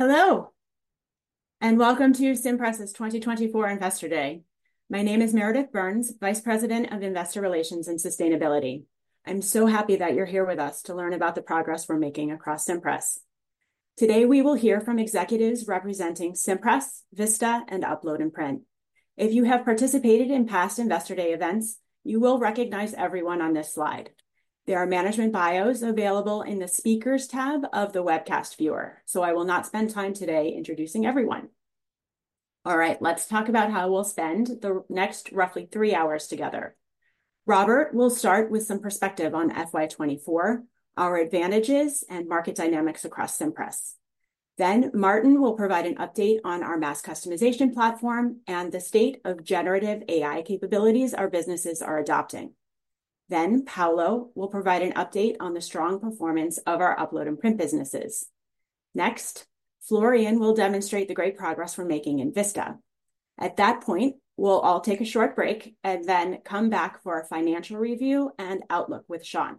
Hello, and welcome to Cimpress' 2024 Investor Day. My name is Meredith Burns, Vice President of Investor Relations and Sustainability. I'm so happy that you're here with us to learn about the progress we're making across Cimpress. Today, we will hear from executives representing Cimpress, Vista, and Upload & Print. If you have participated in past Investor Day events, you will recognize everyone on this slide. There are management bios available in the Speakers tab of the webcast viewer, so I will not spend time today introducing everyone. All right, let's talk about how we'll spend the next roughly three hours together. Robert will start with some perspective on FY2024, our advantages, and market dynamics across Cimpress. Then Maarten will provide an update on our mass customization platform and the state of generative AI capabilities our businesses are adopting. Then Paolo will provide an update on the strong performance of our Upload & Print businesses. Next, Florian will demonstrate the great progress we're making in Vista. At that point, we'll all take a short break and then come back for our financial review and outlook with Sean.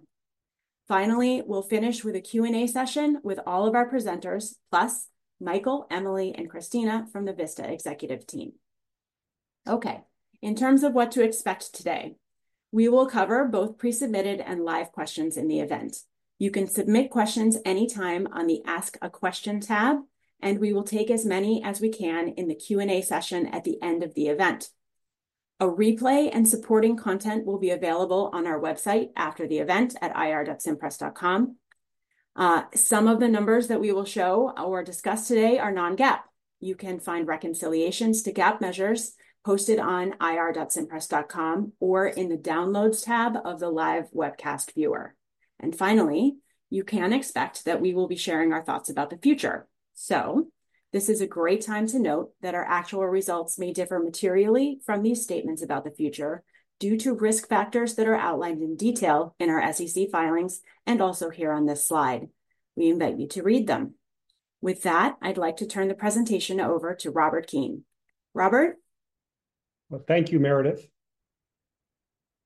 Finally, we'll finish with a Q&A session with all of our presenters, plus Michael, Emily, and Christina from the Vista executive team. Okay, in terms of what to expect today, we will cover both pre-submitted and live questions in the event. You can submit questions anytime on the Ask a Question tab, and we will take as many as we can in the Q&A session at the end of the event. A replay and supporting content will be available on our website after the event at ir.cimpress.com. Some of the numbers that we will show or discuss today are non-GAAP. You can find reconciliations to GAAP measures posted on ir.cimpress.com or in the Downloads tab of the live webcast viewer. And finally, you can expect that we will be sharing our thoughts about the future. So this is a great time to note that our actual results may differ materially from these statements about the future due to risk factors that are outlined in detail in our SEC filings and also here on this slide. We invite you to read them. With that, I'd like to turn the presentation over to Robert Keane. Robert? Thank you, Meredith.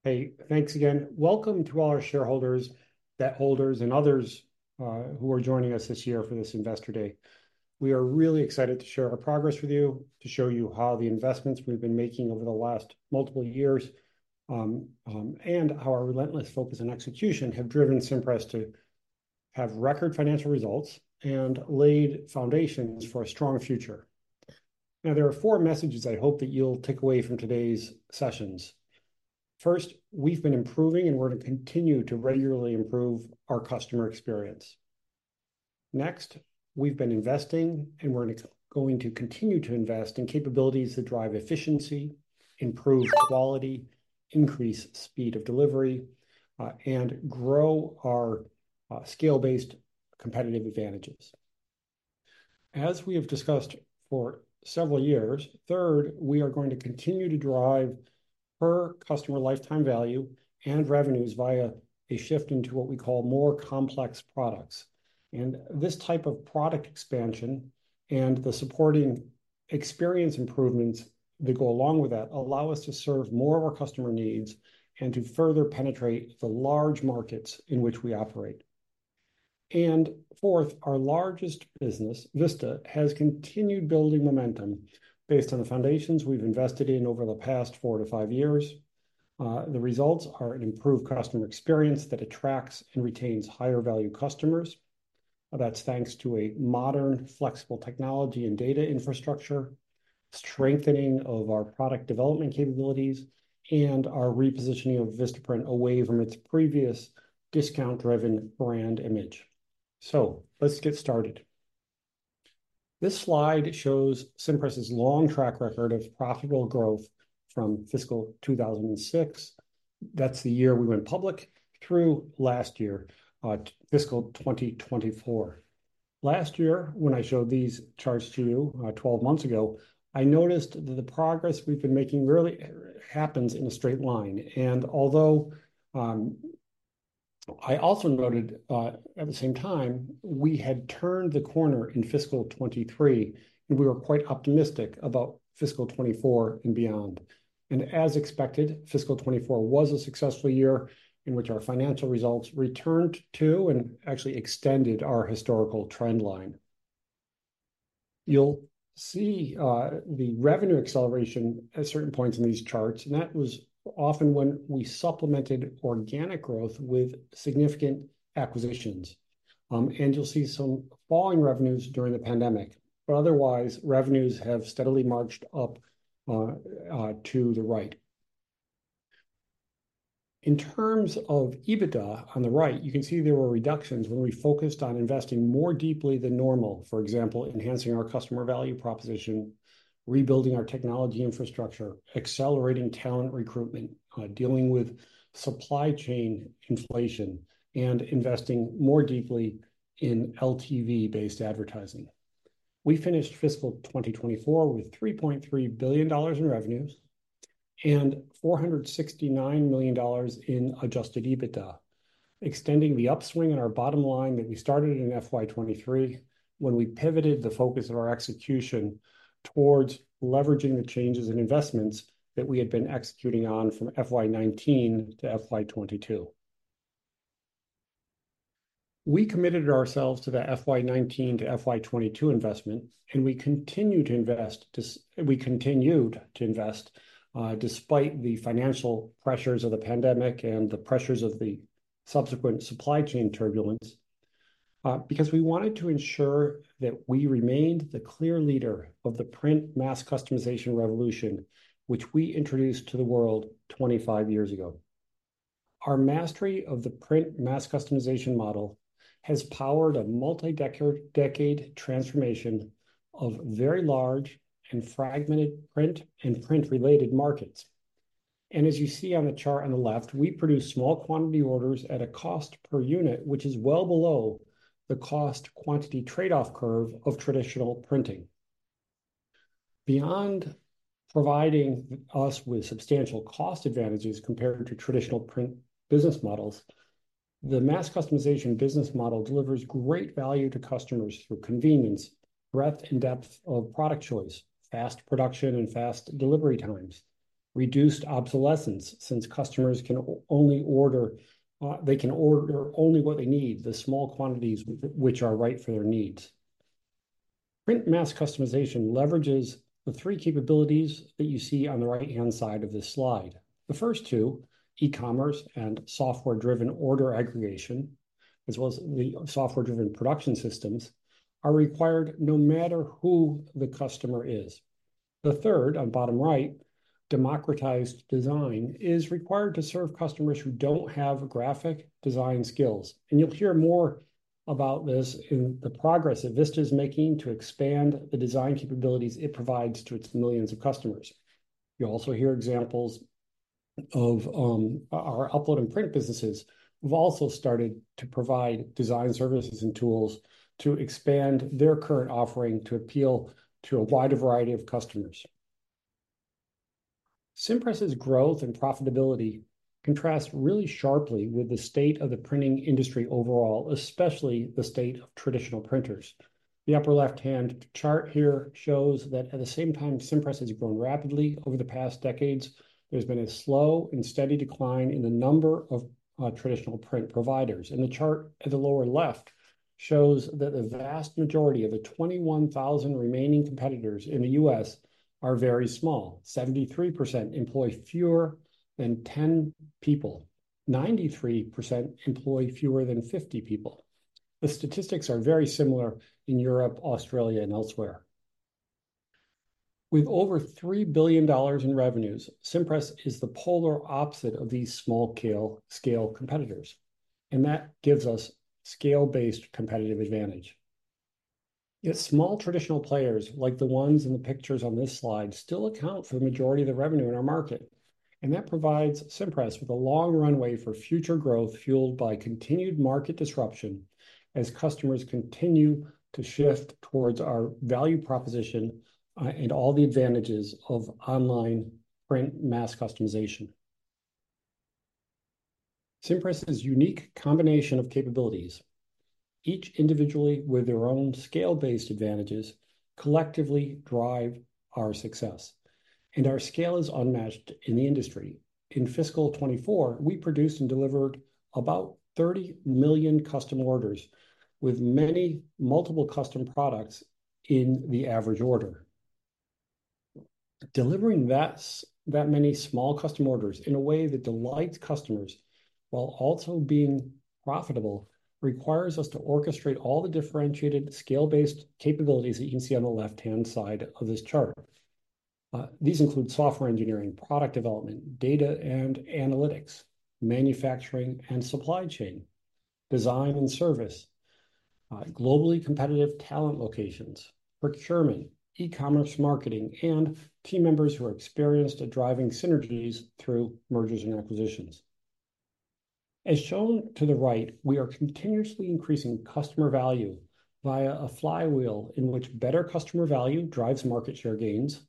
Hey, thanks again. Welcome to all our shareholders, debt holders, and others who are joining us this year for this Investor Day. We are really excited to share our progress with you, to show you how the investments we've been making over the last multiple years and how our relentless focus and execution have driven Cimpress to have record financial results and laid foundations for a strong future. Now, there are four messages I hope that you'll take away from today's sessions. First, we've been improving, and we're going to continue to regularly improve our customer experience. Next, we've been investing, and we're going to continue to invest in capabilities that drive efficiency, improve quality, increase speed of delivery and grow our scale-based competitive advantages. As we have discussed for several years, third, we are going to continue to drive per customer lifetime value and revenues via a shift into what we call more complex products, and this type of product expansion and the supporting experience improvements that go along with that allow us to serve more of our customer needs and to further penetrate the large markets in which we operate, and fourth, our largest business, Vista, has continued building momentum based on the foundations we've invested in over the past four to five years. The results are an improved customer experience that attracts and retains higher-value customers. That's thanks to a modern, flexible technology and data infrastructure, strengthening of our product development capabilities, and our repositioning of Vistaprint away from its previous discount-driven brand image, so let's get started. This slide shows Cimpress' long track record of profitable growth from fiscal 2006, that's the year we went public, through last year, fiscal 2024. Last year, when I showed these charts to you, twelve months ago, I noticed that the progress we've been making really happens in a straight line, and although I also noted at the same time, we had turned the corner in fiscal 2023, and we were quite optimistic about fiscal 2024 and beyond, and as expected, fiscal 2024 was a successful year in which our financial results returned to and actually extended our historical trend line. You'll see, the revenue acceleration at certain points in these charts, and that was often when we supplemented organic growth with significant acquisitions. And you'll see some falling revenues during the pandemic, but otherwise, revenues have steadily marched up to the right. In terms of EBITDA, on the right, you can see there were reductions when we focused on investing more deeply than normal. For example, enhancing our customer value proposition, rebuilding our technology infrastructure, accelerating talent recruitment, dealing with supply chain inflation, and investing more deeply in LTV-based advertising. We finished fiscal 2024 with $3.3 billion in revenues and $469 million in adjusted EBITDA, extending the upswing in our bottom line that we started in FY 2023, when we pivoted the focus of our execution towards leveraging the changes in investments that we had been executing on from FY 2019 to FY 2022. We committed ourselves to the FY 2019 to FY 2022 investment, and we continued to invest despite the financial pressures of the pandemic and the pressures of the subsequent supply chain turbulence because we wanted to ensure that we remained the clear leader of the print mass customization revolution, which we introduced to the world twenty-five years ago. Our mastery of the print mass customization model has powered a multi-decade, decade transformation of very large and fragmented print and print-related markets. As you see on the chart on the left, we produce small quantity orders at a cost per unit, which is well below the cost-quantity-trade-off curve of traditional printing. Beyond providing us with substantial cost advantages compared to traditional print business models, the mass customization business model delivers great value to customers through convenience, breadth and depth of product choice, fast production and fast delivery times, reduced obsolescence, since customers can only order, they can order only what they need, the small quantities which are right for their needs. Print mass customization leverages the three capabilities that you see on the right-hand side of this slide. The first two, e-commerce and software-driven order aggregation, as well as the software-driven production systems, are required no matter who the customer is. The third, on bottom right, democratized design, is required to serve customers who don't have graphic design skills, and you'll hear more about this in the progress that Vista is making to expand the design capabilities it provides to its millions of customers. You'll also hear examples of our Upload and Print businesses. We've also started to provide design services and tools to expand their current offering to appeal to a wider variety of customers. Cimpress's growth and profitability contrast really sharply with the state of the printing industry overall, especially the state of traditional printers. The upper left-hand chart here shows that at the same time, Cimpress has grown rapidly over the past decades, there's been a slow and steady decline in the number of traditional print providers. And the chart at the lower left shows that the vast majority of the 21,000 remaining competitors in the U.S. are very small. 73% employ fewer than 10 people. 93% employ fewer than 50 people. The statistics are very similar in Europe, Australia, and elsewhere. With over $3 billion in revenues, Cimpress is the polar opposite of these small-scale competitors, and that gives us scale-based competitive advantage. Yet small traditional players, like the ones in the pictures on this slide, still account for the majority of the revenue in our market, and that provides Cimpress with a long runway for future growth, fueled by continued market disruption as customers continue to shift towards our value proposition, and all the advantages of online print mass customization. Cimpress's unique combination of capabilities, each individually with their own scale-based advantages, collectively drive our success, and our scale is unmatched in the industry. In fiscal 2024, we produced and delivered about 30 million custom orders, with many multiple custom products in the average order. Delivering that many small custom orders in a way that delights customers while also being profitable requires us to orchestrate all the differentiated scale-based capabilities that you can see on the left-hand side of this chart. These include software engineering, product development, data and analytics, manufacturing and supply chain, design and service, globally competitive talent locations, procurement, e-commerce, marketing, and team members who are experienced at driving synergies through mergers and acquisitions. As shown to the right, we are continuously increasing customer value via a flywheel in which better customer value drives market share gains.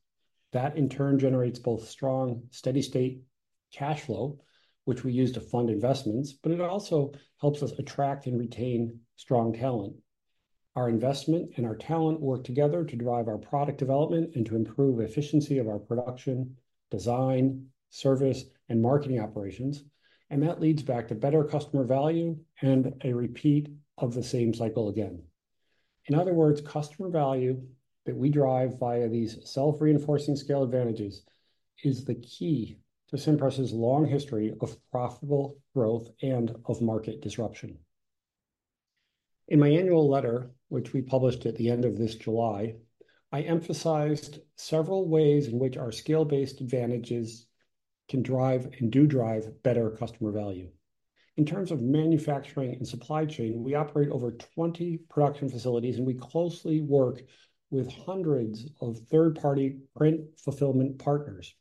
That, in turn, generates both strong, steady state cash flow, which we use to fund investments, but it also helps us attract and retain strong talent. Our investment and our talent work together to drive our product development and to improve efficiency of our production, design, service, and marketing operations, and that leads back to better customer value and a repeat of the same cycle again. In other words, customer value that we drive via these self-reinforcing scale advantages is the key to Cimpress's long history of profitable growth and of market disruption. In my annual letter, which we published at the end of this July, I emphasized several ways in which our scale-based advantages can drive and do drive better customer value. In terms of manufacturing and supply chain, we operate over twenty production facilities, and we closely work with hundreds of third-party print fulfillment partners,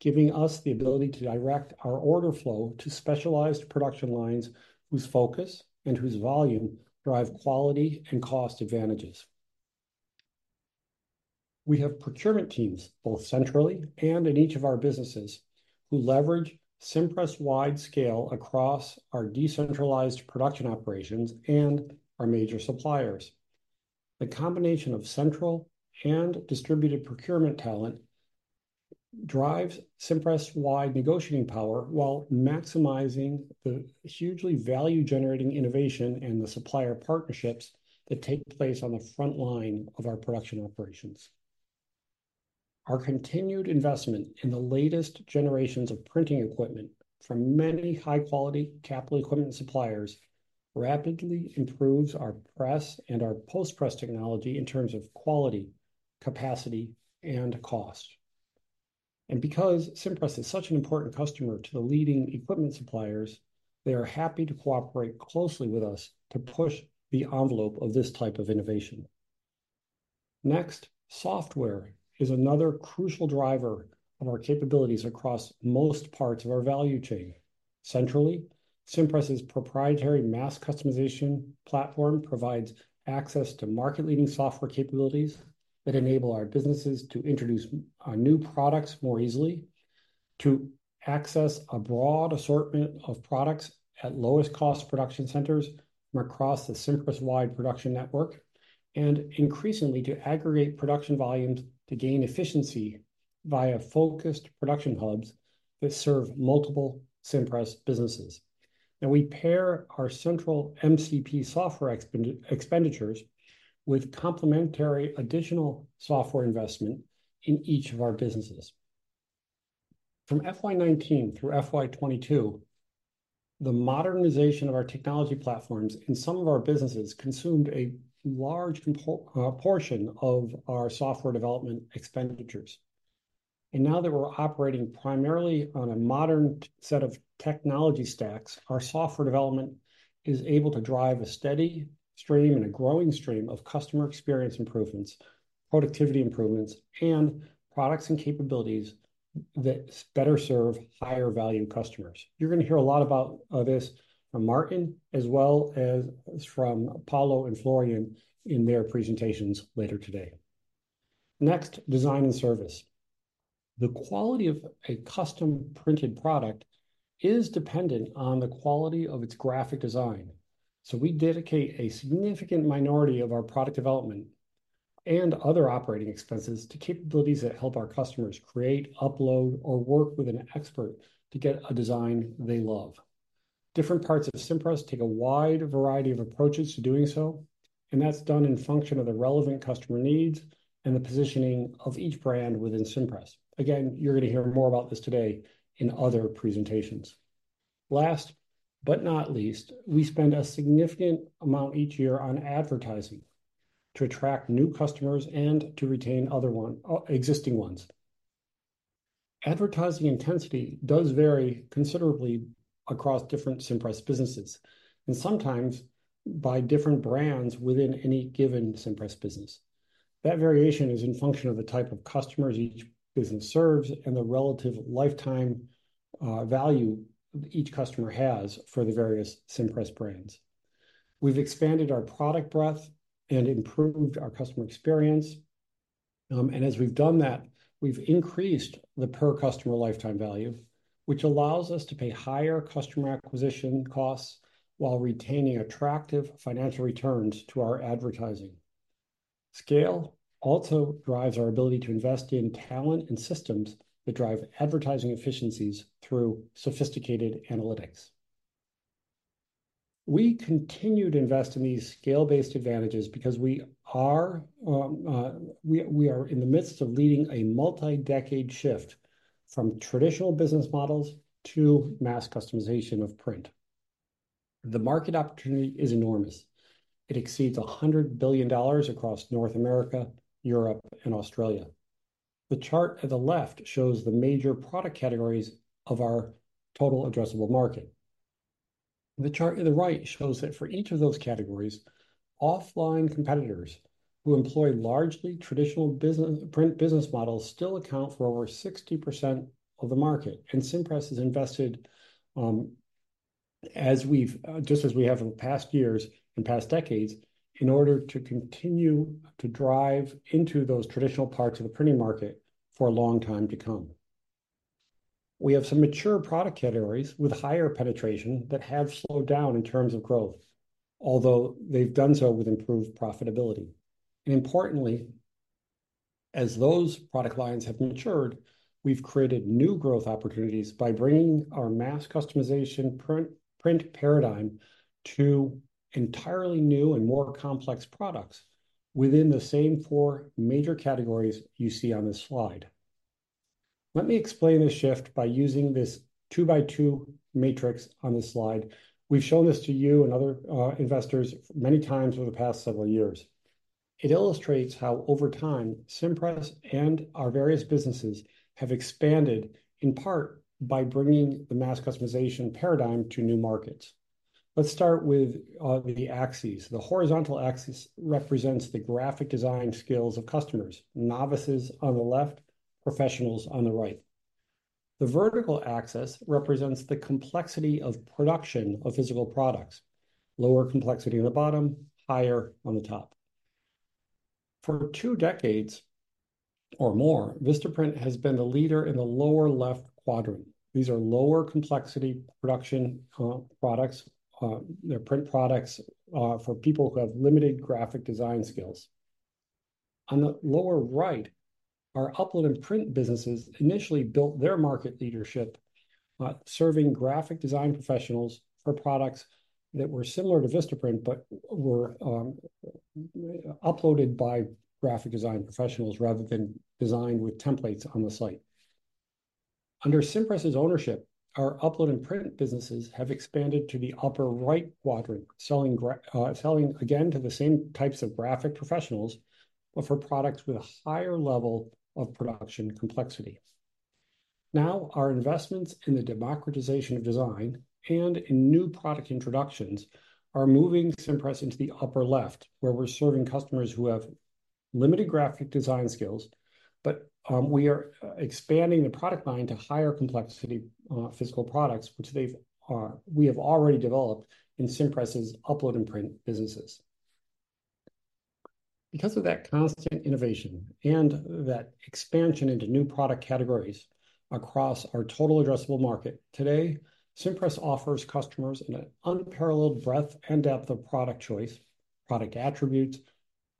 giving us the ability to direct our order flow to specialized production lines whose focus and whose volume drive quality and cost advantages. We have procurement teams, both centrally and in each of our businesses, who leverage Cimpress-wide scale across our decentralized production operations and our major suppliers. The combination of central and distributed procurement talent drives Cimpress-wide negotiating power while maximizing the hugely value-generating innovation and the supplier partnerships that take place on the frontline of our production operations. Our continued investment in the latest generations of printing equipment from many high-quality capital equipment suppliers rapidly improves our press and our post-press technology in terms of quality, capacity, and cost. And because Cimpress is such an important customer to the leading equipment suppliers, they are happy to cooperate closely with us to push the envelope of this type of innovation. Next, software is another crucial driver of our capabilities across most parts of our value chain. Centrally, Cimpress' proprietary mass customization platform provides access to market-leading software capabilities that enable our businesses to introduce new products more easily, to access a broad assortment of products at lowest cost production centers from across the Cimpress-wide production network, and increasingly, to aggregate production volumes to gain efficiency via focused production hubs that serve multiple Cimpress businesses. Now, we pair our central MCP software expenditures with complementary additional software investment in each of our businesses. From FY 2019 through FY 2022, the modernization of our technology platforms in some of our businesses consumed a large portion of our software development expenditures. And now that we're operating primarily on a modern set of technology stacks, our software development is able to drive a steady stream and a growing stream of customer experience improvements, productivity improvements, and products and capabilities that better serve higher value customers. You're gonna hear a lot about this from Maarten, as well as from Paolo and Florian in their presentations later today. Next, design and service. The quality of a custom-printed product is dependent on the quality of its graphic design, so we dedicate a significant minority of our product development and other operating expenses to capabilities that help our customers create, upload, or work with an expert to get a design they love. Different parts of Cimpress take a wide variety of approaches to doing so, and that's done in function of the relevant customer needs and the positioning of each brand within Cimpress. Again, you're gonna hear more about this today in other presentations. Last, but not least, we spend a significant amount each year on advertising to attract new customers and to retain other one- existing ones. Advertising intensity does vary considerably across different Cimpress businesses, and sometimes by different brands within any given Cimpress business. That variation is in function of the type of customers each business serves and the relative lifetime value each customer has for the various Cimpress brands. We've expanded our product breadth and improved our customer experience, and as we've done that, we've increased the per customer lifetime value, which allows us to pay higher customer acquisition costs while retaining attractive financial returns to our advertising. Scale also drives our ability to invest in talent and systems that drive advertising efficiencies through sophisticated analytics. We continue to invest in these scale-based advantages because we are in the midst of leading a multi-decade shift from traditional business models to mass customization of print. The market opportunity is enormous. It exceeds $100 billion across North America, Europe, and Australia. The chart at the left shows the major product categories of our total addressable market. The chart in the right shows that for each of those categories, offline competitors who employ largely traditional business print business models still account for over 60% of the market, and Cimpress has invested, as we've, just as we have in past years and past decades, in order to continue to drive into those traditional parts of the printing market for a long time to come. We have some mature product categories with higher penetration that have slowed down in terms of growth, although they've done so with improved profitability. Importantly, as those product lines have matured, we've created new growth opportunities by bringing our mass customization print, print paradigm to entirely new and more complex products within the same four major categories you see on this slide. Let me explain this shift by using this two-by-two matrix on this slide. We've shown this to you and other investors many times over the past several years. It illustrates how, over time, Cimpress and our various businesses have expanded, in part, by bringing the mass customization paradigm to new markets. Let's start with the axes. The horizontal axis represents the graphic design skills of customers, novices on the left, professionals on the right. The vertical axis represents the complexity of production of physical products. Lower complexity on the bottom, higher on the top. For two decades or more, Vistaprint has been the leader in the lower left quadrant. These are lower complexity production products. They're print products for people who have limited graphic design skills. On the lower right, our Upload and Print businesses initially built their market leadership serving graphic design professionals for products that were similar to Vistaprint, but were uploaded by graphic design professionals rather than designed with templates on the site. Under Cimpress's ownership, our Upload and Print businesses have expanded to the upper right quadrant, selling again to the same types of graphic professionals, but for products with a higher level of production complexity. Now, our investments in the democratization of design and in new product introductions are moving Cimpress into the upper left, where we're serving customers who have limited graphic design skills, but we are expanding the product line to higher complexity physical products, which we have already developed in Cimpress's Upload and Print businesses. Because of that constant innovation and that expansion into new product categories across our total addressable market, today, Cimpress offers customers an unparalleled breadth and depth of product choice, product attributes,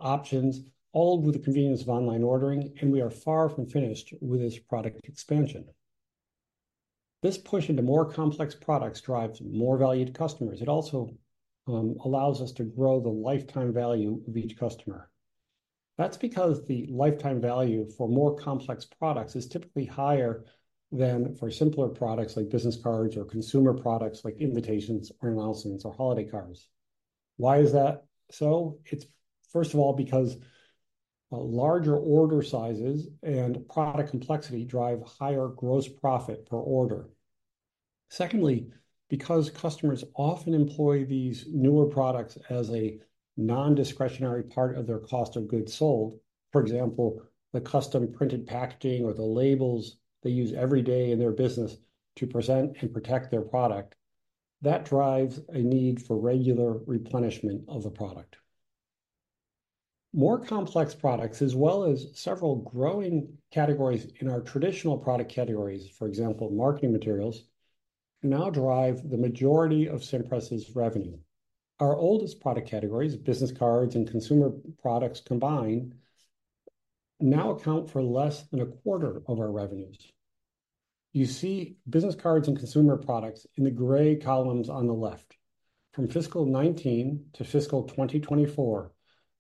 options, all with the convenience of online ordering, and we are far from finished with this product expansion. This push into more complex products drives more valued customers. It also allows us to grow the lifetime value of each customer. That's because the lifetime value for more complex products is typically higher than for simpler products like business cards or consumer products like invitations or announcements or holiday cards. Why is that so? It's first of all, because, larger order sizes and product complexity drive higher gross profit per order. Secondly, because customers often employ these newer products as a non-discretionary part of their cost of goods sold, for example, the custom-printed packaging or the labels they use every day in their business to present and protect their product, that drives a need for regular replenishment of the product. More complex products, as well as several growing categories in our traditional product categories, for example, marketing materials, now drive the majority of Cimpress's revenue. Our oldest product categories, business cards and consumer products combined, now account for less than a quarter of our revenues. You see business cards and consumer products in the gray columns on the left. From fiscal 2019 to fiscal 2024,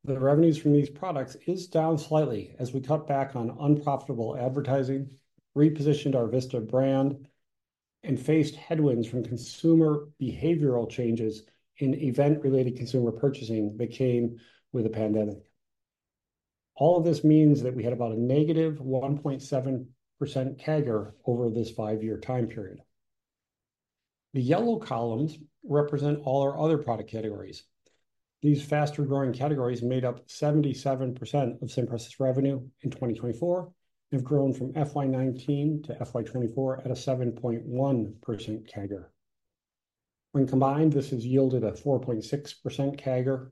the revenues from these products is down slightly as we cut back on unprofitable advertising, repositioned our Vista brand, and faced headwinds from consumer behavioral changes in event-related consumer purchasing that came with the pandemic. All of this means that we had about a negative 1.7% CAGR over this five-year time period. The yellow columns represent all our other product categories. These faster-growing categories made up 77% of Cimpress's revenue in 2024, and have grown from FY 2019 to FY 2024 at a 7.1% CAGR. When combined, this has yielded a 4.6% CAGR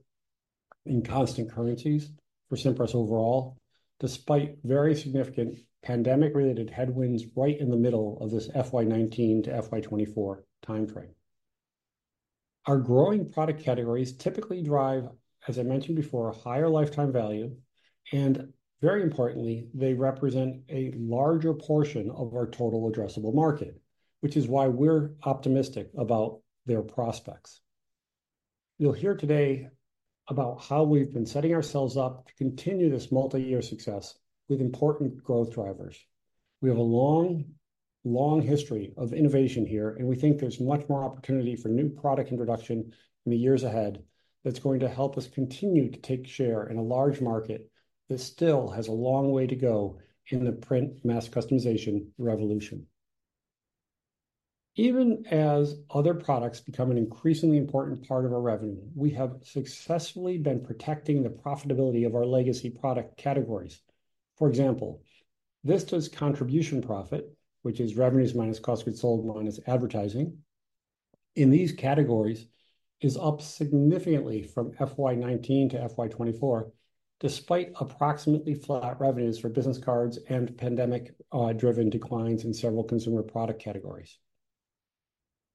in constant currencies for Cimpress overall, despite very significant pandemic-related headwinds right in the middle of this FY 2019 to FY 2024 timeframe. Our growing product categories typically drive, as I mentioned before, a higher lifetime value, and very importantly, they represent a larger portion of our total addressable market, which is why we're optimistic about their prospects. You'll hear today about how we've been setting ourselves up to continue this multi-year success with important growth drivers. We have a long, long history of innovation here, and we think there's much more opportunity for new product introduction in the years ahead that's going to help us continue to take share in a large market that still has a long way to go in the print mass customization revolution. Even as other products become an increasingly important part of our revenue, we have successfully been protecting the profitability of our legacy product categories. For example, Vistaprint's contribution profit, which is revenues minus cost of goods sold, minus advertising, in these categories, is up significantly from FY 2019 to FY 2024, despite approximately flat revenues for business cards and pandemic driven declines in several consumer product categories.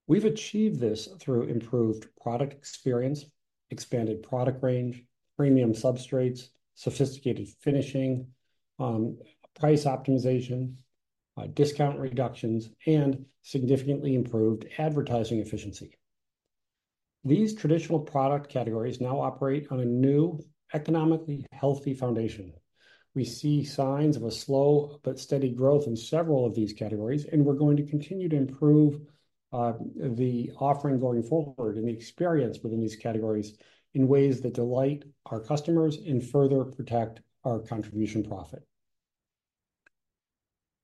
We've achieved this through improved product experience, expanded product range, premium substrates, sophisticated finishing, price optimization, discount reductions, and significantly improved advertising efficiency. These traditional product categories now operate on a new, economically healthy foundation. We see signs of a slow but steady growth in several of these categories, and we're going to continue to improve the offering going forward and the experience within these categories in ways that delight our customers and further protect our contribution profit.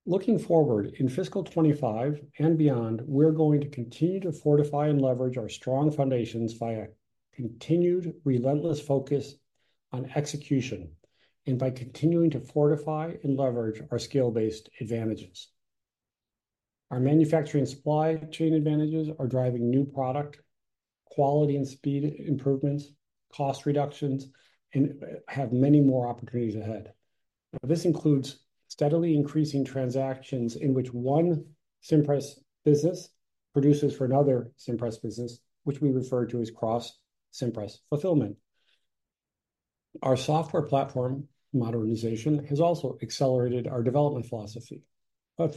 Looking forward, in fiscal 2025 and beyond, we're going to continue to fortify and leverage our strong foundations by a continued relentless focus on execution and by continuing to fortify and leverage our skill-based advantages. Our manufacturing supply chain advantages are driving new product, quality and speed improvements, cost reductions, and have many more opportunities ahead. This includes steadily increasing transactions in which one Cimpress business produces for another Cimpress business, which we refer to as Cross-Cimpress fulfillment. Our software platform modernization has also accelerated our development velocity, excuse me. Our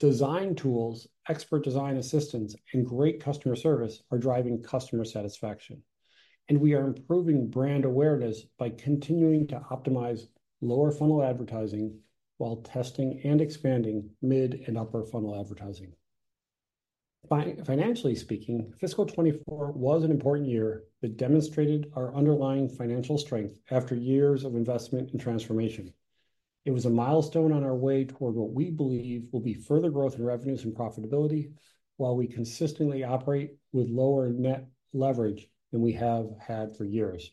design tools, expert design assistance, and great customer service are driving customer satisfaction, and we are improving brand awareness by continuing to optimize lower funnel advertising while testing and expanding mid and upper funnel advertising. But, financially speaking, fiscal 2024 was an important year that demonstrated our underlying financial strength after years of investment and transformation. It was a milestone on our way toward what we believe will be further growth in revenues and profitability, while we consistently operate with lower net leverage than we have had for years.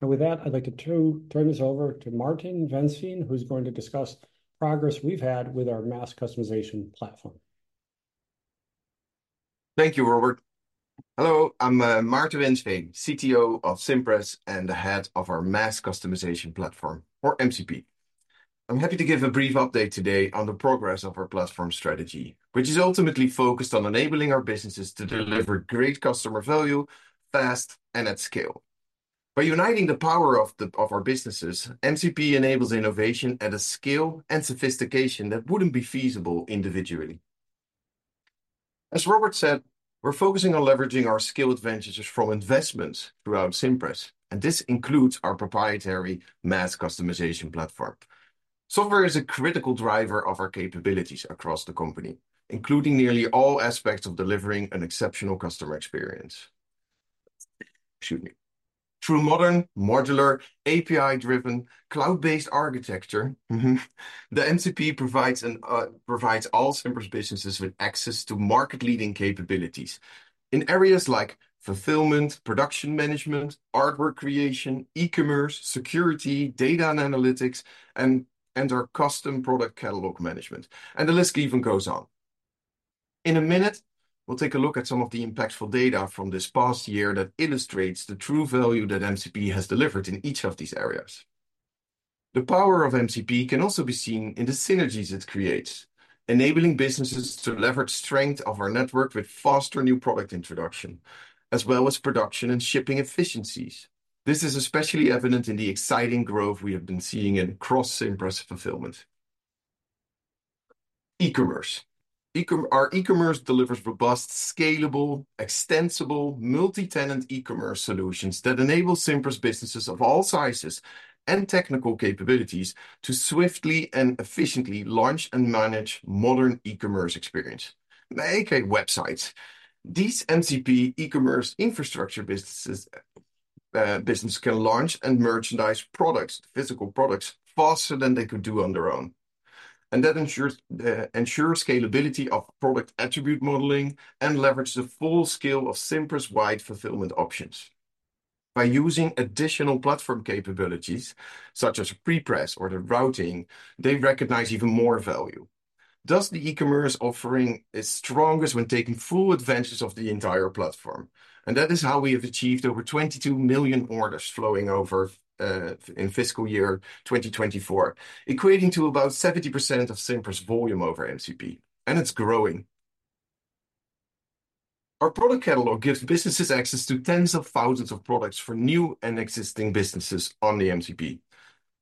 And with that, I'd like to turn this over to Maarten Wensveen, who's going to discuss progress we've had with our Mass Customization Platform. Thank you, Robert. Hello, I'm Maarten Wensveen, CTO of Cimpress and the head of our Mass Customization Platform, or MCP. I'm happy to give a brief update today on the progress of our platform strategy, which is ultimately focused on enabling our businesses to deliver great customer value fast and at scale. By uniting the power of our businesses, MCP enables innovation at a scale and sophistication that wouldn't be feasible individually. As Robert said, we're focusing on leveraging our skill advantages from investments throughout Cimpress, and this includes our proprietary mass customization platform. Software is a critical driver of our capabilities across the company, including nearly all aspects of delivering an exceptional customer experience. Excuse me. Through modern, modular, API-driven, cloud-based architecture, mm-hmm, the MCP provides all Cimpress businesses with access to market-leading capabilities in areas like fulfillment, production management, artwork creation, e-commerce, security, data and analytics, and our custom product catalog management, and the list even goes on. In a minute, we'll take a look at some of the impactful data from this past year that illustrates the true value that MCP has delivered in each of these areas. The power of MCP can also be seen in the synergies it creates, enabling businesses to leverage strength of our network with faster new product introduction, as well as production and shipping efficiencies. This is especially evident in the exciting growth we have been seeing in cross-Cimpress fulfillment. Our e-commerce delivers robust, scalable, extensible, multi-tenant e-commerce solutions that enable Cimpress businesses of all sizes and technical capabilities to swiftly and efficiently launch and manage modern e-commerce experience, aka websites. These MCP e-commerce infrastructure businesses business can launch and merchandise products, physical products, faster than they could do on their own. And that ensures ensures scalability of product attribute modeling and leverages the full scale of Cimpress-wide fulfillment options. By using additional platform capabilities, such as pre-press or the routing, they recognize even more value. Thus, the e-commerce offering is strongest when taking full advantage of the entire platform, and that is how we have achieved over 22 million orders flowing over in fiscal year 2024, equating to about 70% of Cimpress volume over MCP, and it's growing. Our product catalog gives businesses access to tens of thousands of products for new and existing businesses on the MCP,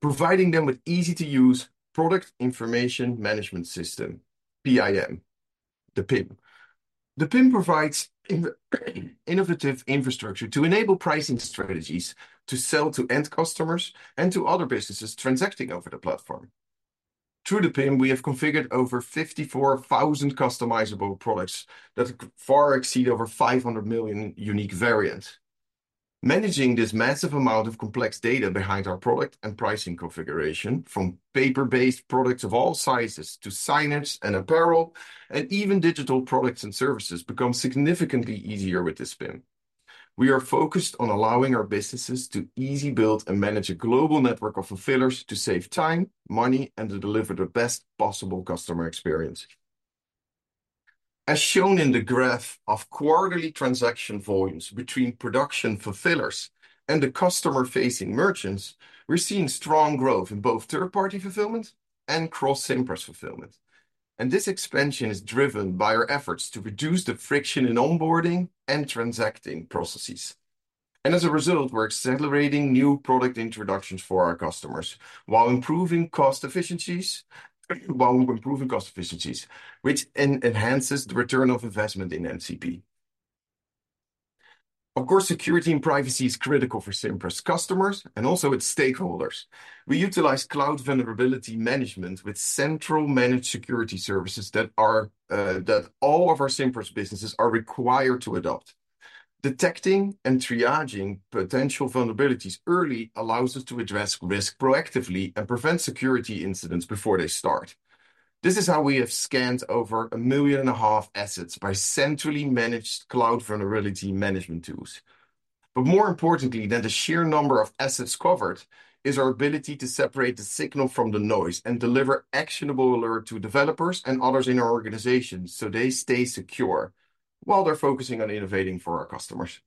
providing them with easy-to-use product information management system, PIM. The PIM provides an innovative infrastructure to enable pricing strategies to sell to end customers and to other businesses transacting over the platform. Through the PIM, we have configured over 54,000 customizable products that far exceed over 500 million unique variants. Managing this massive amount of complex data behind our product and pricing configuration, from paper-based products of all sizes to signage and apparel, and even digital products and services, becomes significantly easier with this PIM. We are focused on allowing our businesses to easily build and manage a global network of fulfillers to save time, money, and to deliver the best possible customer experience. As shown in the graph of quarterly transaction volumes between production fulfillers and the customer-facing merchants, we're seeing strong growth in both third-party fulfillment and Cross-Cimpress fulfillment, and this expansion is driven by our efforts to reduce the friction in onboarding and transacting processes. As a result, we're accelerating new product introductions for our customers, while improving cost efficiencies, which enhances the return on investment in MCP. Of course, security and privacy is critical for Cimpress customers and also its stakeholders. We utilize cloud vulnerability management with central managed security services that all of our Cimpress businesses are required to adopt. Detecting and triaging potential vulnerabilities early allows us to address risk proactively and prevent security incidents before they start. This is how we have scanned over 1.5 million assets by centrally managed cloud vulnerability management tools. But more importantly than the sheer number of assets covered is our ability to separate the signal from the noise and deliver actionable alert to developers and others in our organization so they stay secure, while they're focusing on innovating for our customers.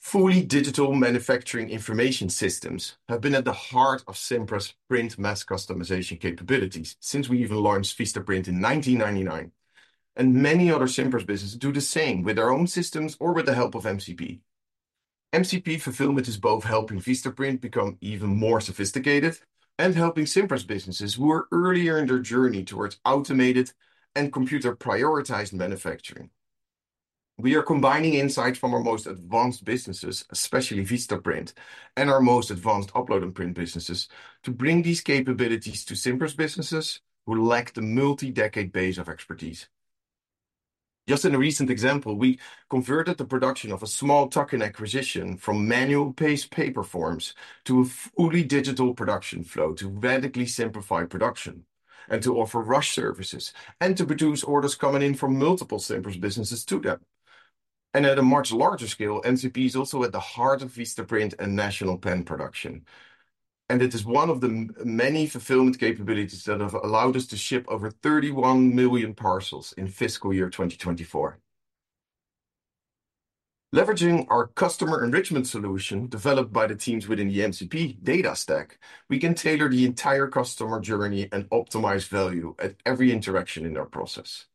Fully digital manufacturing information systems have been at the heart of Cimpress' print mass customization capabilities since we even launched Vistaprint in 1999, and many other Cimpress businesses do the same with their own systems or with the help of MCP. MCP fulfillment is both helping Vistaprint become even more sophisticated and helping Cimpress businesses who are earlier in their journey towards automated and computer-prioritized manufacturing. We are combining insights from our most advanced businesses, especially Vistaprint, and our most advanced Upload and Print businesses, to bring these capabilities to Cimpress businesses who lack the multi-decade base of expertise. Just in a recent example, we converted the production of a small tuck-in acquisition from manual-paced paper forms to a fully digital production flow to radically simplify production, and to offer rush services, and to produce orders coming in from multiple Cimpress businesses to them. At a much larger scale, MCP is also at the heart of Vistaprint and National Pen production, and it is one of the many fulfillment capabilities that have allowed us to ship over 31 million parcels in fiscal year 2024. Leveraging our customer enrichment solution, developed by the teams within the MCP data stack, we can tailor the entire customer journey and optimize value at every interaction in our process.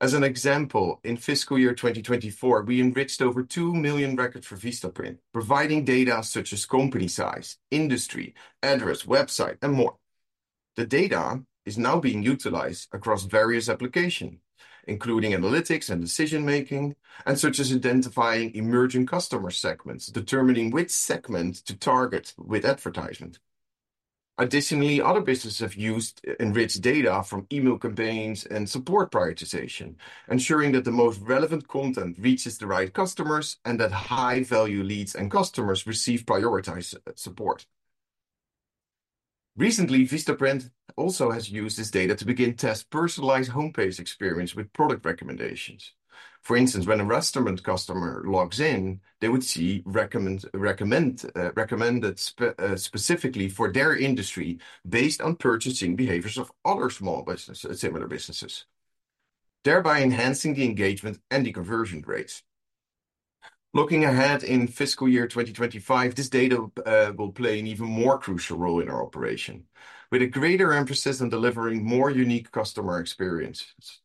As an example, in fiscal year 2024, we enriched over two million records for Vistaprint, providing data such as company size, industry, address, website, and more. The data is now being utilized across various applications, including analytics and decision-making, such as identifying emerging customer segments, determining which segment to target with advertisements. Additionally, other businesses have used enriched data from email campaigns and support prioritization, ensuring that the most relevant content reaches the right customers and that high-value leads and customers receive prioritized support. Recently, Vistaprint also has used this data to begin testing personalized homepage experiences with product recommendations. For instance, when a restaurant customer logs in, they would see recommended specifically for their industry based on purchasing behaviors of other small businesses, similar businesses, thereby enhancing the engagement and the conversion rates. Looking ahead in fiscal year 2025, this data will play an even more crucial role in our operations, with a greater emphasis on delivering more unique customer experiences.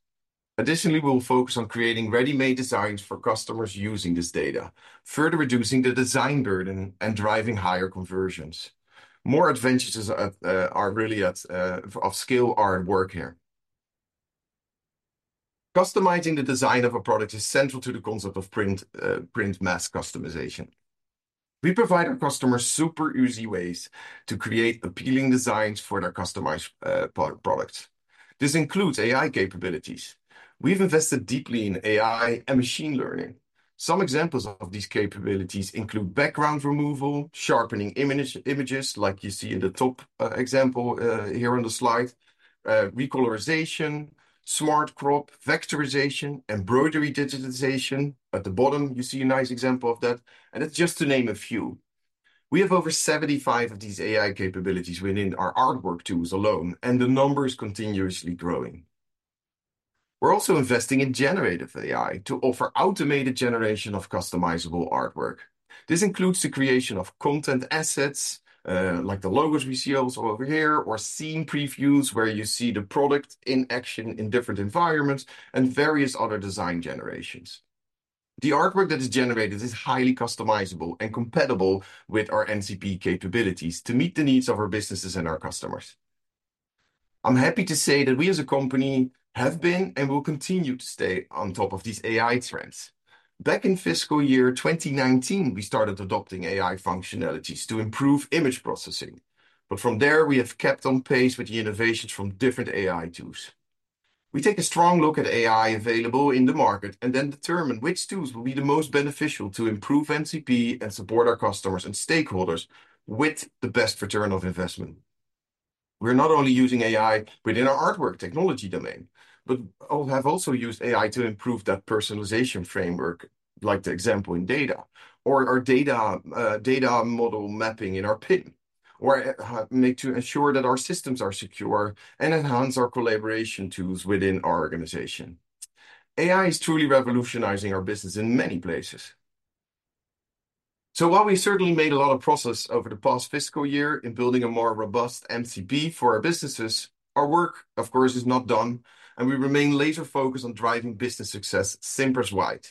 Additionally, we'll focus on creating ready-made designs for customers using this data, further reducing the design burden and driving higher conversions. More advantages of scale are at work here. Customizing the design of a product is central to the concept of print mass customization. We provide our customers super easy ways to create appealing designs for their customized products. This includes AI capabilities. We've invested deeply in AI and machine learning. Some examples of these capabilities include background removal, sharpening images, like you see in the top example here on the slide, recolorization, smart crop, vectorization, embroidery digitization. At the bottom, you see a nice example of that, and it's just to name a few. We have over 75 of these AI capabilities within our artwork tools alone, and the number is continuously growing. We're also investing in generative AI to offer automated generation of customizable artwork. This includes the creation of content assets, like the logos we see also over here, or scene previews, where you see the product in action in different environments, and various other design generations. The artwork that is generated is highly customizable and compatible with our MCP capabilities to meet the needs of our businesses and our customers. I'm happy to say that we, as a company, have been and will continue to stay on top of these AI trends. Back in fiscal year 2019, we started adopting AI functionalities to improve image processing. But from there, we have kept on pace with the innovations from different AI tools. We take a strong look at AI available in the market and then determine which tools will be the most beneficial to improve MCP and support our customers and stakeholders with the best return on investment. We're not only using AI within our artwork technology domain, but also have used AI to improve that personalization framework, like the example in data or our data model mapping in our PIM, or to make sure that our systems are secure and enhance our collaboration tools within our organization. AI is truly revolutionizing our business in many places. So while we certainly made a lot of progress over the past fiscal year in building a more robust MCP for our businesses, our work, of course, is not done, and we remain laser-focused on driving business success Cimpress-wide.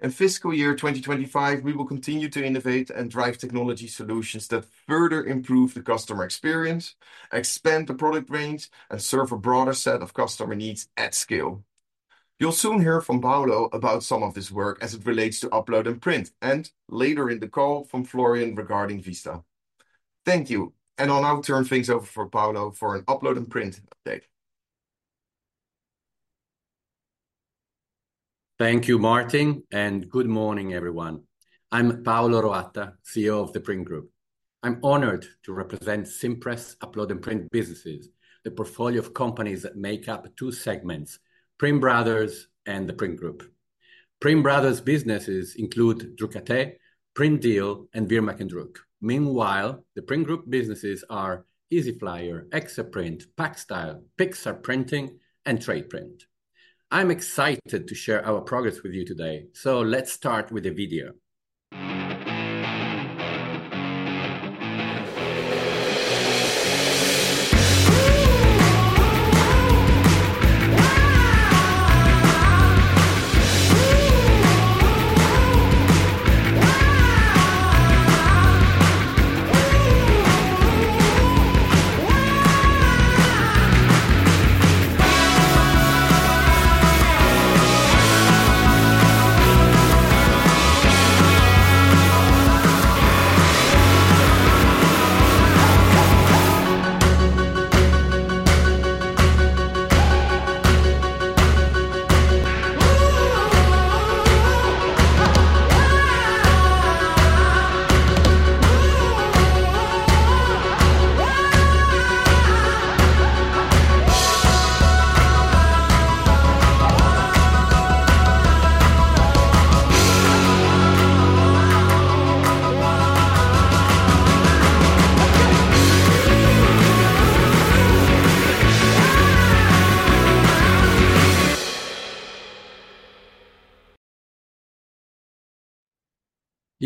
In fiscal year 2025, we will continue to innovate and drive technology solutions that further improve the customer experience, expand the product range, and serve a broader set of customer needs at scale. You'll soon hear from Paolo about some of this work as it relates to Upload and Print, and later in the call, from Florian regarding Vista. Thank you, and I'll now turn things over for Paolo for an Upload and Print update. Thank you, Maarten, and good morning, everyone. I'm Paolo Roatta, CEO of The Print Group. I'm honored to represent Cimpress Upload and Print businesses, the portfolio of companies that make up two segments: Print Brothers and The Print Group. Print Brothers businesses include Drukwerkdeal, Printdeal, and WirmachenDruck. Meanwhile, The Print Group businesses are Easyflyer, Exaprint, Packstyle, Pixartprinting, and Tradeprint. I'm excited to share our progress with you today, so let's start with a video.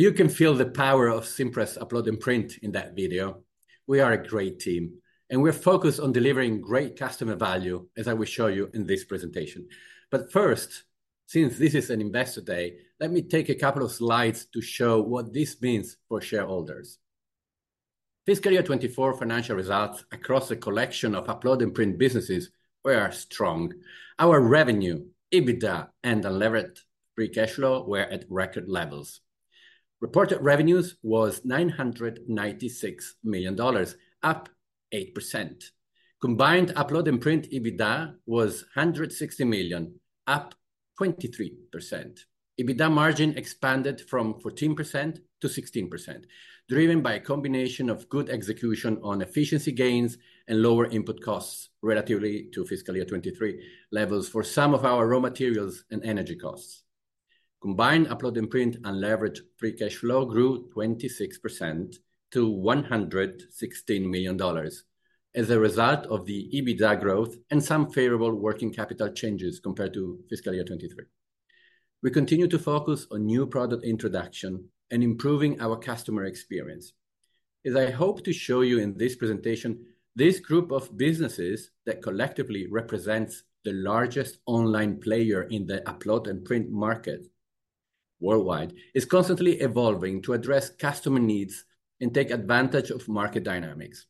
You can feel the power of Cimpress Upload and Print in that video. We are a great team, and we're focused on delivering great customer value, as I will show you in this presentation. But first, since this is an investor day, let me take a couple of slides to show what this means for shareholders. Fiscal year 2024 financial results across a collection of Upload and Print businesses were strong. Our revenue, EBITDA, and unlevered free cash flow were at record levels. Reported revenue was $996 million, up 8%. Combined Upload and Print EBITDA was $160 million, up 23%. EBITDA margin expanded from 14% to 16%, driven by a combination of good execution on efficiency gains and lower input costs relative to fiscal year 2023 levels for some of our raw materials and energy costs. Combined Upload and Print unlevered free cash flow grew 26% to $116 million as a result of the EBITDA growth and some favorable working capital changes compared to fiscal year 2023. We continue to focus on new product introduction and improving our customer experience. As I hope to show you in this presentation, this group of businesses that collectively represents the largest online player in the Upload and Print market worldwide, is constantly evolving to address customer needs and take advantage of market dynamics.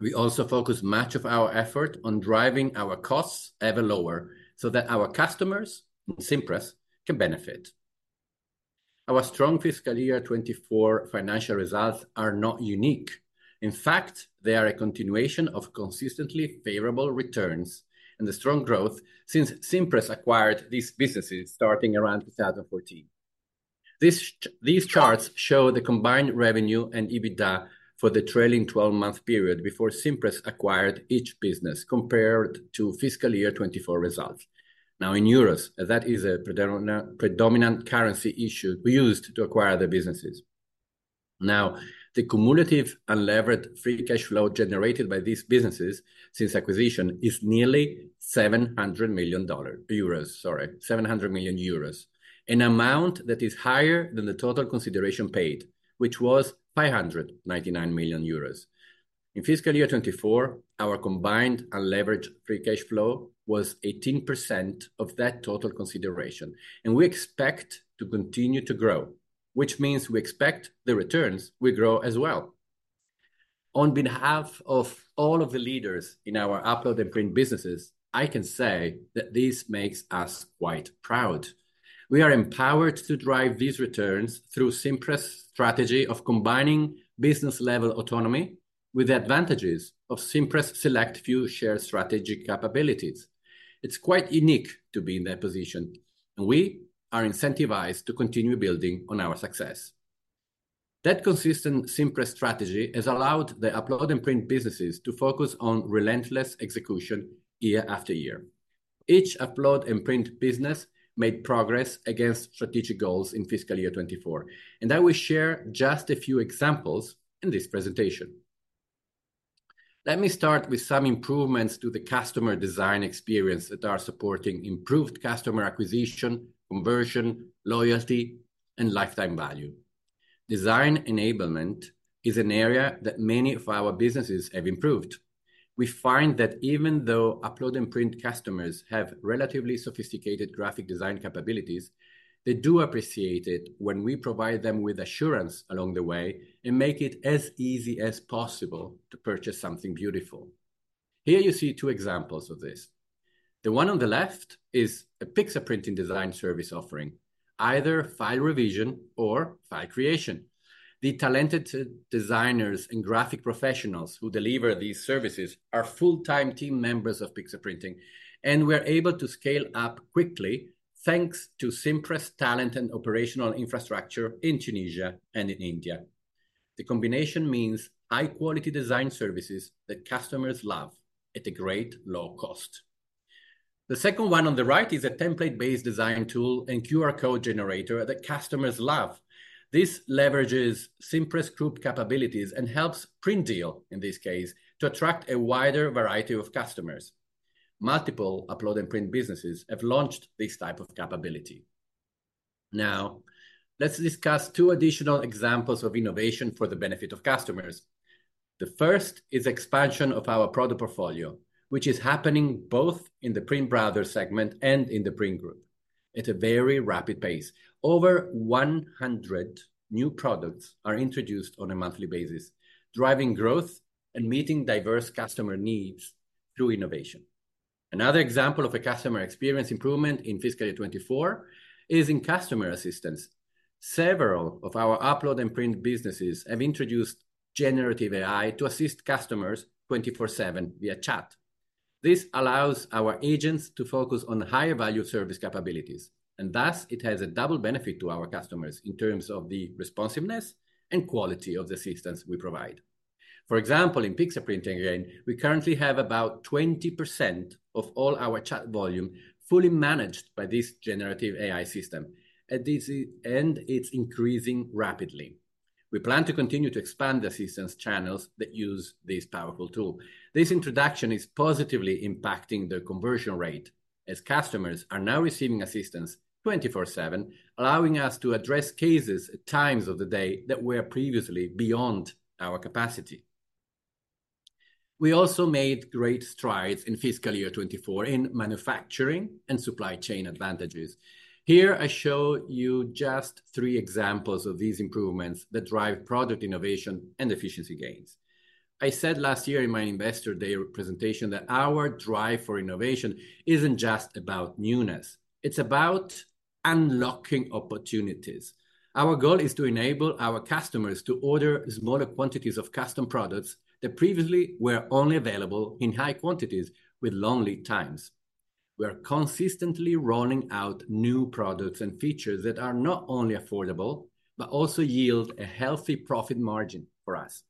We also focus much of our effort on driving our costs ever lower so that our customers and Cimpress can benefit. Our strong fiscal year 2024 financial results are not unique. In fact, they are a continuation of consistently favorable returns and the strong growth since Cimpress acquired these businesses starting around 2014. These charts show the combined revenue and EBITDA for the trailing twelve-month period before Cimpress acquired each business, compared to fiscal year 2024 results. Now, in euros, as that is a predominant currency issue we used to acquire the businesses. Now, the cumulative unlevered free cash flow generated by these businesses since acquisition is nearly 700 million dollars— euros, sorry. 700 million euros, an amount that is higher than the total consideration paid, which was 599 million euros. In fiscal year 2024, our combined unlevered free cash flow was 18% of that total consideration, and we expect to continue to grow, which means we expect the returns will grow as well. On behalf of all of the leaders in our Upload and Print businesses, I can say that this makes us quite proud. We are empowered to drive these returns through Cimpress' strategy of combining business-level autonomy with the advantages of Cimpress' select few shared strategic capabilities. It's quite unique to be in that position, and we are incentivized to continue building on our success. That consistent Cimpress strategy has allowed the Upload and Print businesses to focus on relentless execution year after year. Each Upload and Print business made progress against strategic goals in fiscal year 2024, and I will share just a few examples in this presentation. Let me start with some improvements to the customer design experience that are supporting improved customer acquisition, conversion, loyalty, and lifetime value. Design enablement is an area that many of our businesses have improved. We find that even though Upload and Print customers have relatively sophisticated graphic design capabilities, they do appreciate it when we provide them with assurance along the way and make it as easy as possible to purchase something beautiful. Here you see two examples of this. The one on the left is a Pixartprinting design service offering, either file revision or file creation. The talented designers and graphic professionals who deliver these services are full-time team members of Pixartprinting, and we're able to scale up quickly, thanks to Cimpress talent and operational infrastructure in Tunisia and in India. The combination means high-quality design services that customers love at a great low cost. The second one on the right is a template-based design tool and QR code generator that customers love. This leverages Cimpress group capabilities and helps Printdeal, in this case, to attract a wider variety of customers. Multiple Upload and Print businesses have launched this type of capability. Now, let's discuss two additional examples of innovation for the benefit of customers. The first is expansion of our product portfolio, which is happening both in the Print Brothers segment and in the Print Group at a very rapid pace. Over one hundred new products are introduced on a monthly basis, driving growth and meeting diverse customer needs through innovation. Another example of a customer experience improvement in fiscal year 2024 is in customer assistance. Several of our Upload and Print businesses have introduced generative AI to assist customers 24/7 via chat. This allows our agents to focus on higher value service capabilities, and thus, it has a double benefit to our customers in terms of the responsiveness and quality of the assistance we provide. For example, in Pixartprinting, again, we currently have about 20% of all our chat volume fully managed by this generative AI system, at this end, it's increasing rapidly. We plan to continue to expand the assistance channels that use this powerful tool. This introduction is positively impacting the conversion rate, as customers are now receiving assistance 24/7, allowing us to address cases at times of the day that were previously beyond our capacity. We also made great strides in fiscal year 2024 in manufacturing and supply chain advantages. Here I show you just three examples of these improvements that drive product innovation and efficiency gains. I said last year in my Investor Day presentation that our drive for innovation isn't just about newness, it's about unlocking opportunities. Our goal is to enable our customers to order smaller quantities of custom products that previously were only available in high quantities with long lead times. We are consistently rolling out new products and features that are not only affordable, but also yield a healthy profit margin for us,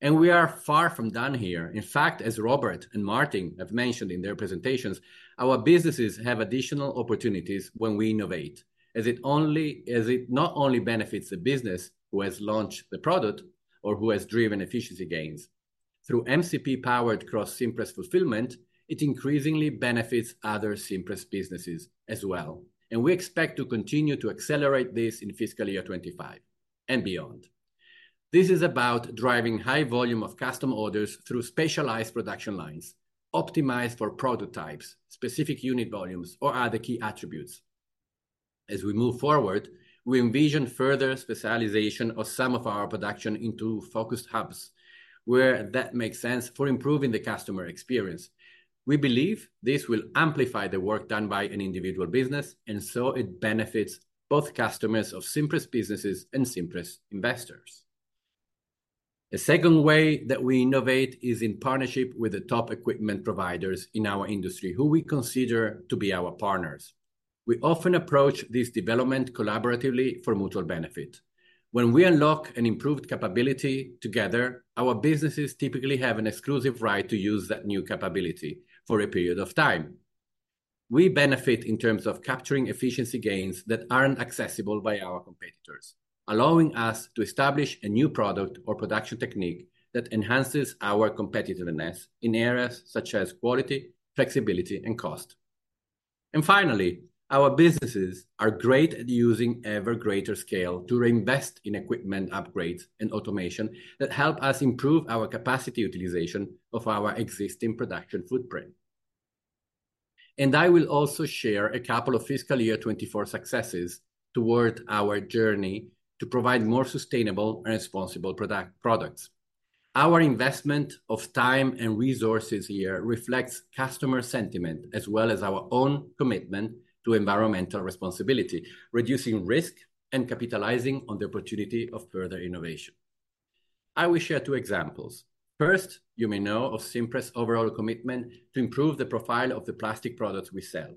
and we are far from done here. In fact, as Robert and Maarten have mentioned in their presentations, our businesses have additional opportunities when we innovate, as it not only benefits the business who has launched the product or who has driven efficiency gains. Through MCP-powered Cross-Cimpress fulfillment, it increasingly benefits other Cimpress businesses as well, and we expect to continue to accelerate this in fiscal year 2025 and beyond. This is about driving high volume of custom orders through specialized production lines, optimized for prototypes, specific unit volumes, or other key attributes. As we move forward, we envision further specialization of some of our production into focused hubs, where that makes sense for improving the customer experience. We believe this will amplify the work done by an individual business, and so it benefits both customers of Cimpress businesses and Cimpress investors. A second way that we innovate is in partnership with the top equipment providers in our industry, who we consider to be our partners. We often approach this development collaboratively for mutual benefit. When we unlock an improved capability together, our businesses typically have an exclusive right to use that new capability for a period of time. We benefit in terms of capturing efficiency gains that aren't accessible by our competitors, allowing us to establish a new product or production technique that enhances our competitiveness in areas such as quality, flexibility, and cost. Finally, our businesses are great at using ever-greater scale to reinvest in equipment upgrades and automation that help us improve our capacity utilization of our existing production footprint. I will also share a couple of fiscal year 2024 successes toward our journey to provide more sustainable and responsible products. Our investment of time and resources here reflects customer sentiment, as well as our own commitment to environmental responsibility, reducing risk, and capitalizing on the opportunity of further innovation. I will share two examples: First, you may know of Cimpress' overall commitment to improve the profile of the plastic products we sell.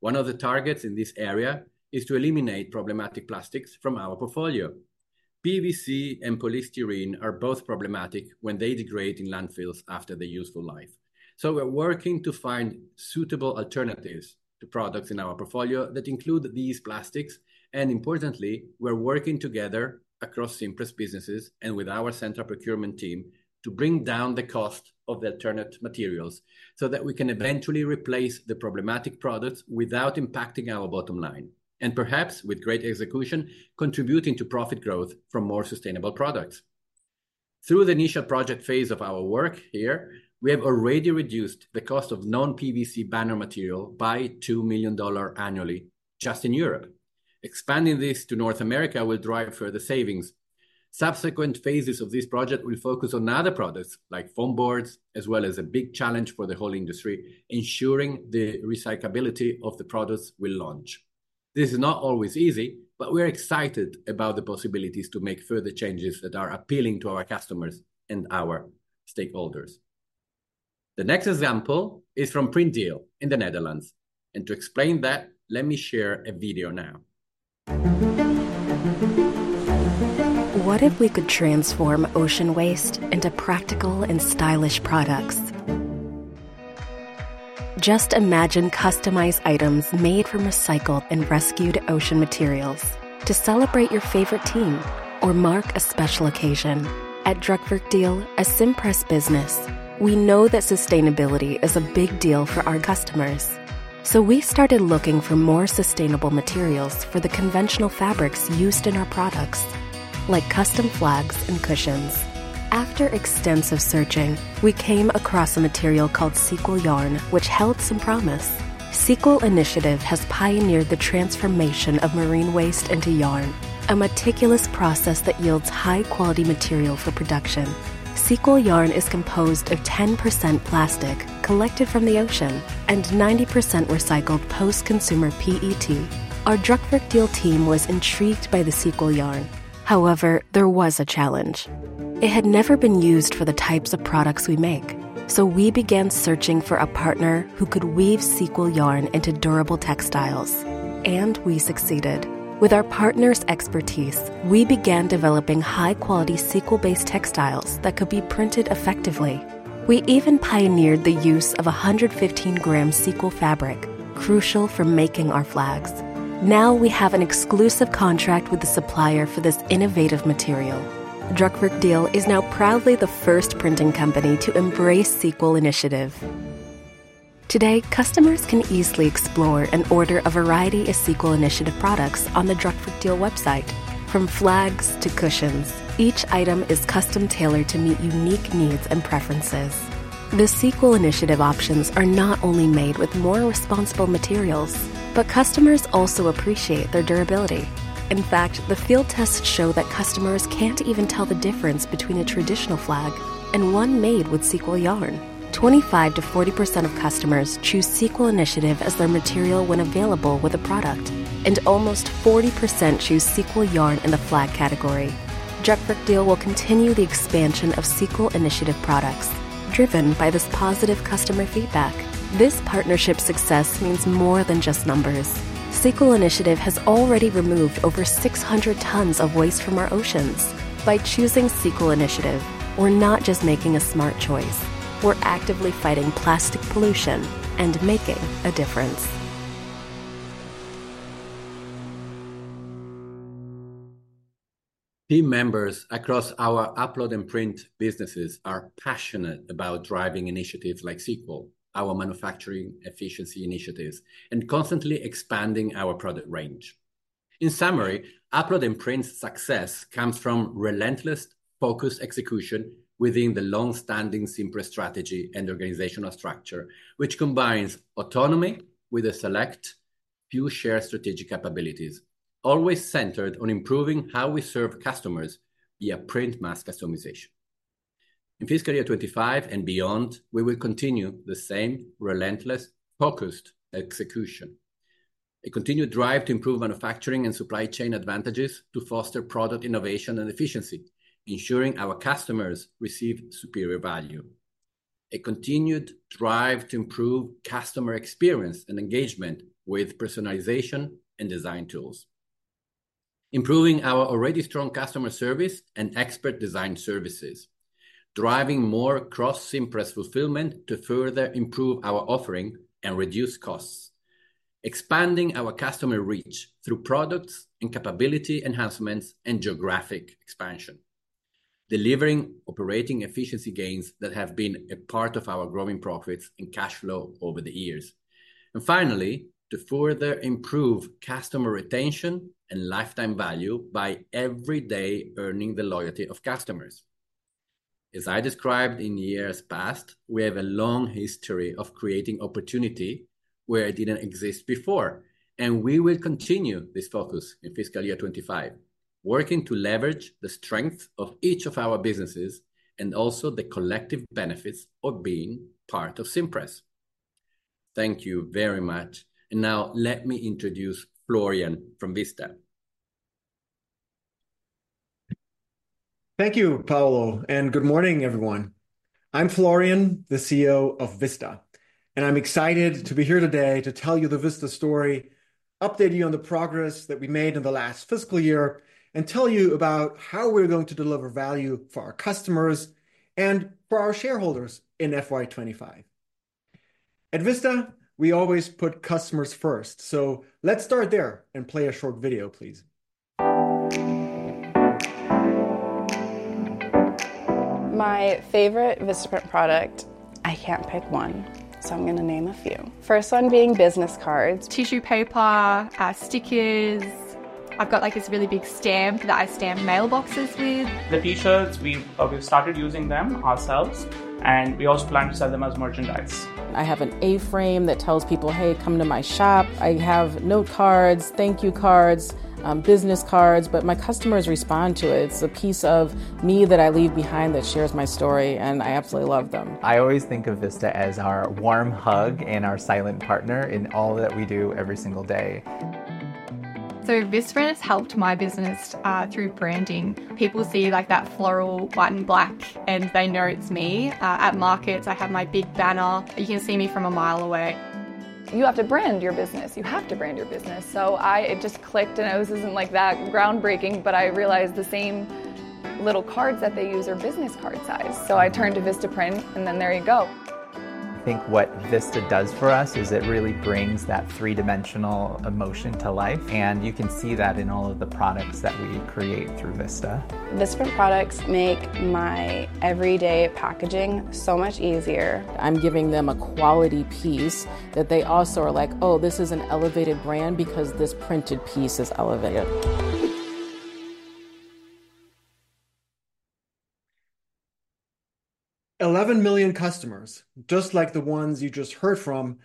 One of the targets in this area is to eliminate problematic plastics from our portfolio. PVC and polystyrene are both problematic when they degrade in landfills after their useful life. We're working to find suitable alternatives to products in our portfolio that include these plastics, and importantly, we're working together across Cimpress businesses and with our central procurement team to bring down the cost of the alternate materials, so that we can eventually replace the problematic products without impacting our bottom line, and perhaps with great execution, contributing to profit growth from more sustainable products. Through the initial project phase of our work here, we have already reduced the cost of non-PVC banner material by $2 million annually just in Europe. Expanding this to North America will drive further savings. Subsequent phases of this project will focus on other products, like foam boards, as well as a big challenge for the whole industry, ensuring the recyclability of the products we launch. This is not always easy, but we're excited about the possibilities to make further changes that are appealing to our customers and our stakeholders. The next example is from Printdeal in the Netherlands, and to explain that, let me share a video now. What if we could transform ocean waste into practical and stylish products? Just imagine customized items made from recycled and rescued ocean materials to celebrate your favorite team or mark a special occasion. At Drukwerkdeal, a Cimpress business, we know that sustainability is a big deal for our customers, so we started looking for more sustainable materials for the conventional fabrics used in our products, like custom flags and cushions. After extensive searching, we came across a material called SEAQUAL Yarn, which held some promise. SEAQUAL Initiative has pioneered the transformation of marine waste into yarn, a meticulous process that yields high-quality material for production. SEAQUAL Yarn is composed of 10% plastic collected from the ocean and 90% recycled post-consumer PET. Our Drukwerkdeal team was intrigued by the SEAQUAL Yarn. However, there was a challenge: It had never been used for the types of products we make. So we began searching for a partner who could weave SEAQUAL Yarn into durable textiles, and we succeeded. With our partner's expertise, we began developing high-quality SEAQUAL-based textiles that could be printed effectively. We even pioneered the use of 115-gram SEAQUAL fabric, crucial for making our flags. Now, we have an exclusive contract with the supplier for this innovative material. Drukwerkdeal is now proudly the first printing company to embrace SEAQUAL Initiative. Today, customers can easily explore and order a variety of SEAQUAL Initiative products on the Drukwerkdeal website. From flags to cushions, each item is custom-tailored to meet unique needs and preferences. The SEAQUAL Initiative options are not only made with more responsible materials, but customers also appreciate their durability. In fact, the field tests show that customers can't even tell the difference between a traditional flag and one made with SEAQUAL Yarn. 25%-40% of customers choose SEAQUAL Initiative as their material when available with a product, and almost 40% choose SEAQUAL Yarn in the flag category. Drukwerkdeal will continue the expansion of SEAQUAL Initiative products, driven by this positive customer feedback. This partnership success means more than just numbers. SEAQUAL Initiative has already removed over 600 tons of waste from our oceans. By choosing SEAQUAL Initiative, we're not just making a smart choice, we're actively fighting plastic pollution and making a difference. Team members across our Upload and Print businesses are passionate about driving initiatives like SEAQUAL, our manufacturing efficiency initiatives, and constantly expanding our product range. In summary, Upload and Print's success comes from relentless, focused execution within the long-standing Cimpress strategy and organizational structure, which combines autonomy with a select few shared strategic capabilities, always centered on improving how we serve customers via print mass customization. In fiscal year twenty-five and beyond, we will continue the same relentless, focused execution. A continued drive to improve manufacturing and supply chain advantages to foster product innovation and efficiency, ensuring our customers receive superior value. A continued drive to improve customer experience and engagement with personalization and design tools. Improving our already strong customer service and expert design services. Driving more cross-Cimpress fulfillment to further improve our offering and reduce costs. Expanding our customer reach through products and capability enhancements and geographic expansion. Delivering operating efficiency gains that have been a part of our growing profits and cash flow over the years. Finally, to further improve customer retention and lifetime value by every day earning the loyalty of customers. As I described in years past, we have a long history of creating opportunity where it didn't exist before, and we will continue this focus in fiscal year twenty-five, working to leverage the strength of each of our businesses and also the collective benefits of being part of Cimpress. Thank you very much, and now let me introduce Florian from Vista. Thank you, Paolo, and good morning, everyone. I'm Florian, the CEO of Vista, and I'm excited to be here today to tell you the Vista story, update you on the progress that we made in the last fiscal year, and tell you about how we're going to deliver value for our customers and for our shareholders in FY twenty-five. At Vista, we always put customers first, so let's start there, and play a short video, please. My favorite Vistaprint product, I can't pick one, so I'm going to name a few. First one being business cards. Tissue paper, stickers. I've got, like, this really big stamp that I stamp mailboxes with. The T-shirts, we've started using them ourselves, and we also plan to sell them as merchandise. I have an A-frame that tells people, "Hey, come to my shop." I have note cards, thank you cards, business cards, but my customers respond to it. It's a piece of me that I leave behind that shares my story, and I absolutely love them. I always think of Vista as our warm hug and our silent partner in all that we do every single day. Vistaprint has helped my business through branding. People see, like, that floral, white, and black, and they know it's me. At markets, I have my big banner. You can see me from a mile away. ... You have to brand your business. You have to brand your business. So I, it just clicked, and it wasn't like that groundbreaking, but I realized the same little cards that they use are business card size. So I turned to Vistaprint, and then there you go. I think what Vista does for us is it really brings that three-dimensional emotion to life, and you can see that in all of the products that we create through Vista. Vista products make my everyday packaging so much easier. I'm giving them a quality piece that they also are like, "Oh, this is an elevated brand because this printed piece is elevated. 11 million customers, just like the ones you just heard from,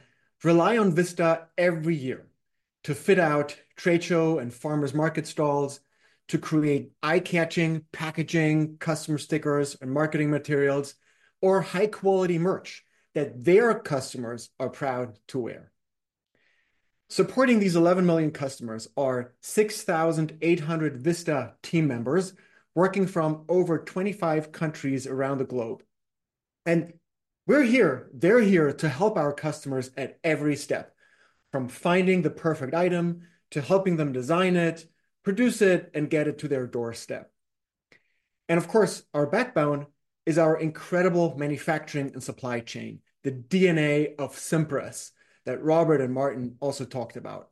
rely on Vista every year to fit out trade show and farmers market stalls, to create eye-catching packaging, customer stickers, and marketing materials, or high-quality merch that their customers are proud to wear. Supporting these 11 million customers are 6,800 Vista team members working from over 25 countries around the globe, and we're here, they're here, to help our customers at every step, from finding the perfect item to helping them design it, produce it, and get it to their doorstep, and of course, our backbone is our incredible manufacturing and supply chain, the DNA of Cimpress that Robert and Maarten also talked about.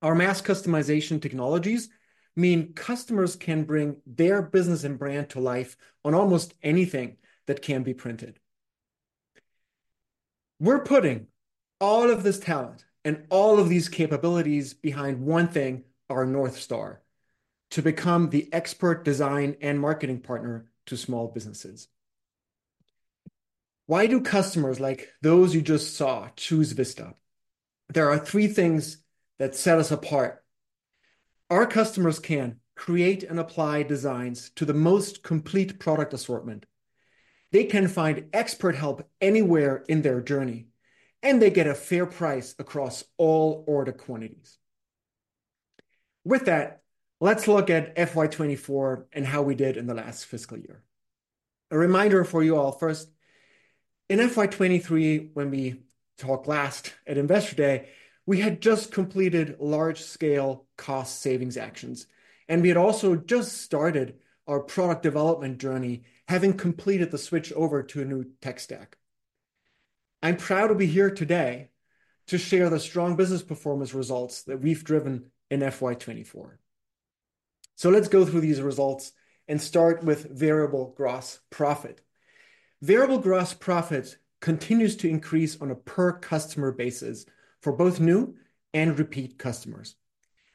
Our mass customization technologies mean customers can bring their business and brand to life on almost anything that can be printed. We're putting all of this talent and all of these capabilities behind one thing, our North Star: to become the expert design and marketing partner to small businesses. Why do customers like those you just saw choose Vista? There are three things that set us apart. Our customers can create and apply designs to the most complete product assortment. They can find expert help anywhere in their journey, and they get a fair price across all order quantities. With that, let's look at FY 2024 and how we did in the last fiscal year. A reminder for you all first, in FY 2023, when we talked last at Investor Day, we had just completed large-scale cost savings actions, and we had also just started our product development journey, having completed the switchover to a new tech stack. I'm proud to be here today to share the strong business performance results that we've driven in FY 2024. So let's go through these results and start with variable gross profit. Variable gross profit continues to increase on a per-customer basis for both new and repeat customers,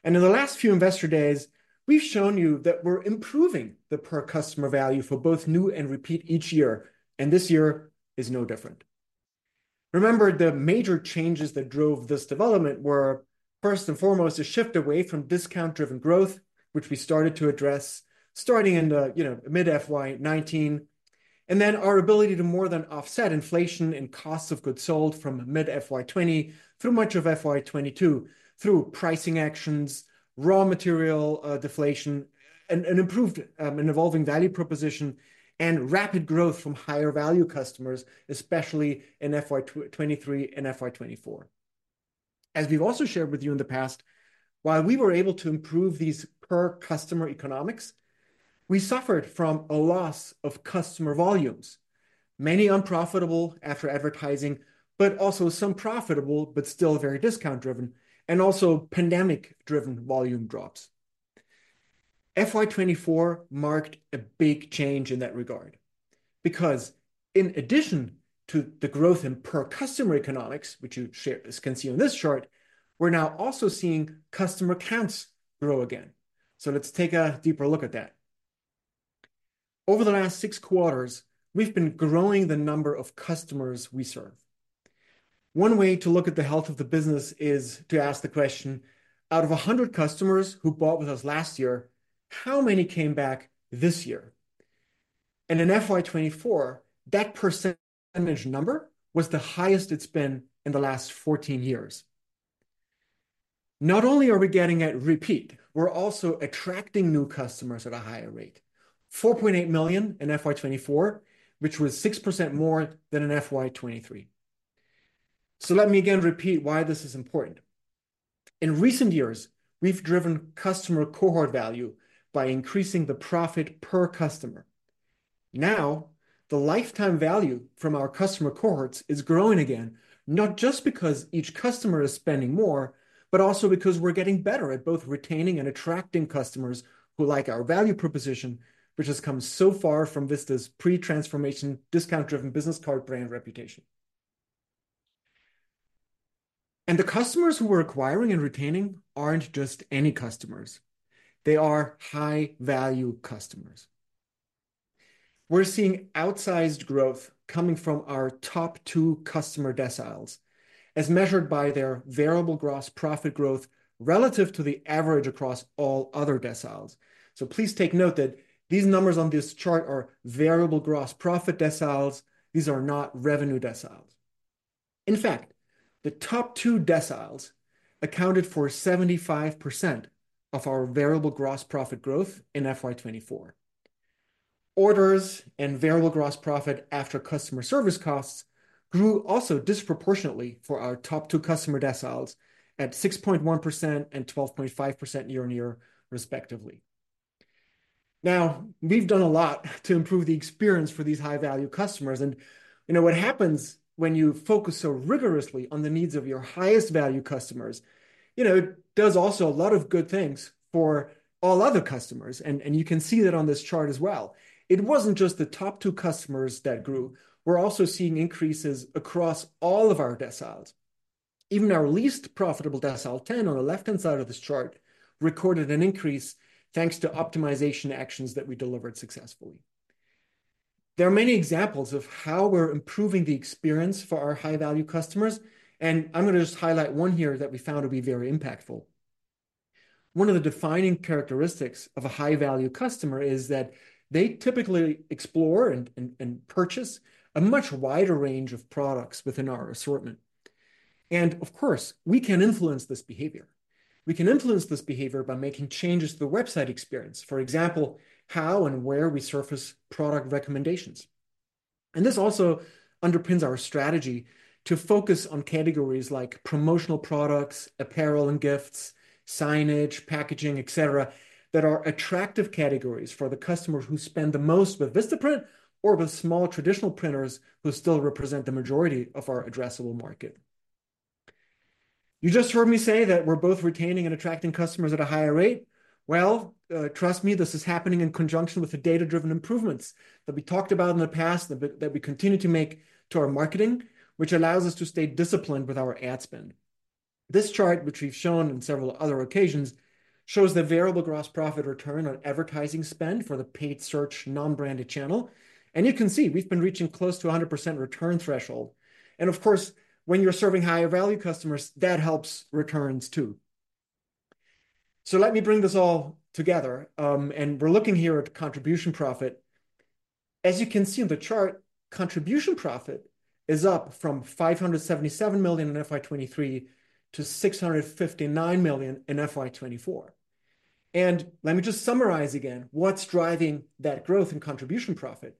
and in the last few Investor Days, we've shown you that we're improving the per-customer value for both new and repeat each year, and this year is no different. Remember, the major changes that drove this development were, first and foremost, a shift away from discount-driven growth, which we started to address starting in the, you know, mid-FY 2019, and then our ability to more than offset inflation and costs of goods sold from mid-FY 2020 through much of FY 2022 through pricing actions, raw material deflation, and improved and evolving value proposition, and rapid growth from higher-value customers, especially in FY 2023 and FY 2024. As we've also shared with you in the past, while we were able to improve these per-customer economics, we suffered from a loss of customer volumes, many unprofitable after advertising, but also some profitable, but still very discount-driven, and also pandemic-driven volume drops. FY 2024 marked a big change in that regard because in addition to the growth in per-customer economics, which you can see on this chart, we're now also seeing customer counts grow again. Let's take a deeper look at that. Over the last six quarters, we've been growing the number of customers we serve. One way to look at the health of the business is to ask the question: out of a hundred customers who bought with us last year, how many came back this year? In FY 2024, that percentage number was the highest it's been in the last fourteen years. Not only are we getting a repeat, we're also attracting new customers at a higher rate, 4.8 million in FY 2024, which was 6% more than in FY 2023. Let me again repeat why this is important. In recent years, we've driven customer cohort value by increasing the profit per customer. Now, the lifetime value from our customer cohorts is growing again, not just because each customer is spending more, but also because we're getting better at both retaining and attracting customers who like our value proposition, which has come so far from Vista's pre-transformation, discount-driven business card brand reputation, and the customers who we're acquiring and retaining aren't just any customers. They are high-value customers. We're seeing outsized growth coming from our top two customer deciles, as measured by their variable gross profit growth relative to the average across all other deciles, so please take note that these numbers on this chart are variable gross profit deciles. These are not revenue deciles. In fact, the top two deciles accounted for 75% of our variable gross profit growth in FY 2024.... Orders and variable gross profit after customer service costs grew also disproportionately for our top two customer deciles at 6.1% and 12.5% year-on-year, respectively. Now, we've done a lot to improve the experience for these high-value customers, and, you know, what happens when you focus so rigorously on the needs of your highest value customers, you know, it does also a lot of good things for all other customers, and, and you can see that on this chart as well. It wasn't just the top two customers that grew. We're also seeing increases across all of our deciles. Even our least profitable decile 10, on the left-hand side of this chart, recorded an increase, thanks to optimization actions that we delivered successfully. There are many examples of how we're improving the experience for our high-value customers, and I'm gonna just highlight one here that we found to be very impactful. One of the defining characteristics of a high-value customer is that they typically explore and purchase a much wider range of products within our assortment. And of course, we can influence this behavior. We can influence this behavior by making changes to the website experience, for example, how and where we surface product recommendations. And this also underpins our strategy to focus on categories like promotional products, apparel and gifts, signage, packaging, et cetera, that are attractive categories for the customers who spend the most with Vistaprint or with small traditional printers who still represent the majority of our addressable market. You just heard me say that we're both retaining and attracting customers at a higher rate. Trust me, this is happening in conjunction with the data-driven improvements that we talked about in the past, that we continue to make to our marketing, which allows us to stay disciplined with our ad spend. This chart, which we've shown on several other occasions, shows the variable gross profit return on advertising spend for the paid search, non-branded channel, and you can see we've been reaching close to a 100% return threshold. Of course, when you're serving higher value customers, that helps returns, too. Let me bring this all together, and we're looking here at contribution profit. As you can see on the chart, contribution profit is up from $577 million in FY 2023 to $659 million in FY 2024. Let me just summarize again what's driving that growth in contribution profit.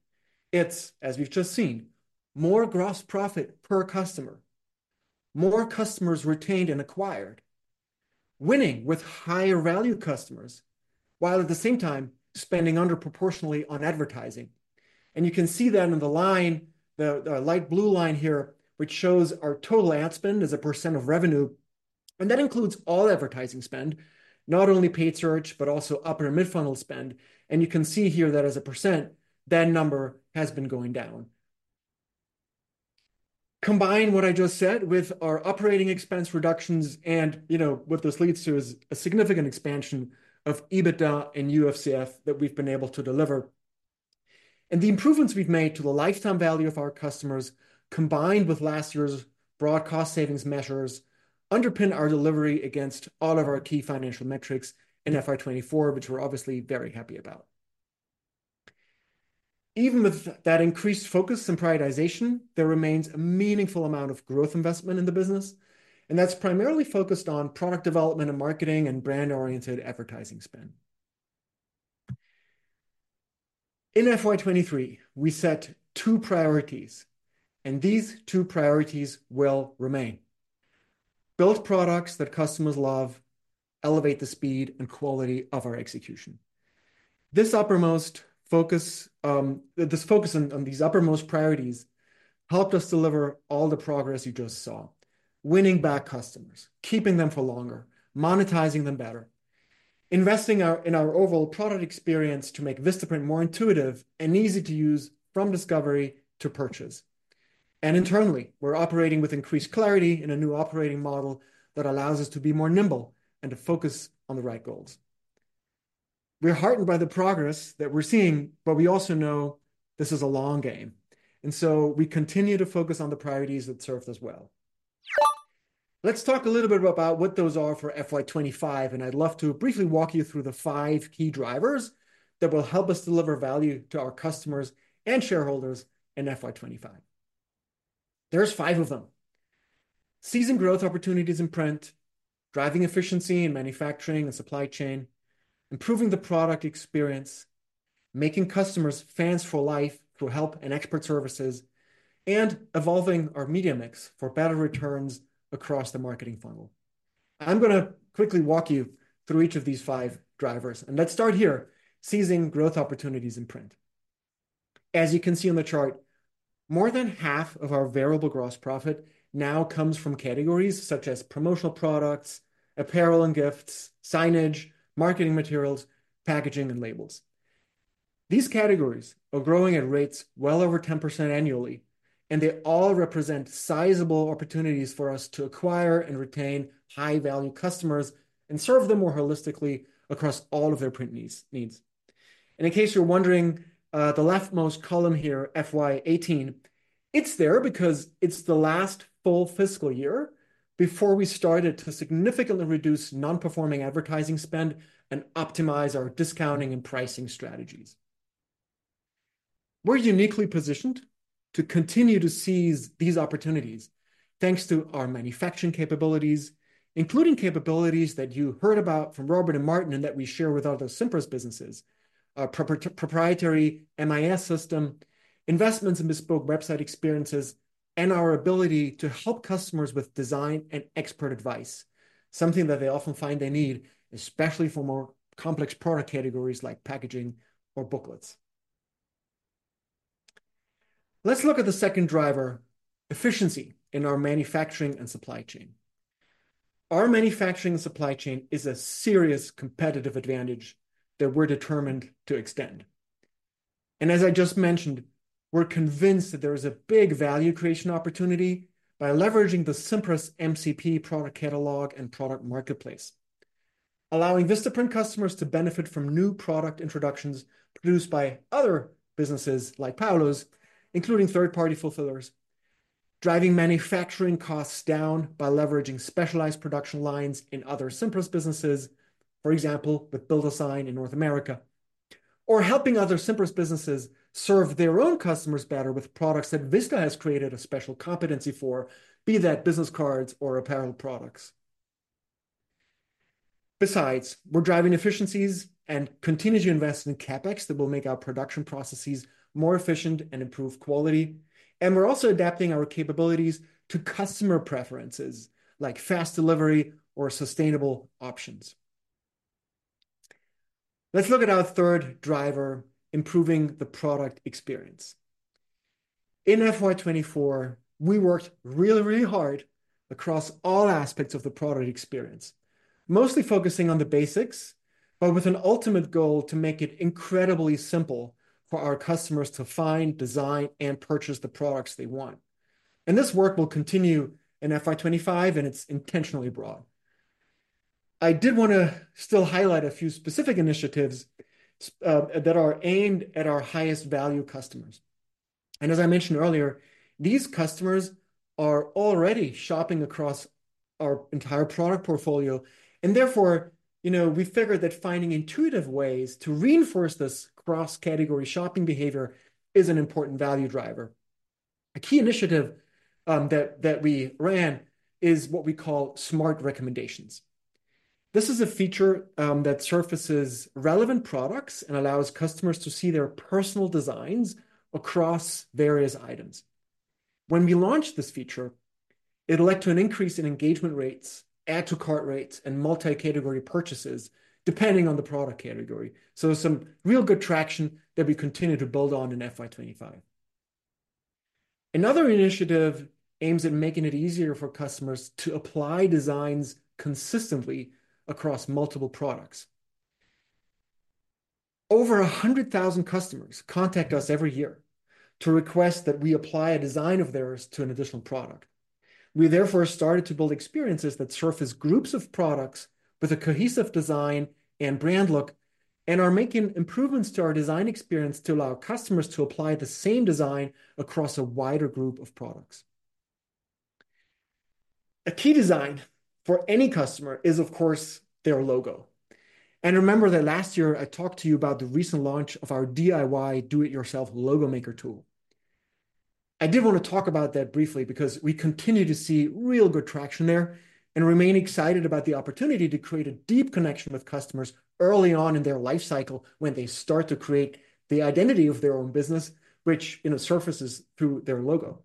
It's, as we've just seen, more gross profit per customer, more customers retained and acquired, winning with higher value customers, while at the same time spending under proportionally on advertising. And you can see that in the line, the light blue line here, which shows our total ad spend as a % of revenue, and that includes all advertising spend, not only paid search, but also upper mid-funnel spend. And you can see here that as a %, that number has been going down. Combine what I just said with our operating expense reductions, and, you know, what this leads to is a significant expansion of EBITDA and UFCF that we've been able to deliver. And the improvements we've made to the lifetime value of our customers, combined with last year's broad cost savings measures, underpin our delivery against all of our key financial metrics in FY twenty-four, which we're obviously very happy about. Even with that increased focus and prioritization, there remains a meaningful amount of growth investment in the business, and that's primarily focused on product development and marketing and brand-oriented advertising spend. In FY twenty-three, we set two priorities, and these two priorities will remain: build products that customers love, elevate the speed and quality of our execution. This uppermost focus, this focus on these uppermost priorities helped us deliver all the progress you just saw. Winning back customers, keeping them for longer, monetizing them better, investing in our overall product experience to make Vistaprint more intuitive and easy to use from discovery to purchase. Internally, we're operating with increased clarity in a new operating model that allows us to be more nimble and to focus on the right goals. We're heartened by the progress that we're seeing, but we also know this is a long game, and so we continue to focus on the priorities that served us well. Let's talk a little bit about what those are for FY twenty-five, and I'd love to briefly walk you through the five key drivers that will help us deliver value to our customers and shareholders in FY twenty-five. There's five of them: seizing growth opportunities in print, driving efficiency in manufacturing and supply chain, improving the product experience, making customers fans for life through help and expert services, and evolving our media mix for better returns across the marketing funnel. I'm gonna quickly walk you through each of these five drivers, and let's start here, seizing growth opportunities in print. As you can see on the chart, more than half of our variable gross profit now comes from categories such as promotional products, apparel and gifts, signage, marketing materials, packaging, and labels. These categories are growing at rates well over 10% annually, and they all represent sizable opportunities for us to acquire and retain high-value customers and serve them more holistically across all of their print needs. And in case you're wondering, the leftmost column here, FY 2018, it's there because it's the last full fiscal year before we started to significantly reduce non-performing advertising spend and optimize our discounting and pricing strategies.... We're uniquely positioned to continue to seize these opportunities, thanks to our manufacturing capabilities, including capabilities that you heard about from Robert and Maarten, and that we share with other Cimpress businesses. Our proprietary MIS system, investments in bespoke website experiences, and our ability to help customers with design and expert advice, something that they often find they need, especially for more complex product categories, like packaging or booklets. Let's look at the second driver: efficiency in our manufacturing and supply chain. Our manufacturing and supply chain is a serious competitive advantage that we're determined to extend. As I just mentioned, we're convinced that there is a big value creation opportunity by leveraging the Cimpress MCP product catalog and product marketplace, allowing Vistaprint customers to benefit from new product introductions produced by other businesses like Paolo's, including third-party fulfillers, driving manufacturing costs down by leveraging specialized production lines in other Cimpress businesses, for example, with BuildASign in North America, or helping other Cimpress businesses serve their own customers better with products that Vista has created a special competency for, be that business cards or apparel products. Besides, we're driving efficiencies and continue to invest in CapEx that will make our production processes more efficient and improve quality, and we're also adapting our capabilities to customer preferences, like fast delivery or sustainable options. Let's look at our third driver: improving the product experience. In FY 2024, we worked really, really hard across all aspects of the product experience, mostly focusing on the basics, but with an ultimate goal to make it incredibly simple for our customers to find, design, and purchase the products they want, and this work will continue in FY 2025, and it's intentionally broad. I did wanna still highlight a few specific initiatives that are aimed at our highest value customers. And as I mentioned earlier, these customers are already shopping across our entire product portfolio, and therefore, you know, we figure that finding intuitive ways to reinforce this cross-category shopping behavior is an important value driver. A key initiative that we ran is what we call smart recommendations. This is a feature that surfaces relevant products and allows customers to see their personal designs across various items. When we launched this feature, it led to an increase in engagement rates, add to cart rates, and multi-category purchases, depending on the product category, so some real good traction that we continue to build on in FY 2025. Another initiative aims at making it easier for customers to apply designs consistently across multiple products. Over a hundred thousand customers contact us every year to request that we apply a design of theirs to an additional product. We therefore started to build experiences that surface groups of products with a cohesive design and brand look and are making improvements to our design experience to allow customers to apply the same design across a wider group of products. A key design for any customer is, of course, their logo. Remember that last year I talked to you about the recent launch of our DIY, do it yourself, logo maker tool. I did wanna talk about that briefly, because we continue to see real good traction there and remain excited about the opportunity to create a deep connection with customers early on in their life cycle when they start to create the identity of their own business, which, you know, surfaces through their logo.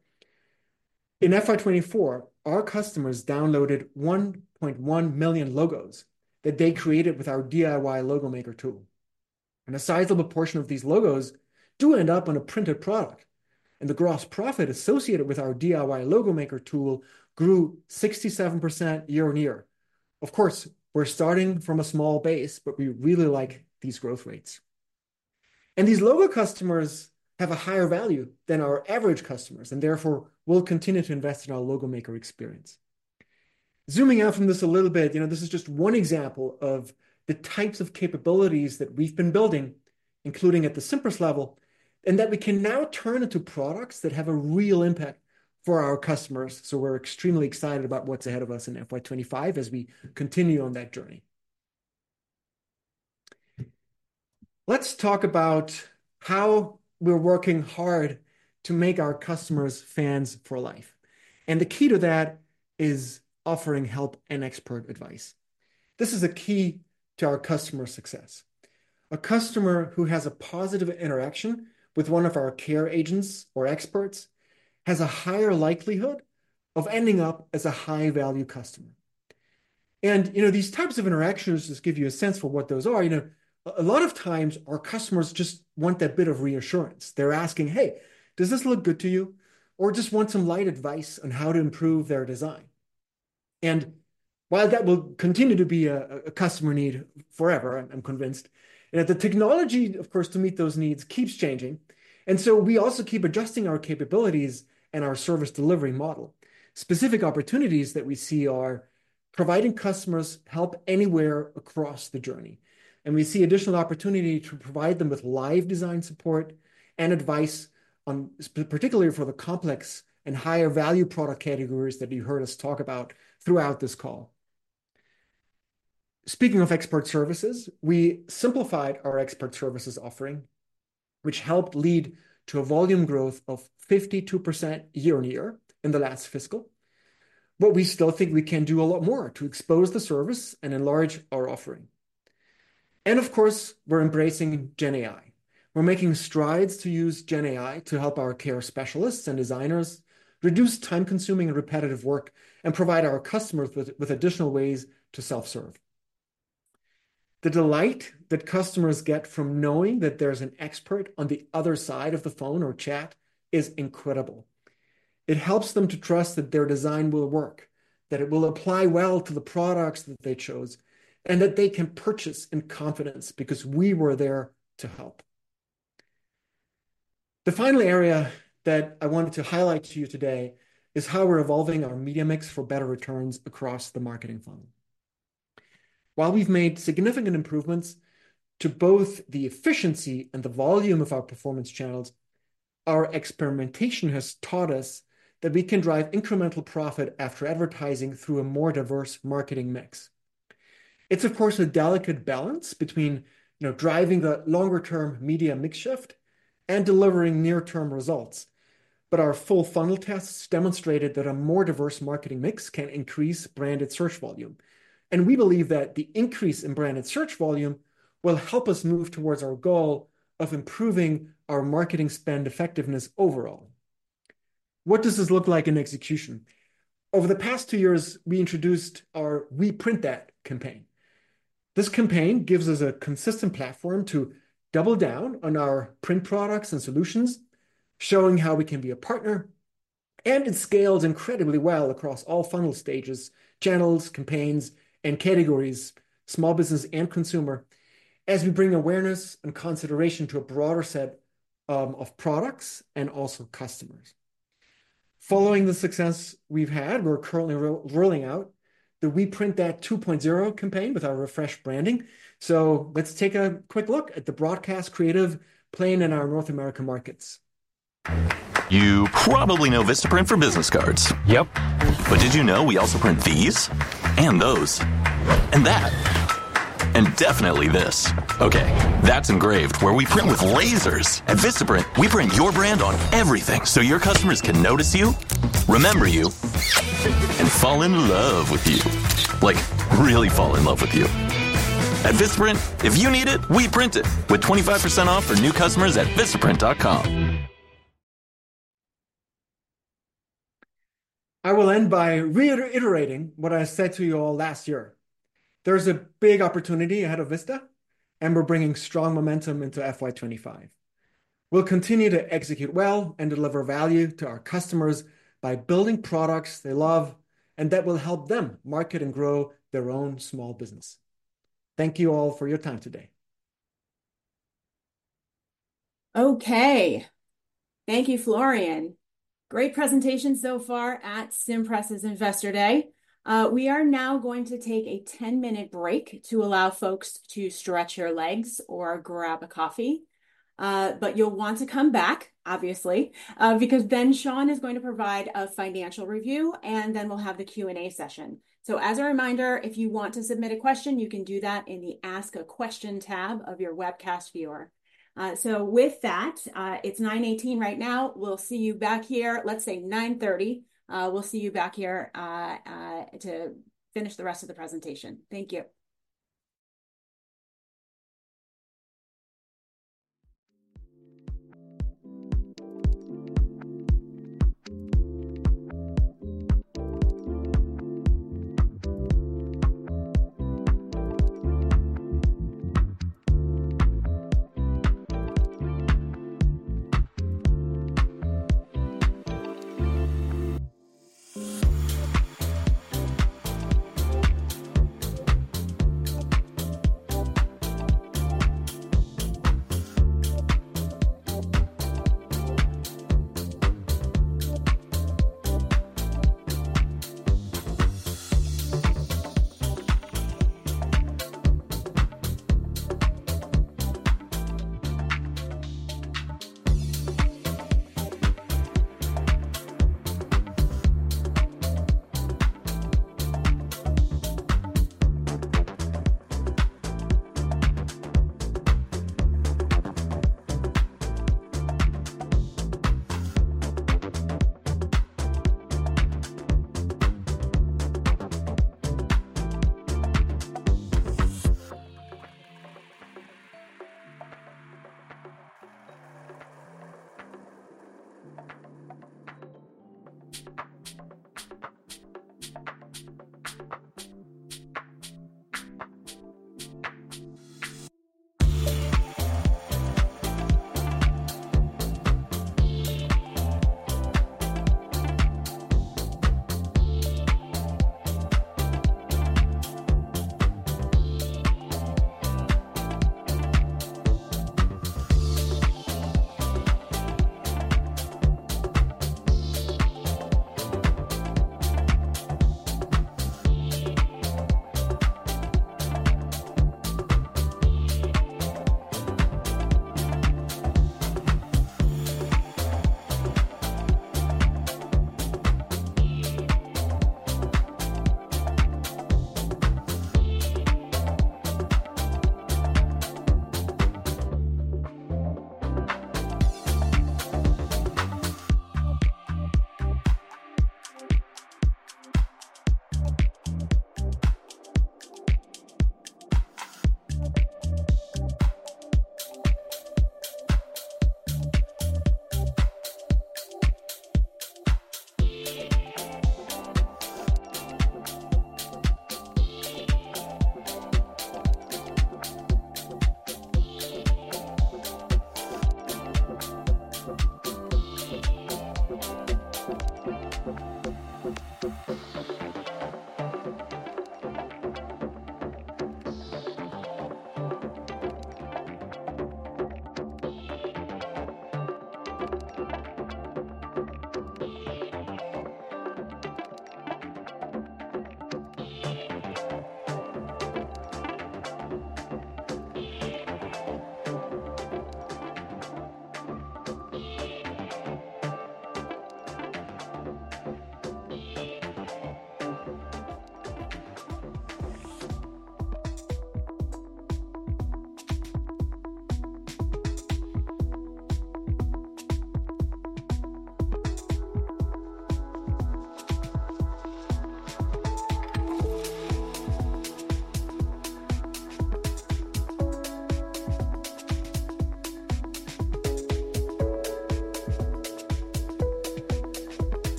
In FY 2024, our customers downloaded 1.1 million logos that they created with our DIY logo maker tool, and a sizable portion of these logos do end up on a printed product, and the gross profit associated with our DIY logo maker tool grew 67% year on year. Of course, we're starting from a small base, but we really like these growth rates, and these logo customers have a higher value than our average customers, and therefore, we'll continue to invest in our logo maker experience. Zooming out from this a little bit, you know, this is just one example of the types of capabilities that we've been building, including at the Cimpress level, and that we can now turn into products that have a real impact for our customers, so we're extremely excited about what's ahead of us in FY 2025 as we continue on that journey. Let's talk about how we're working hard to make our customers fans for life, and the key to that is offering help and expert advice. This is a key to our customer success. A customer who has a positive interaction with one of our care agents or experts, has a higher likelihood of ending up as a high-value customer, and, you know, these types of interactions just give you a sense for what those are. You know, a lot of times our customers just want that bit of reassurance. They're asking: "Hey, does this look good to you?" Or just want some light advice on how to improve their design. And while that will continue to be a customer need forever, I'm convinced, and that the technology, of course, to meet those needs keeps changing, and so we also keep adjusting our capabilities and our service delivery model. Specific opportunities that we see are providing customers help anywhere across the journey, and we see additional opportunity to provide them with live design support and advice on particularly for the complex and higher value product categories that you heard us talk about throughout this call. Speaking of expert services, we simplified our expert services offering, which helped lead to a volume growth of 52% year-on-year in the last fiscal. But we still think we can do a lot more to expose the service and enlarge our offering. And of course, we're embracing GenAI. We're making strides to use GenAI to help our care specialists and designers reduce time-consuming and repetitive work, and provide our customers with additional ways to self-serve. The delight that customers get from knowing that there's an expert on the other side of the phone or chat is incredible. It helps them to trust that their design will work, that it will apply well to the products that they chose, and that they can purchase in confidence because we were there to help. The final area that I wanted to highlight to you today is how we're evolving our media mix for better returns across the marketing funnel. While we've made significant improvements to both the efficiency and the volume of our performance channels, our experimentation has taught us that we can drive incremental profit after advertising through a more diverse marketing mix. It's, of course, a delicate balance between, you know, driving the longer-term media mix shift and delivering near-term results. But our full funnel tests demonstrated that a more diverse marketing mix can increase branded search volume, and we believe that the increase in branded search volume will help us move towards our goal of improving our marketing spend effectiveness overall. What does this look like in execution? Over the past two years, we introduced our We Print That campaign. This campaign gives us a consistent platform to double down on our print products and solutions, showing how we can be a partner, and it scales incredibly well across all funnel stages, channels, campaigns, and categories, small business and consumer, as we bring awareness and consideration to a broader set of products and also customers. Following the success we've had, we're currently rolling out the We Print That 2.0 campaign with our refreshed branding. Let's take a quick look at the broadcast creative playing in our North American markets. You probably know Vistaprint for business cards. Yep. But did you know we also print these, and those, and that, and definitely this? Okay, that's engraved, where we print with lasers. At Vistaprint, we print your brand on everything, so your customers can notice you, remember you, and fall in love with you. Like, really fall in love with you. At Vistaprint, if you need it, we print it, with 25% off for new customers at Vistaprint.com. I will end by reiterating what I said to you all last year: There is a big opportunity ahead of Vista, and we're bringing strong momentum into FY twenty-five. We'll continue to execute well and deliver value to our customers by building products they love, and that will help them market and grow their own small business. Thank you all for your time today. Okay. Thank you, Florian. Great presentation so far at Cimpress' Investor Day. We are now going to take a ten-minute break to allow folks to stretch your legs or grab a coffee. But you'll want to come back, obviously, because then Sean is going to provide a financial review, and then we'll have the Q&A session. So as a reminder, if you want to submit a question, you can do that in the Ask a Question tab of your webcast viewer. So with that, it's 9:18 A.M. right now. We'll see you back here, let's say 9:30 A.M. We'll see you back here to finish the rest of the presentation. Thank you.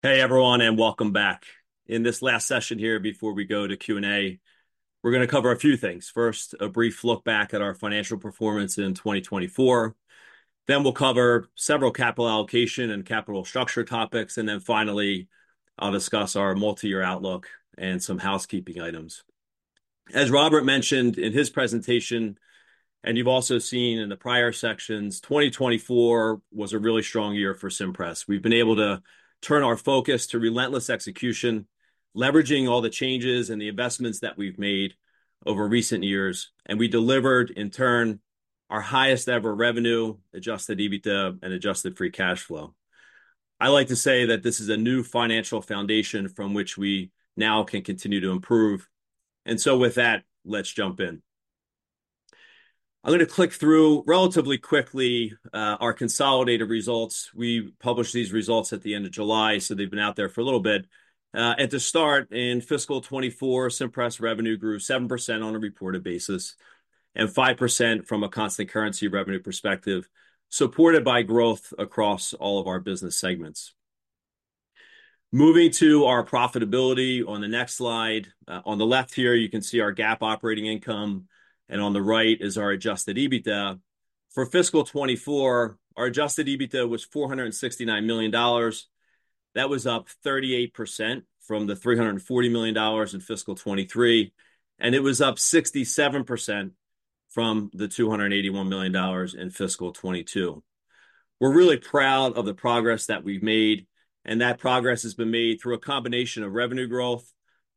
Hey, everyone, and welcome back. In this last session here, before we go to Q&A, we're gonna cover a few things. First, a brief look back at our financial performance in 2024, then we'll cover several capital allocation and capital structure topics, and then finally, I'll discuss our multi-year outlook and some housekeeping items. As Robert mentioned in his presentation, and you've also seen in the prior sections, 2024 was a really strong year for Cimpress. We've been able to turn our focus to relentless execution, leveraging all the changes and the investments that we've made over recent years, and we delivered, in turn, our highest-ever revenue, Adjusted EBITDA, and Adjusted free cash flow. I like to say that this is a new financial foundation from which we now can continue to improve. And so with that, let's jump in. I'm gonna click through relatively quickly, our consolidated results. We published these results at the end of July, so they've been out there for a little bit. At the start, in fiscal 2024, Cimpress revenue grew 7% on a reported basis, and 5% from a constant currency revenue perspective, supported by growth across all of our business segments. Moving to our profitability on the next slide, on the left here, you can see our GAAP operating income, and on the right is our adjusted EBITDA. For fiscal 2024, our adjusted EBITDA was $469 million. That was up 38% from the $340 million in fiscal 2023, and it was up 67% from the $281 million in fiscal 2022. We're really proud of the progress that we've made, and that progress has been made through a combination of revenue growth,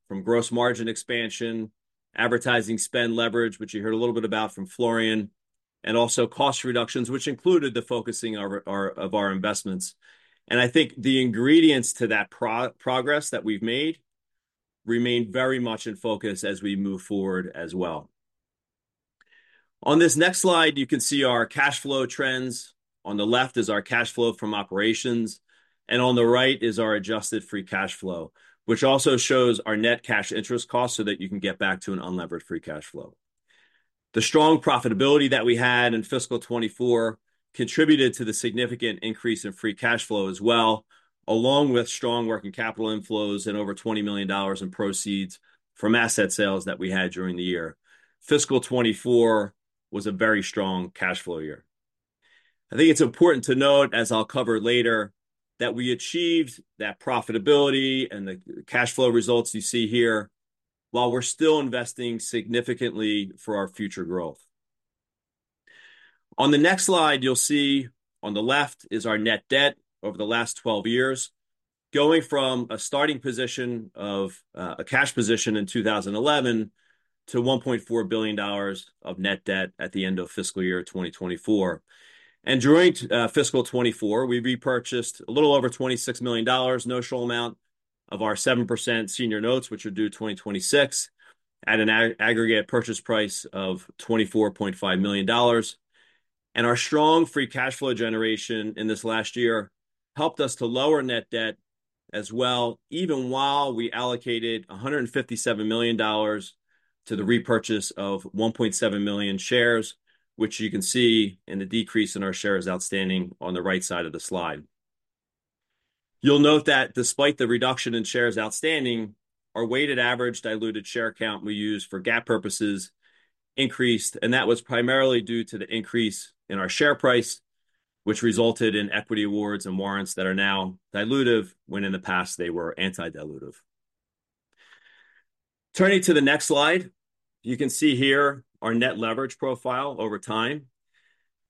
from gross margin expansion, advertising spend leverage, which you heard a little bit about from Florian, and also cost reductions, which included focusing of our investments. And I think the ingredients to that progress that we've made remain very much in focus as we move forward as well. On this next slide, you can see our cash flow trends. On the left is our cash flow from operations, and on the right is our adjusted free cash flow, which also shows our net cash interest cost, so that you can get back to an unlevered free cash flow. The strong profitability that we had in fiscal 2024 contributed to the significant increase in free cash flow as well, along with strong working capital inflows and over $20 million in proceeds from asset sales that we had during the year. Fiscal 2024 was a very strong cash flow year. I think it's important to note, as I'll cover later, that we achieved that profitability and the cash flow results you see here while we're still investing significantly for our future growth. On the next slide, you'll see on the left is our net debt over the last 12 years, going from a starting position of a cash position in 2011, to $1.4 billion of net debt at the end of fiscal year 2024. During fiscal 2024, we repurchased a little over $26 million notional amount of our 7% senior notes, which are due 2026, at an aggregate purchase price of $24.5 million. Our strong free cash flow generation in this last year helped us to lower net debt as well, even while we allocated $157 million to the repurchase of 1.7 million shares, which you can see in the decrease in our shares outstanding on the right side of the slide. You'll note that despite the reduction in shares outstanding, our weighted average diluted share count we use for GAAP purposes increased, and that was primarily due to the increase in our share price, which resulted in equity awards and warrants that are now dilutive, when in the past they were anti-dilutive. Turning to the next slide, you can see here our net leverage profile over time.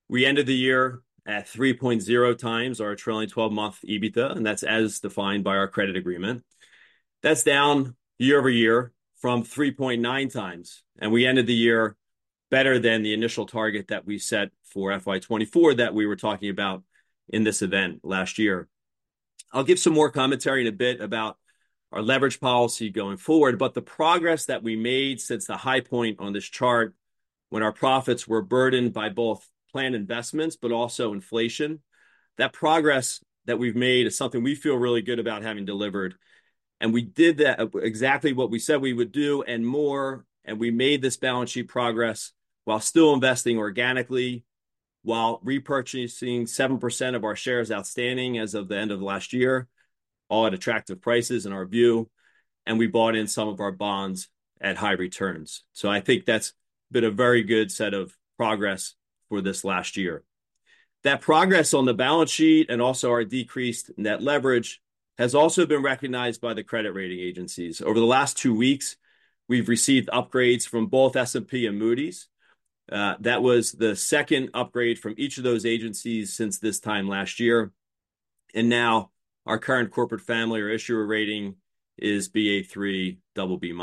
We ended the year at 3.0 times our trailing twelve-month EBITDA, and that's as defined by our credit agreement. That's down year over year from 3.9 times, and we ended the year better than the initial target that we set for FY 2024, that we were talking about in this event last year. I'll give some more commentary in a bit about our leverage policy going forward, but the progress that we made since the high point on this chart, when our profits were burdened by both planned investments, but also inflation, that progress that we've made is something we feel really good about having delivered. And we did that exactly what we said we would do, and more, and we made this balance sheet progress while still investing organically, while repurchasing 7% of our shares outstanding as of the end of last year, all at attractive prices, in our view, and we bought in some of our bonds at high returns. So I think that's been a very good set of progress for this last year. That progress on the balance sheet, and also our decreased net leverage, has also been recognized by the credit rating agencies. Over the last two weeks, we've received upgrades from both S&P and Moody's. That was the second upgrade from each of those agencies since this time last year, and now our current corporate family or issuer rating is Ba3/BB-.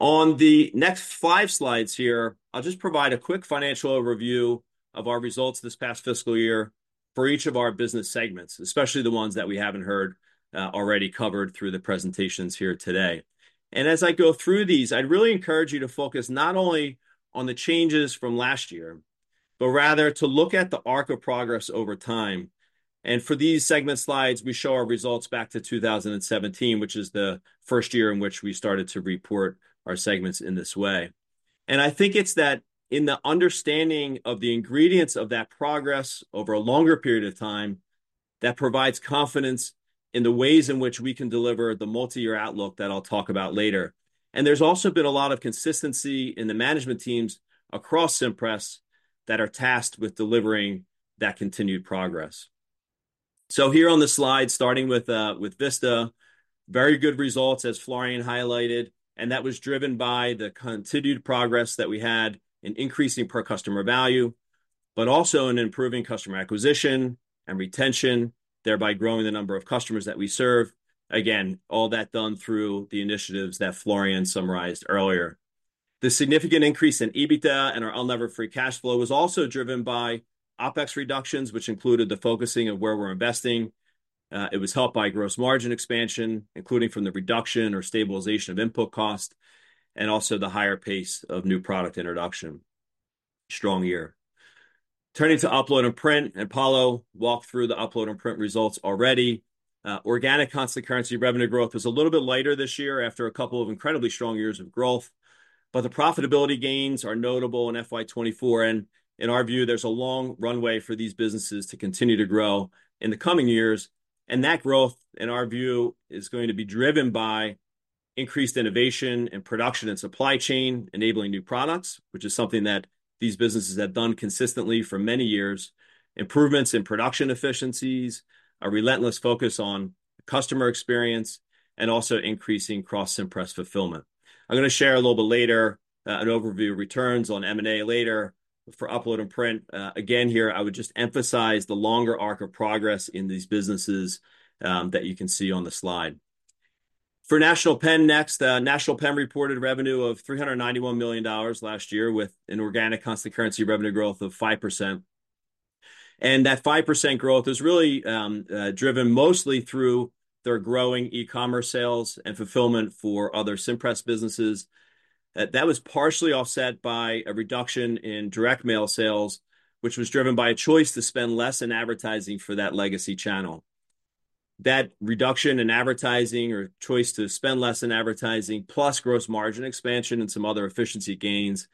On the next five slides here, I'll just provide a quick financial overview of our results this past fiscal year for each of our business segments, especially the ones that we haven't heard already covered through the presentations here today. As I go through these, I'd really encourage you to focus not only on the changes from last year, but rather to look at the arc of progress over time. For these segment slides, we show our results back to two thousand and seventeen, which is the first year in which we started to report our segments in this way. I think it's that in the understanding of the ingredients of that progress over a longer period of time, that provides confidence in the ways in which we can deliver the multi-year outlook that I'll talk about later. There's also been a lot of consistency in the management teams across Cimpress that are tasked with delivering that continued progress. So here on the slide, starting with Vista, very good results, as Florian highlighted, and that was driven by the continued progress that we had in increasing per customer value, but also in improving customer acquisition and retention, thereby growing the number of customers that we serve. Again, all that done through the initiatives that Florian summarized earlier. The significant increase in EBITDA and our unlevered free cash flow was also driven by OpEx reductions, which included the focusing of where we're investing. It was helped by gross margin expansion, including from the reduction or stabilization of input cost, and also the higher pace of new product introduction. Strong year. Turning to Upload and Print, and Paolo walked through the Upload and Print results already. Organic constant currency revenue growth was a little bit lighter this year after a couple of incredibly strong years of growth, but the profitability gains are notable in FY 2024, and in our view, there's a long runway for these businesses to continue to grow in the coming years, and that growth, in our view, is going to be driven by increased innovation in production and supply chain, enabling new products, which is something that these businesses have done consistently for many years, improvements in production efficiencies, a relentless focus on customer experience, and also increasing Cross-Cimpress fulfillment. I'm gonna share a little bit later, an overview of returns on M&A later for Upload & Print. Again here, I would just emphasize the longer arc of progress in these businesses, that you can see on the slide. For National Pen next, National Pen reported revenue of $391 million last year, with an organic constant currency revenue growth of 5%. And that 5% growth is really driven mostly through their growing e-commerce sales and fulfillment for other Cimpress businesses. That was partially offset by a reduction in direct mail sales, which was driven by a choice to spend less in advertising for that legacy channel. That reduction in advertising, or choice to spend less in advertising, plus gross margin expansion and some other efficiency gains,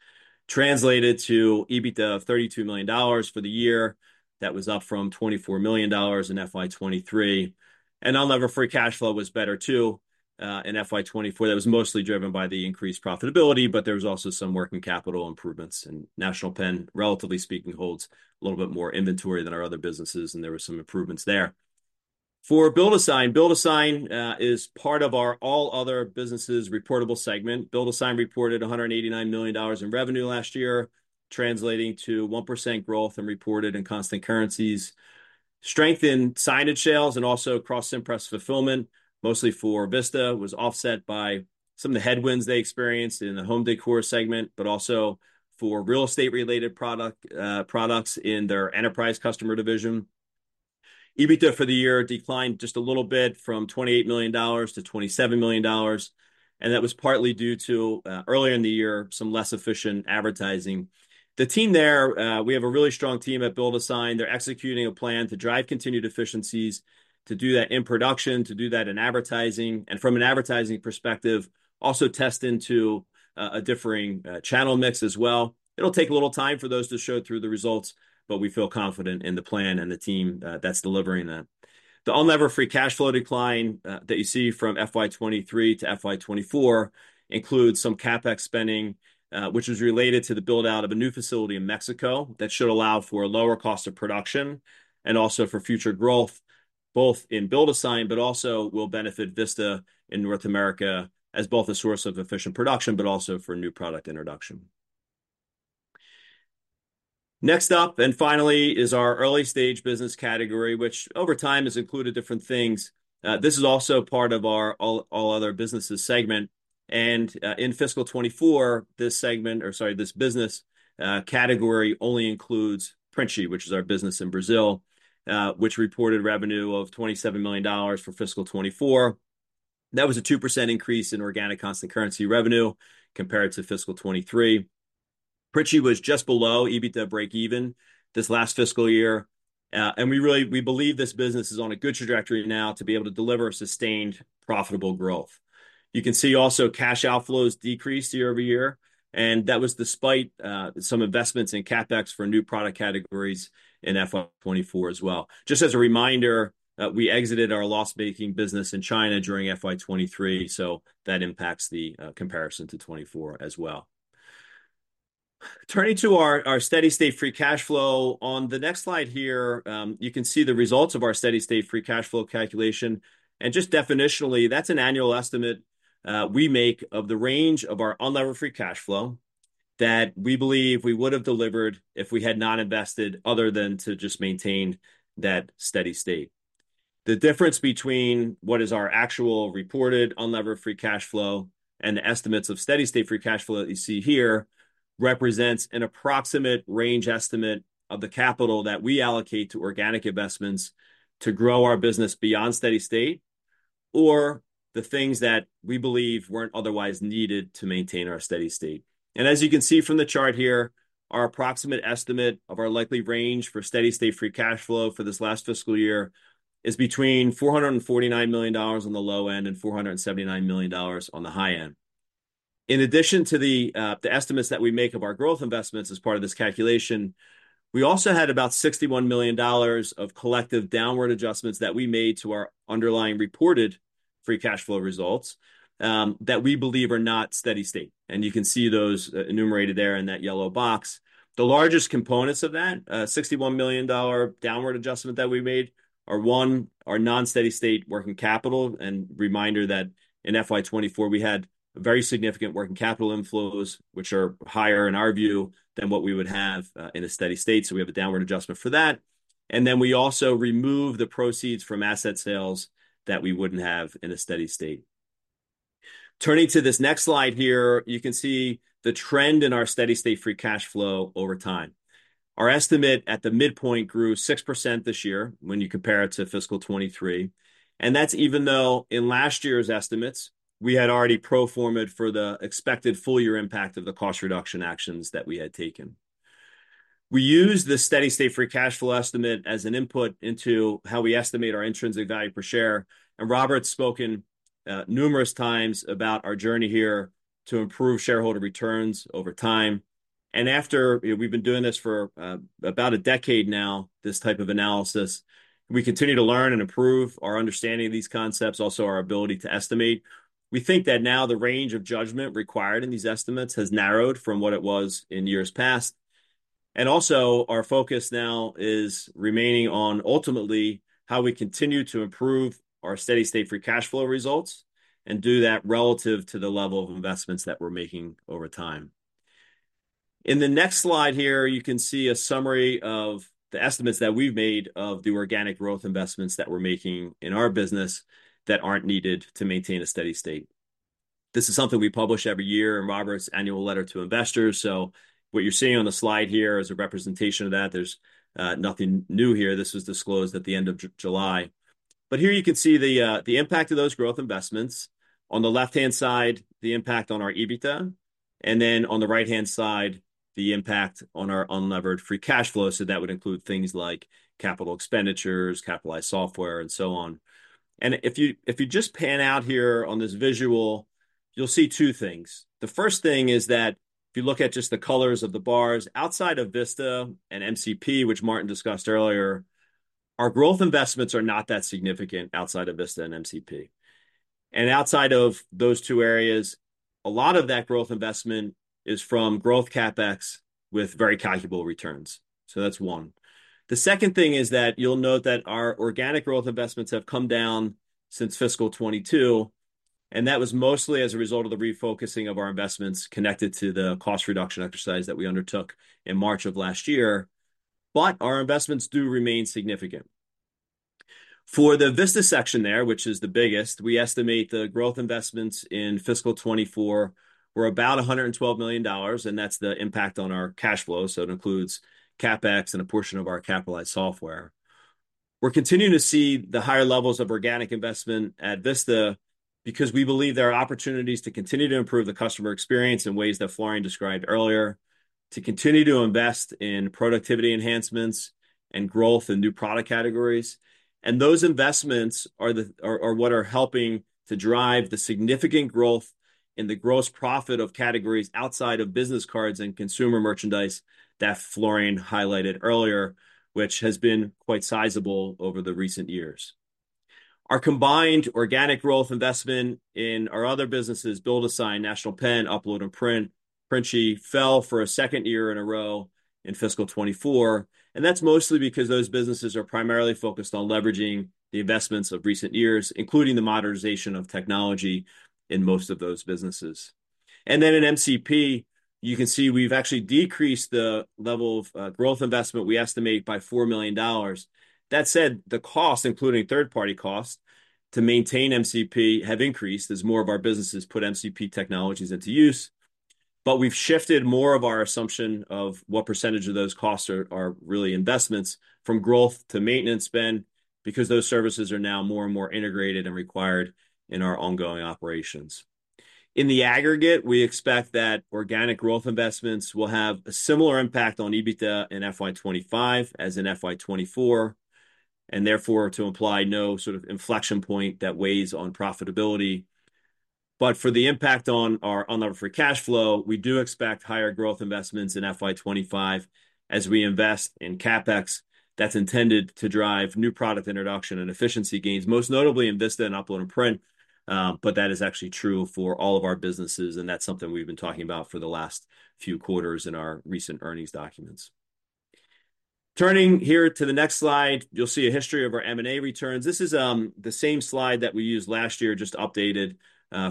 translated to EBITDA of $32 million for the year. That was up from $24 million in FY 2023. And unlevered free cash flow was better, too, in FY 2024. That was mostly driven by the increased profitability, but there was also some working capital improvements, and National Pen, relatively speaking, holds a little bit more inventory than our other businesses, and there were some improvements there. For Build-A-Sign is part of our all other businesses reportable segment. Build-A-Sign reported $189 million in revenue last year, translating to 1% growth as reported in constant currencies. Strength in signage sales and also cross-Cimpress fulfillment, mostly for Vista, was offset by some of the headwinds they experienced in the home decor segment, but also for real estate-related products in their enterprise customer division. EBITDA for the year declined just a little bit from $28 million to $27 million, and that was partly due to earlier in the year, some less efficient advertising. The team there, we have a really strong team at Build-A-Sign. They're executing a plan to drive continued efficiencies, to do that in production, to do that in advertising, and from an advertising perspective, also test into, a differing, channel mix as well. It'll take a little time for those to show through the results, but we feel confident in the plan and the team, that's delivering that. The unlevered free cash flow decline, that you see from FY 2023 to FY 2024 includes some CapEx spending, which was related to the build-out of a new facility in Mexico, that should allow for a lower cost of production, and also for future growth, both in Build-A-Sign, but also will benefit Vista in North America as both a source of efficient production, but also for new product introduction. Next up, and finally, is our early-stage business category, which over time has included different things. This is also part of our all other businesses segment. In fiscal 2024, this segment, or sorry, this business category only includes Printi, which is our business in Brazil, which reported revenue of $27 million for fiscal 2024. That was a 2% increase in organic constant currency revenue compared to fiscal 2023. Printi was just below EBITDA break even this last fiscal year. And we really believe this business is on a good trajectory now to be able to deliver a sustained, profitable growth. You can see also cash outflows decreased year over year, and that was despite some investments in CapEx for new product categories in FY 2024 as well. Just as a reminder, we exited our loss-making business in China during FY 2023, so that impacts the comparison to 2024 as well. Turning to our steady-state free cash flow, on the next slide here, you can see the results of our steady-state free cash flow calculation. And just definitionally, that's an annual estimate we make of the range of our unlevered free cash flow, that we believe we would have delivered if we had not invested, other than to just maintain that steady state. The difference between what is our actual reported unlevered free cash flow and the estimates of steady-state free cash flow that you see here, represents an approximate range estimate of the capital that we allocate to organic investments to grow our business beyond steady state, or the things that we believe weren't otherwise needed to maintain our steady state. As you can see from the chart here, our approximate estimate of our likely range for steady-state free cash flow for this last fiscal year is between $449 million on the low end and $479 million on the high end. In addition to the estimates that we make of our growth investments as part of this calculation, we also had about $61 million of collective downward adjustments that we made to our underlying reported free cash flow results that we believe are not steady state, and you can see those enumerated there in that yellow box. The largest components of that $61 million downward adjustment that we made are non-steady state working capital. Reminder that in FY twenty-four, we had very significant working capital inflows, which are higher, in our view, than what we would have in a steady state, so we have a downward adjustment for that. Then we also remove the proceeds from asset sales that we wouldn't have in a steady state. Turning to this next slide here, you can see the trend in our steady-state free cash flow over time. Our estimate at the midpoint grew 6% this year when you compare it to fiscal twenty-three, and that's even though in last year's estimates, we had already pro forma'd for the expected full year impact of the cost reduction actions that we had taken. We used the steady-state free cash flow estimate as an input into how we estimate our intrinsic value per share, and Robert's spoken numerous times about our journey here to improve shareholder returns over time. We've been doing this for about a decade now, this type of analysis. We continue to learn and improve our understanding of these concepts, also our ability to estimate. We think that now the range of judgment required in these estimates has narrowed from what it was in years past, and also our focus now is remaining on ultimately how we continue to improve our steady-state free cash flow results, and do that relative to the level of investments that we're making over time. In the next slide here, you can see a summary of the estimates that we've made of the organic growth investments that we're making in our business that aren't needed to maintain a steady state. This is something we publish every year in Robert's annual letter to investors. So what you're seeing on the slide here is a representation of that. There's nothing new here. This was disclosed at the end of July. But here you can see the impact of those growth investments. On the left-hand side, the impact on our EBITDA, and then on the right-hand side, the impact on our unlevered free cash flow, so that would include things like capital expenditures, capitalized software, and so on. And if you just pan out here on this visual, you'll see two things. The first thing is that if you look at just the colors of the bars, outside of Vista and MCP, which Maarten discussed earlier, our growth investments are not that significant outside of Vista and MCP. And outside of those two areas, a lot of that growth investment is from growth CapEx with very calculable returns. So that's one. The second thing is that you'll note that our organic growth investments have come down since fiscal 2022, and that was mostly as a result of the refocusing of our investments connected to the cost reduction exercise that we undertook in March of last year. But our investments do remain significant. For the Vista section there, which is the biggest, we estimate the growth investments in fiscal 2024 were about $112 million, and that's the impact on our cash flow, so it includes CapEx and a portion of our capitalized software. We're continuing to see the higher levels of organic investment at Vista, because we believe there are opportunities to continue to improve the customer experience in ways that Florian described earlier, to continue to invest in productivity enhancements and growth in new product categories. Those investments are what are helping to drive the significant growth in the gross profit of categories outside of business cards and consumer merchandise that Florian highlighted earlier, which has been quite sizable over the recent years. Our combined organic growth investment in our other businesses, Build-A-Sign, National Pen, Upload and Print, Printi, fell for a second year in a row in fiscal 2024, and that's mostly because those businesses are primarily focused on leveraging the investments of recent years, including the modernization of technology in most of those businesses. And then in MCP, you can see we've actually decreased the level of, growth investment, we estimate by $4 million. That said, the cost, including third-party costs, to maintain MCP, have increased as more of our businesses put MCP technologies into use. But we've shifted more of our assumption of what percentage of those costs are really investments from growth to maintenance spend, because those services are now more and more integrated and required in our ongoing operations. In the aggregate, we expect that organic growth investments will have a similar impact on EBITDA in FY twenty-five as in FY twenty-four, and therefore, to imply no sort of inflection point that weighs on profitability. But for the impact on our unlevered free cash flow, we do expect higher growth investments in FY twenty-five as we invest in CapEx, that's intended to drive new product introduction and efficiency gains, most notably in Vista and Upload and Print. But that is actually true for all of our businesses, and that's something we've been talking about for the last few quarters in our recent earnings documents. Turning here to the next slide, you'll see a history of our M&A returns. This is the same slide that we used last year, just updated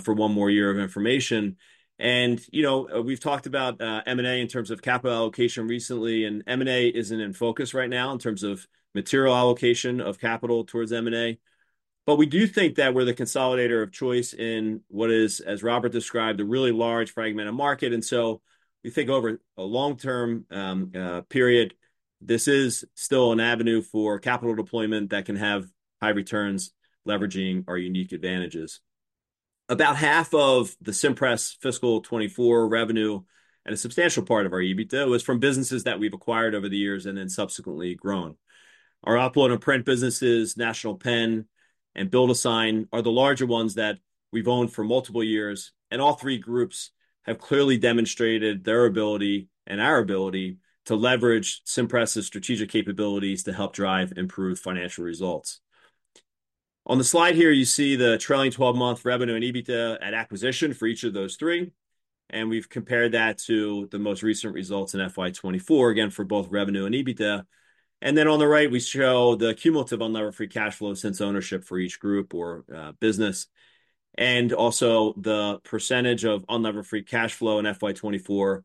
for one more year of information. You know, we've talked about M&A in terms of capital allocation recently, and M&A isn't in focus right now in terms of material allocation of capital towards M&A. But we do think that we're the consolidator of choice in what is, as Robert described, a really large, fragmented market. So we think over a long-term period, this is still an avenue for capital deployment that can have high returns, leveraging our unique advantages. About half of the Cimpress fiscal twenty-four revenue, and a substantial part of our EBITDA, was from businesses that we've acquired over the years and then subsequently grown. Our Upload and Print businesses, National Pen, and Build-A-Sign are the larger ones that we've owned for multiple years, and all three groups have clearly demonstrated their ability, and our ability, to leverage Cimpress's strategic capabilities to help drive improved financial results. On the slide here, you see the trailing twelve-month revenue and EBITDA at acquisition for each of those three, and we've compared that to the most recent results in FY 2024, again, for both revenue and EBITDA. Then on the right, we show the cumulative unlevered free cash flow since ownership for each group or business, and also the percentage of unlevered free cash flow in FY 2024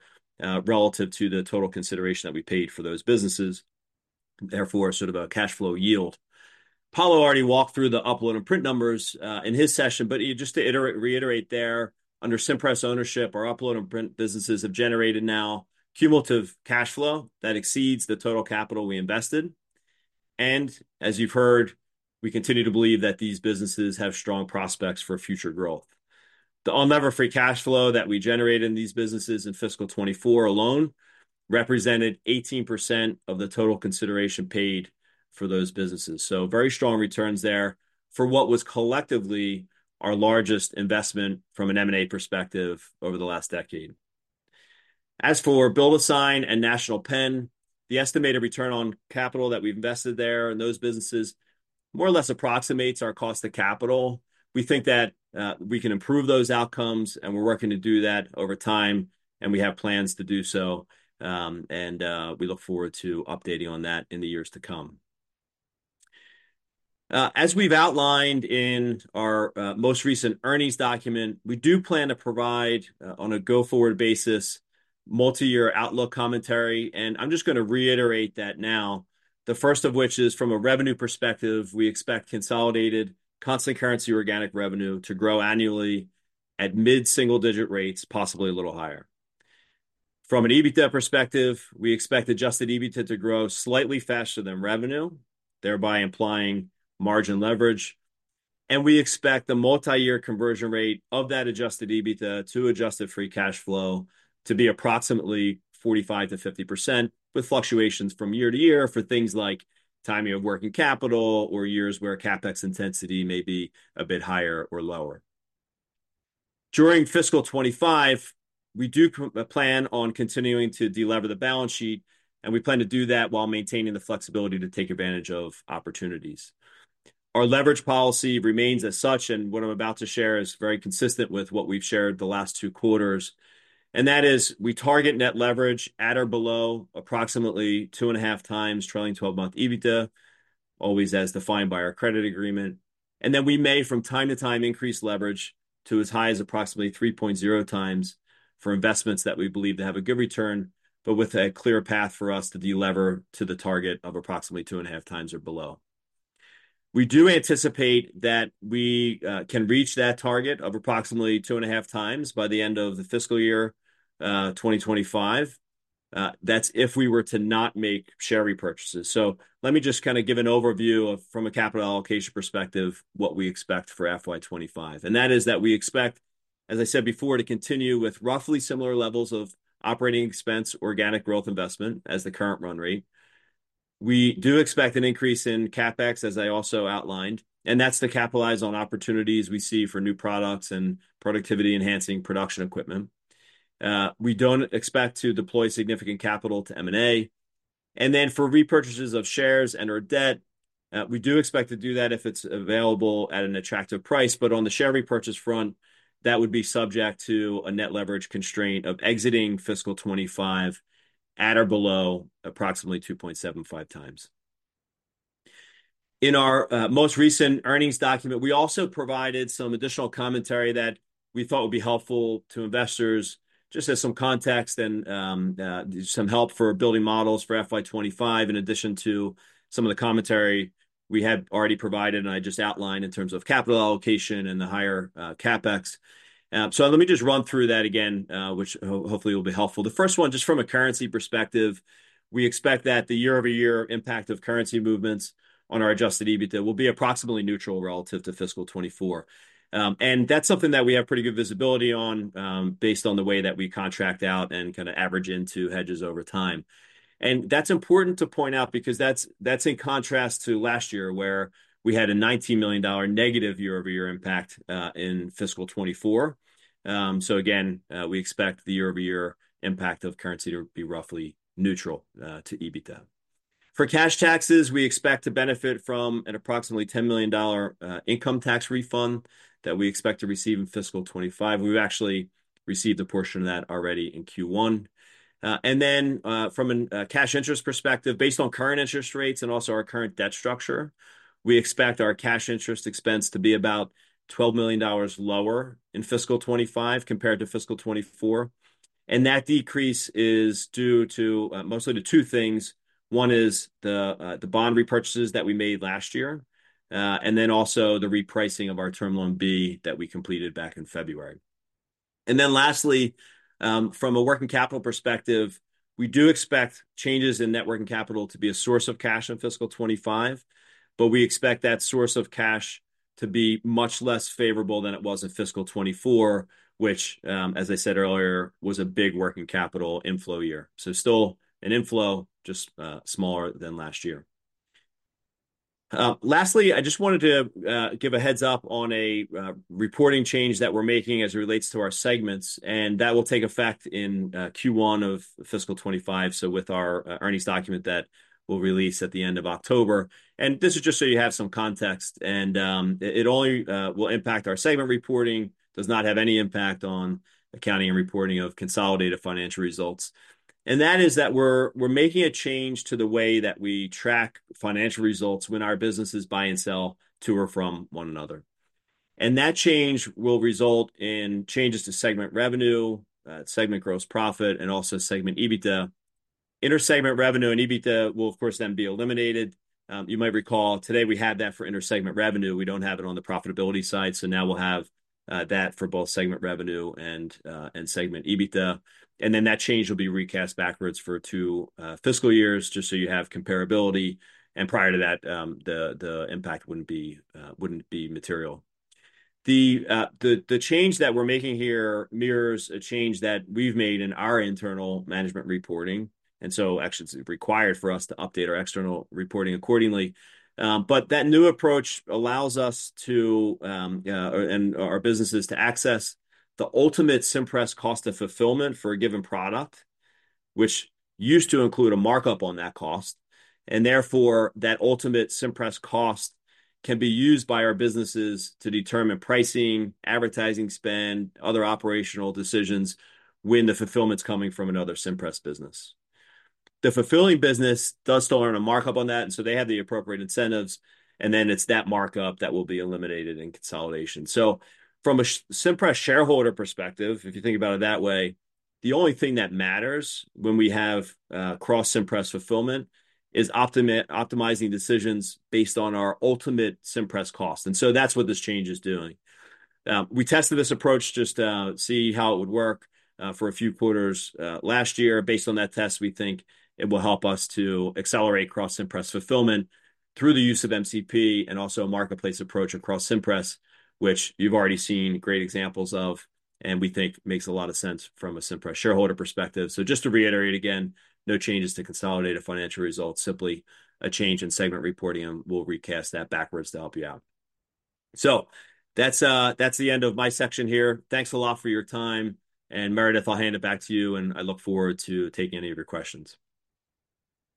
relative to the total consideration that we paid for those businesses, therefore, sort of a cash flow yield. Paolo already walked through the Upload and Print numbers in his session, but just to reiterate there, under Cimpress ownership, our Upload and Print businesses have generated now cumulative cash flow that exceeds the total capital we invested. As you've heard, we continue to believe that these businesses have strong prospects for future growth. The unlevered free cash flow that we generated in these businesses in fiscal twenty-four alone represented 18% of the total consideration paid for those businesses, so very strong returns there for what was collectively our largest investment from an M&A perspective over the last decade. As for Build-A-Sign and National Pen, the estimated return on capital that we've invested there in those businesses more or less approximates our cost of capital. We think that we can improve those outcomes, and we're working to do that over time, and we have plans to do so. We look forward to updating you on that in the years to come. As we've outlined in our most recent earnings document, we do plan to provide on a go-forward basis, multi-year outlook commentary, and I'm just gonna reiterate that now. The first of which is from a revenue perspective, we expect consolidated constant currency organic revenue to grow annually at mid-single-digit rates, possibly a little higher. From an EBITDA perspective, we expect adjusted EBITDA to grow slightly faster than revenue, thereby implying margin leverage. And we expect the multi-year conversion rate of that adjusted EBITDA to adjusted free cash flow to be approximately 45%-50%, with fluctuations from year to year for things like timing of working capital or years where CapEx intensity may be a bit higher or lower. During fiscal 2025, we do plan on continuing to delever the balance sheet, and we plan to do that while maintaining the flexibility to take advantage of opportunities. Our leverage policy remains as such, and what I'm about to share is very consistent with what we've shared the last two quarters. And that is, we target net leverage at or below approximately two and a half times trailing twelve-month EBITDA, always as defined by our credit agreement. And then we may, from time to time, increase leverage to as high as approximately three point zero times for investments that we believe to have a good return, but with a clear path for us to de-lever to the target of approximately two and a half times or below. We do anticipate that we can reach that target of approximately two and a half times by the end of the fiscal year 2025. That's if we were to not make share repurchases. So let me just kind of give an overview of, from a capital allocation perspective, what we expect for FY 2025, and that is that we expect, as I said before, to continue with roughly similar levels of operating expense, organic growth investment as the current run rate. We do expect an increase in CapEx, as I also outlined, and that's to capitalize on opportunities we see for new products and productivity-enhancing production equipment. We don't expect to deploy significant capital to M&A. And then for repurchases of shares and/or debt, we do expect to do that if it's available at an attractive price. But on the share repurchase front, that would be subject to a net leverage constraint of exiting fiscal 2025 at or below approximately 2.75 times. In our most recent earnings document, we also provided some additional commentary that we thought would be helpful to investors, just as some context and some help for building models for FY twenty-five, in addition to some of the commentary we had already provided, and I just outlined in terms of capital allocation and the higher CapEx. So let me just run through that again, which hopefully will be helpful. The first one, just from a currency perspective, we expect that the year-over-year impact of currency movements on our adjusted EBITDA will be approximately neutral relative to fiscal twenty-four, and that's something that we have pretty good visibility on, based on the way that we contract out and kind of average into hedges over time. And that's important to point out, because that's, that's in contrast to last year, where we had a $90 million negative year-over-year impact in fiscal 2024. So again, we expect the year-over-year impact of currency to be roughly neutral to EBITDA. For cash taxes, we expect to benefit from an approximately $10 million income tax refund that we expect to receive in fiscal 2025. We've actually received a portion of that already in Q1. And then, from a cash interest perspective, based on current interest rates and also our current debt structure, we expect our cash interest expense to be about $12 million lower in fiscal 2025 compared to fiscal 2024, and that decrease is due to, mostly to two things. One is the bond repurchases that we made last year, and then also the repricing of our term loan B that we completed back in February. And then lastly, from a working capital perspective, we do expect changes in net working capital to be a source of cash in fiscal twenty-five, but we expect that source of cash to be much less favorable than it was in fiscal twenty-four, which, as I said earlier, was a big working capital inflow year. So still an inflow, just smaller than last year. Lastly, I just wanted to give a heads-up on a reporting change that we're making as it relates to our segments, and that will take effect in Q1 of fiscal twenty-five, so with our earnings document that we'll release at the end of October. This is just so you have some context, and it only will impact our segment reporting, does not have any impact on accounting and reporting of consolidated financial results. That is that we're making a change to the way that we track financial results when our businesses buy and sell to or from one another. That change will result in changes to segment revenue, segment gross profit, and also segment EBITDA. Inter-segment revenue and EBITDA will, of course, then be eliminated. You might recall, today we have that for inter-segment revenue. We don't have it on the profitability side. So now we'll have that for both segment revenue and segment EBITDA. Then that change will be recast backwards for two fiscal years, just so you have comparability, and prior to that, the impact wouldn't be material. The change that we're making here mirrors a change that we've made in our internal management reporting, and so actually, it's required for us to update our external reporting accordingly. But that new approach allows us to, and our businesses to access the ultimate Cimpress cost of fulfillment for a given product, which used to include a markup on that cost, and therefore, that ultimate Cimpress cost can be used by our businesses to determine pricing, advertising spend, other operational decisions when the fulfillment's coming from another Cimpress business. The fulfilling business does still earn a markup on that, and so they have the appropriate incentives, and then it's that markup that will be eliminated in consolidation. From a Cimpress shareholder perspective, if you think about it that way, the only thing that matters when we have cross Cimpress fulfillment is optimizing decisions based on our ultimate Cimpress cost, and so that's what this change is doing. We tested this approach just to see how it would work for a few quarters last year. Based on that test, we think it will help us to accelerate cross Cimpress fulfillment through the use of MCP and also a marketplace approach across Cimpress, which you've already seen great examples of, and we think makes a lot of sense from a Cimpress shareholder perspective. So just to reiterate again, no changes to consolidated financial results, simply a change in segment reporting, and we'll recast that backwards to help you out. So that's the end of my section here. Thanks a lot for your time. And Meredith, I'll hand it back to you, and I look forward to taking any of your questions.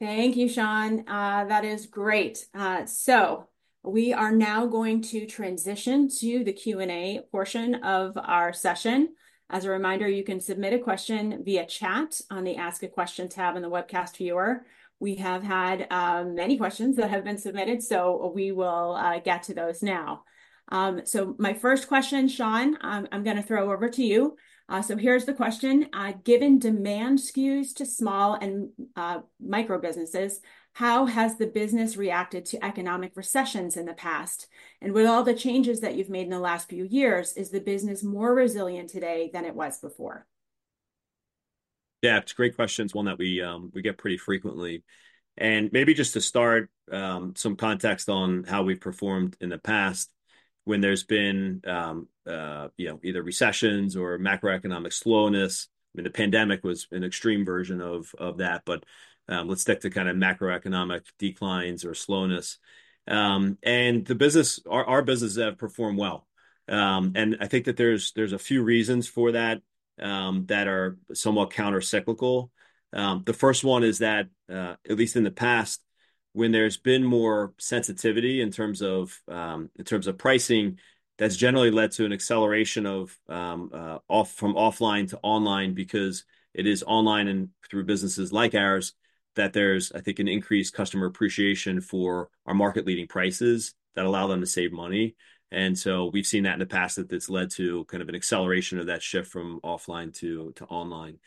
Thank you, Sean. That is great. So we are now going to transition to the Q&A portion of our session. As a reminder, you can submit a question via chat on the Ask a Question tab in the webcast viewer. We have had many questions that have been submitted, so we will get to those now. So my first question, Sean, I'm gonna throw over to you. So here's the question: Given demand skews to small and micro businesses, how has the business reacted to economic recessions in the past? And with all the changes that you've made in the last few years, is the business more resilient today than it was before? Yeah, it's a great question. It's one that we, we get pretty frequently. And maybe just to start, some context on how we've performed in the past when there's been, you know, either recessions or macroeconomic slowness. I mean, the pandemic was an extreme version of that, but, let's stick to kind of macroeconomic declines or slowness. And the business... Our business have performed well. And I think that there's a few reasons for that, that are somewhat countercyclical. The first one is that, at least in the past, when there's been more sensitivity in terms of, in terms of pricing, that's generally led to an acceleration of, from offline to online, because it is online and through businesses like ours, that there's, I think, an increased customer appreciation for our market-leading prices that allow them to save money. And so we've seen that in the past, that that's led to kind of an acceleration of that shift from offline to online.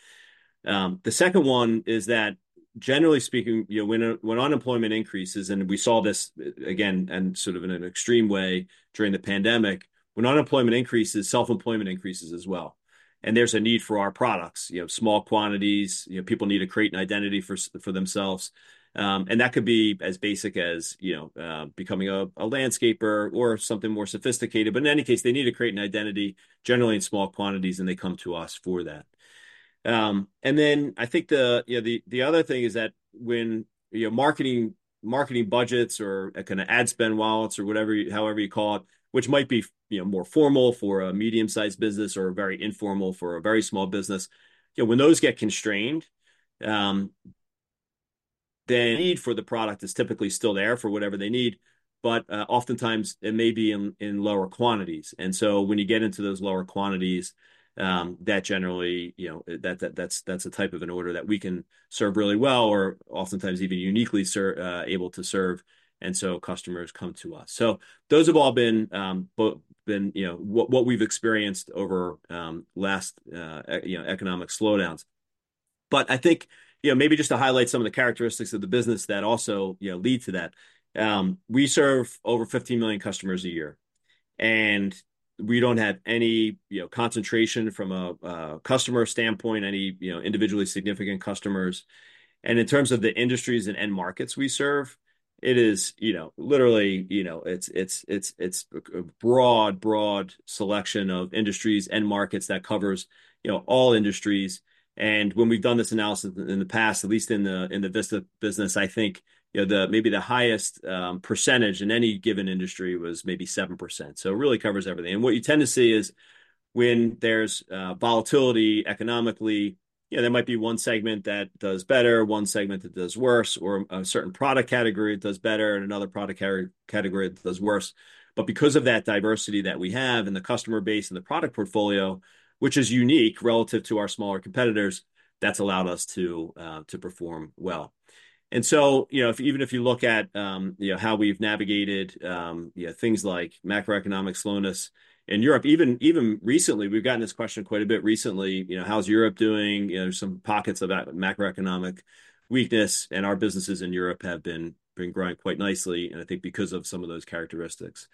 The second one is that, generally speaking, you know, when unemployment increases, and we saw this, again, and sort of in an extreme way during the pandemic, when unemployment increases, self-employment increases as well, and there's a need for our products. You have small quantities, you know, people need to create an identity for themselves. And that could be as basic as, you know, becoming a landscaper or something more sophisticated. But in any case, they need to create an identity, generally in small quantities, and they come to us for that. And then I think you know the other thing is that when you know marketing budgets or a kind of ad spend wallets or whatever, however you call it, which might be, you know, more formal for a medium-sized business or very informal for a very small business, you know, when those get constrained, the need for the product is typically still there for whatever they need, but oftentimes it may be in lower quantities. And so when you get into those lower quantities, that generally, you know, that's a type of an order that we can serve really well or oftentimes even uniquely able to serve, and so customers come to us. So those have all been, but, you know, what we've experienced over last economic slowdowns. But I think, you know, maybe just to highlight some of the characteristics of the business that also, you know, lead to that. We serve over 50 million customers a year, and we don't have any, you know, concentration from a customer standpoint, any, you know, individually significant customers. And in terms of the industries and end markets we serve, it is, you know, literally, you know, it's a broad selection of industries and markets that covers, you know, all industries. And when we've done this analysis in the past, at least in the Vistaprint business, I think, you know, the maybe the highest percentage in any given industry was maybe 7%, so it really covers everything. And what you tend to see is when there's volatility economically, you know, there might be one segment that does better, one segment that does worse, or a certain product category does better, and another product category that does worse. But because of that diversity that we have in the customer base and the product portfolio, which is unique relative to our smaller competitors, that's allowed us to perform well. And so, you know, even if you look at how we've navigated things like macroeconomic slowness in Europe, even recently, we've gotten this question quite a bit recently, you know, how's Europe doing? You know, there's some pockets of that macroeconomic weakness, and our businesses in Europe have been growing quite nicely, and I think because of some of those characteristics.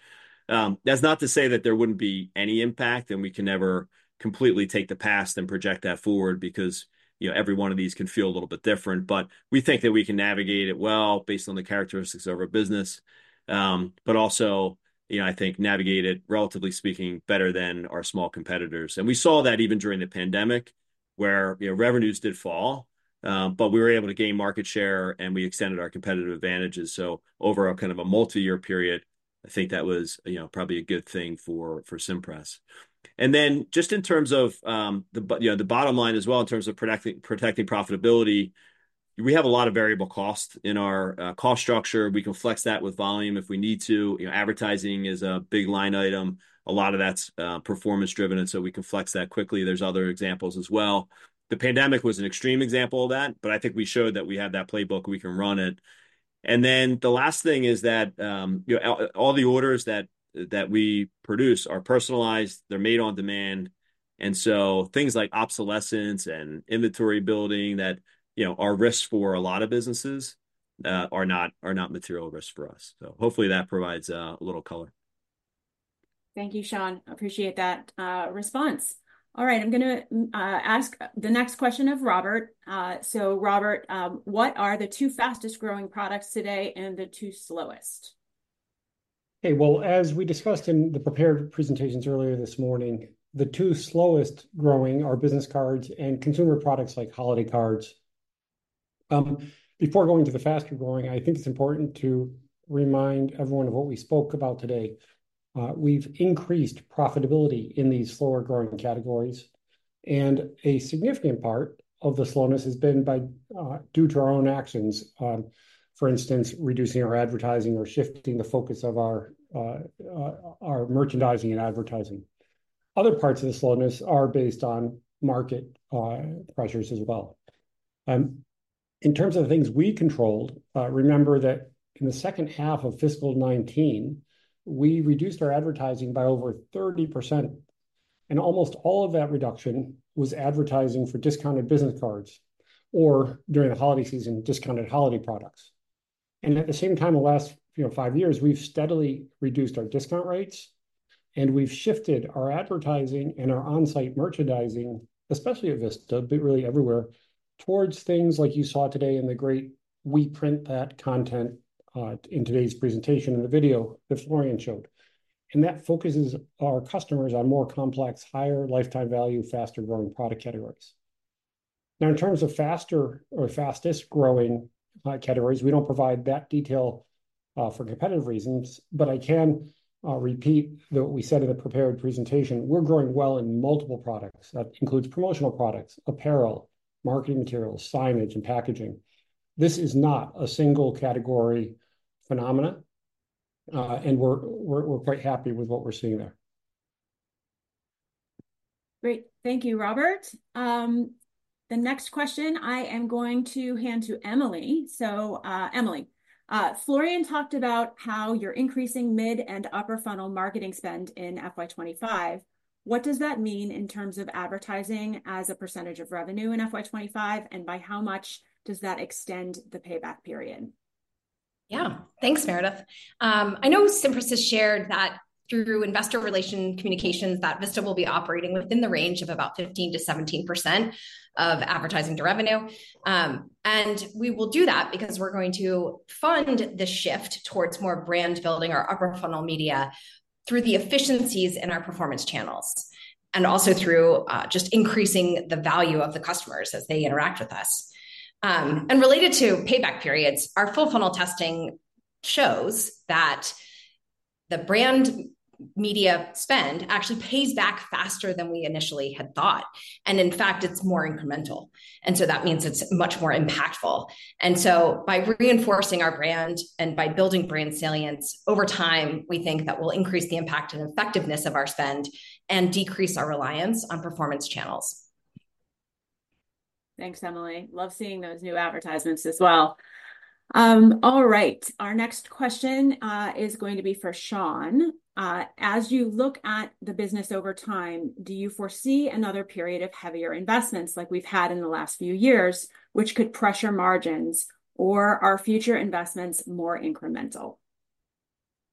That's not to say that there wouldn't be any impact, and we can never completely take the past and project that forward because, you know, every one of these can feel a little bit different, but we think that we can navigate it well based on the characteristics of our business, but also, you know, I think navigate it, relatively speaking, better than our small competitors. We saw that even during the pandemic, where, you know, revenues did fall, but we were able to gain market share, and we extended our competitive advantages. Over a kind of a multi-year period, I think that was, you know, probably a good thing for Cimpress. Just in terms of, you know, the bottom line as well, in terms of protecting profitability, we have a lot of variable cost in our cost structure. We can flex that with volume if we need to. You know, advertising is a big line item. A lot of that's performance driven, and so we can flex that quickly. There's other examples as well. The pandemic was an extreme example of that, but I think we showed that we have that playbook, we can run it. And then the last thing is that, you know, all the orders that we produce are personalized, they're made on demand. And so things like obsolescence and inventory building that, you know, are risks for a lot of businesses, are not material risks for us. So hopefully that provides a little color. Thank you, Sean. Appreciate that response. All right, I'm gonna ask the next question of Robert. So Robert, what are the two fastest-growing products today and the two slowest? As we discussed in the prepared presentations earlier this morning, the two slowest-growing are business cards and consumer products, like holiday cards.... before going to the faster growing, I think it's important to remind everyone of what we spoke about today. We've increased profitability in these slower growing categories, and a significant part of the slowness has been due to our own actions. For instance, reducing our advertising or shifting the focus of our merchandising and advertising. Other parts of the slowness are based on market pressures as well. In terms of the things we controlled, remember that in the second half of fiscal 2019, we reduced our advertising by over 30%, and almost all of that reduction was advertising for discounted business cards or, during the holiday season, discounted holiday products. At the same time, the last, you know, five years, we've steadily reduced our discount rates, and we've shifted our advertising and our on-site merchandising, especially at Vista, but really everywhere, towards things like you saw today in the great We Print That content, in today's presentation, in the video that Florian showed. That focuses our customers on more complex, higher lifetime value, faster growing product categories. Now, in terms of faster or fastest growing, categories, we don't provide that detail, for competitive reasons, but I can repeat what we said in the prepared presentation. We're growing well in multiple products. That includes promotional products, apparel, marketing materials, signage, and packaging. This is not a single category phenomenon, and we're quite happy with what we're seeing there. Great. Thank you, Robert. The next question I am going to hand to Emily. So, Emily, Florian talked about how you're increasing mid and upper funnel marketing spend in FY 2025. What does that mean in terms of advertising as a percentage of revenue in FY 2025, and by how much does that extend the payback period? Yeah. Thanks, Meredith. I know Cimpress has shared that through investor relations communications, that Vista will be operating within the range of about 15%-17% of advertising to revenue. And we will do that because we're going to fund the shift towards more brand building our upper funnel media through the efficiencies in our performance channels, and also through, just increasing the value of the customers as they interact with us. And related to payback periods, our full funnel testing shows that the brand media spend actually pays back faster than we initially had thought, and in fact, it's more incremental, and so that means it's much more impactful. And so by reinforcing our brand and by building brand salience, over time, we think that will increase the impact and effectiveness of our spend, and decrease our reliance on performance channels. Thanks, Emily. Love seeing those new advertisements as well. All right, our next question is going to be for Sean. As you look at the business over time, do you foresee another period of heavier investments like we've had in the last few years, which could pressure margins, or are future investments more incremental?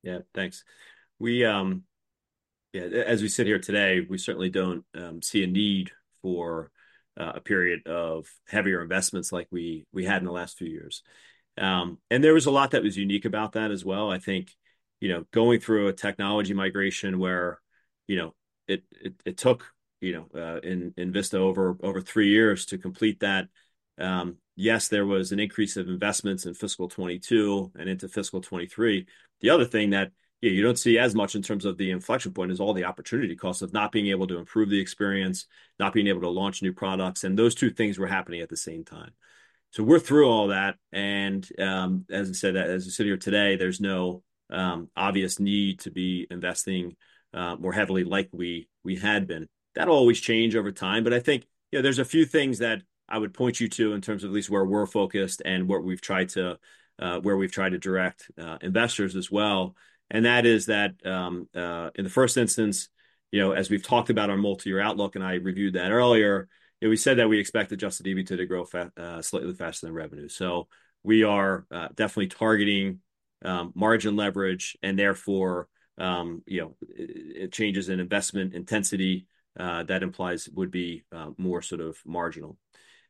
Yeah, thanks. We... Yeah, as we sit here today, we certainly don't see a need for a period of heavier investments like we had in the last few years. And there was a lot that was unique about that as well. I think, you know, going through a technology migration where, you know, it took, you know, in Vista, over three years to complete that. Yes, there was an increase of investments in fiscal 2022 and into fiscal 2023. The other thing that, yeah, you don't see as much in terms of the inflection point is all the opportunity costs of not being able to improve the experience, not being able to launch new products, and those two things were happening at the same time. So we're through all that, and, as I said, as we sit here today, there's no obvious need to be investing more heavily like we had been. That'll always change over time, but I think, you know, there's a few things that I would point you to in terms of at least where we're focused and where we've tried to direct investors as well. And that is that, in the first instance, you know, as we've talked about our multi-year outlook, and I reviewed that earlier, you know, we said that we expect Adjusted EBITDA to grow slightly faster than revenue. So we are definitely targeting margin leverage and therefore, you know, changes in investment intensity that implies would be more sort of marginal.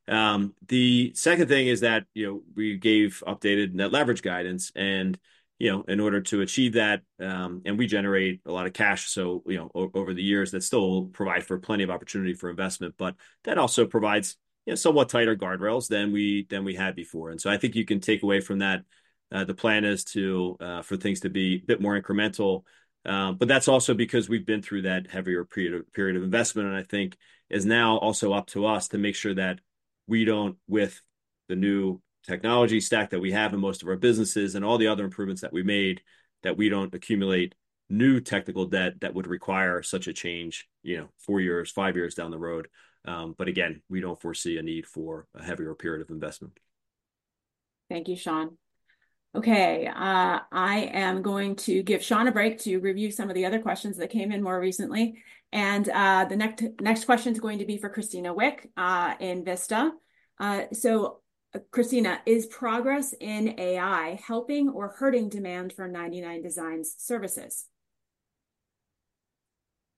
The second thing is that, you know, we gave updated net leverage guidance and, you know, in order to achieve that, and we generate a lot of cash, so, you know, over the years, that still provide for plenty of opportunity for investment, but that also provides, you know, somewhat tighter guardrails than we had before. And so I think you can take away from that, the plan is to, for things to be a bit more incremental. But that's also because we've been through that heavier period of investment, and I think it's now also up to us to make sure that we don't, with the new technology stack that we have in most of our businesses and all the other improvements that we made, that we don't accumulate new technical debt that would require such a change, you know, four years, five years down the road. But again, we don't foresee a need for a heavier period of investment. Thank you, Sean. Okay, I am going to give Sean a break to review some of the other questions that came in more recently, and the next question is going to be for Christina Wick in Vista, so Christina, is progress in AI helping or hurting demand for 99designs services?...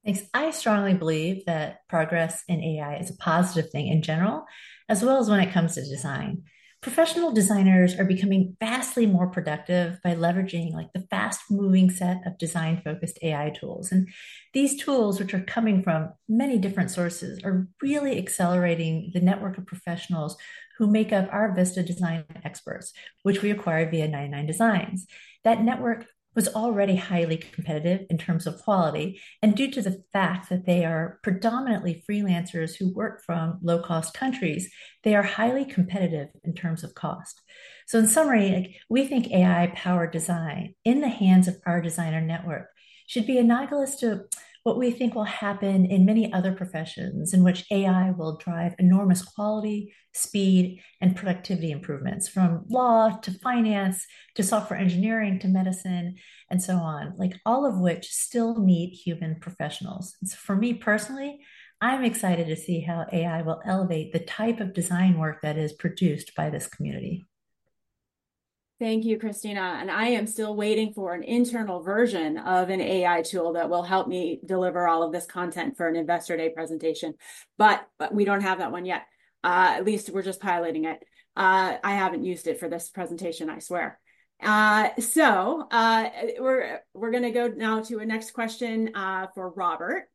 Thanks. I strongly believe that progress in AI is a positive thing in general, as well as when it comes to design. Professional designers are becoming vastly more productive by leveraging, like, the fast-moving set of design-focused AI tools. And these tools, which are coming from many different sources, are really accelerating the network of professionals who make up our Vista design experts, which we acquired via 99designs. That network was already highly competitive in terms of quality, and due to the fact that they are predominantly freelancers who work from low-cost countries, they are highly competitive in terms of cost. So in summary, like, we think AI-powered design, in the hands of our designer network, should be analogous to what we think will happen in many other professions, in which AI will drive enormous quality, speed, and productivity improvements, from law to finance, to software engineering, to medicine, and so on, like, all of which still need human professionals. So for me, personally, I'm excited to see how AI will elevate the type of design work that is produced by this community. Thank you, Christina, and I am still waiting for an internal version of an AI tool that will help me deliver all of this content for an Investor Day presentation, but we don't have that one yet. At least we're just piloting it. I haven't used it for this presentation, I swear. So, we're gonna go now to a next question for Robert.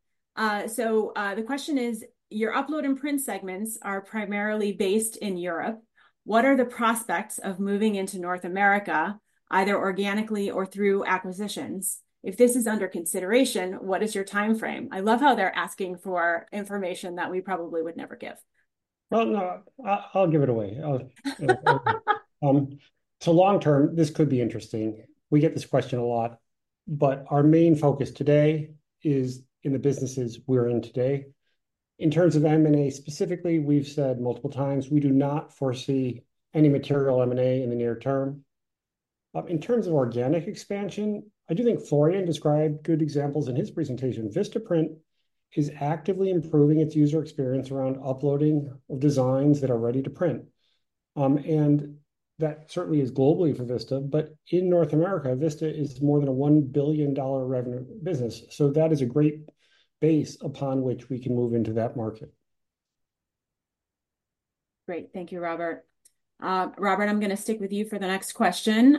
So, the question is: Your Upload and Print segments are primarily based in Europe. What are the prospects of moving into North America, either organically or through acquisitions? If this is under consideration, what is your timeframe? I love how they're asking for information that we probably would never give. No, I'll give it away. Long term, this could be interesting. We get this question a lot, but our main focus today is in the businesses we're in today. In terms of M&A specifically, we've said multiple times we do not foresee any material M&A in the near term. In terms of organic expansion, I do think Florian described good examples in his presentation. Vistaprint is actively improving its user experience around uploading of designs that are ready to print. That certainly is globally for Vista, but in North America, Vista is more than a $1 billion revenue business, so that is a great base upon which we can move into that market. Great. Thank you, Robert. Robert, I'm gonna stick with you for the next question.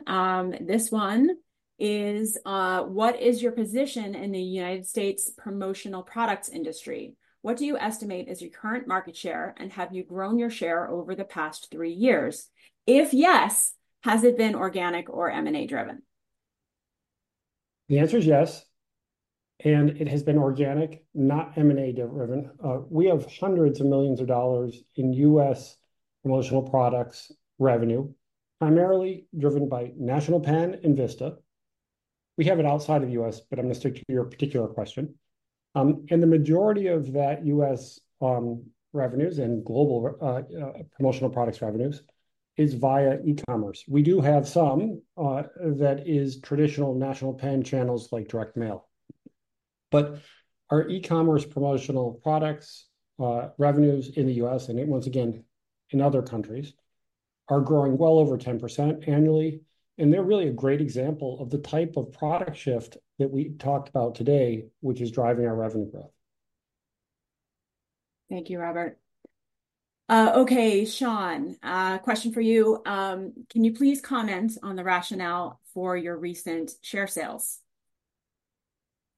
This one is: What is your position in the United States promotional products industry? What do you estimate is your current market share, and have you grown your share over the past three years? If yes, has it been organic or M&A-driven? The answer is yes, and it has been organic, not M&A-driven. We have hundreds of millions of dollars in U.S. promotional products revenue, primarily driven by National Pen and Vista. We have it outside of the U.S., but I'm gonna stick to your particular question. And the majority of that U.S. revenues and global promotional products revenues is via e-commerce. We do have some that is traditional National Pen channels, like direct mail, but our e-commerce promotional products revenues in the U.S., and once again, in other countries, are growing well over 10% annually, and they're really a great example of the type of product shift that we talked about today, which is driving our revenue growth. Thank you, Robert. Okay, Sean, a question for you. Can you please comment on the rationale for your recent share sales?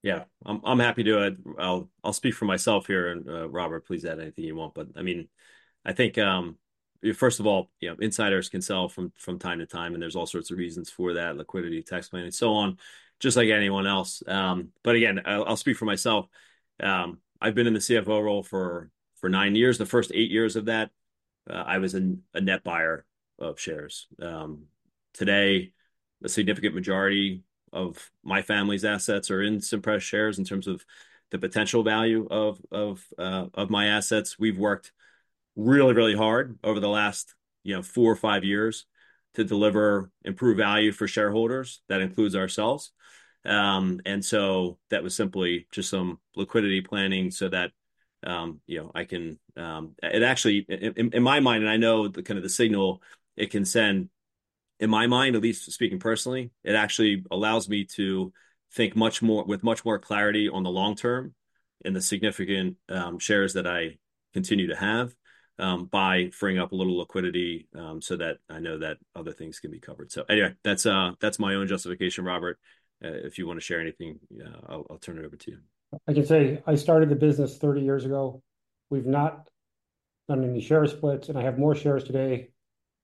Yeah, I'm happy to. I'll speak for myself here, and, Robert, please add anything you want. But, I mean, I think, first of all, you know, insiders can sell from time to time, and there's all sorts of reasons for that, liquidity, tax planning, and so on, just like anyone else. But again, I'll speak for myself. I've been in the CFO role for nine years. The first eight years of that, I was a net buyer of shares. Today, the significant majority of my family's assets are in Cimpress shares in terms of the potential value of my assets. We've worked really, really hard over the last, you know, four or five years to deliver improved value for shareholders. That includes ourselves. And so that was simply just some liquidity planning so that, you know, I can. And actually, in my mind, and I know the kind of the signal it can send, in my mind, at least speaking personally, it actually allows me to think much more with much more clarity on the long term and the significant shares that I continue to have by freeing up a little liquidity so that I know that other things can be covered. So anyway, that's my own justification. Robert, if you wanna share anything, I'll turn it over to you. I can say I started the business thirty years ago. We've not done any share splits, and I have more shares today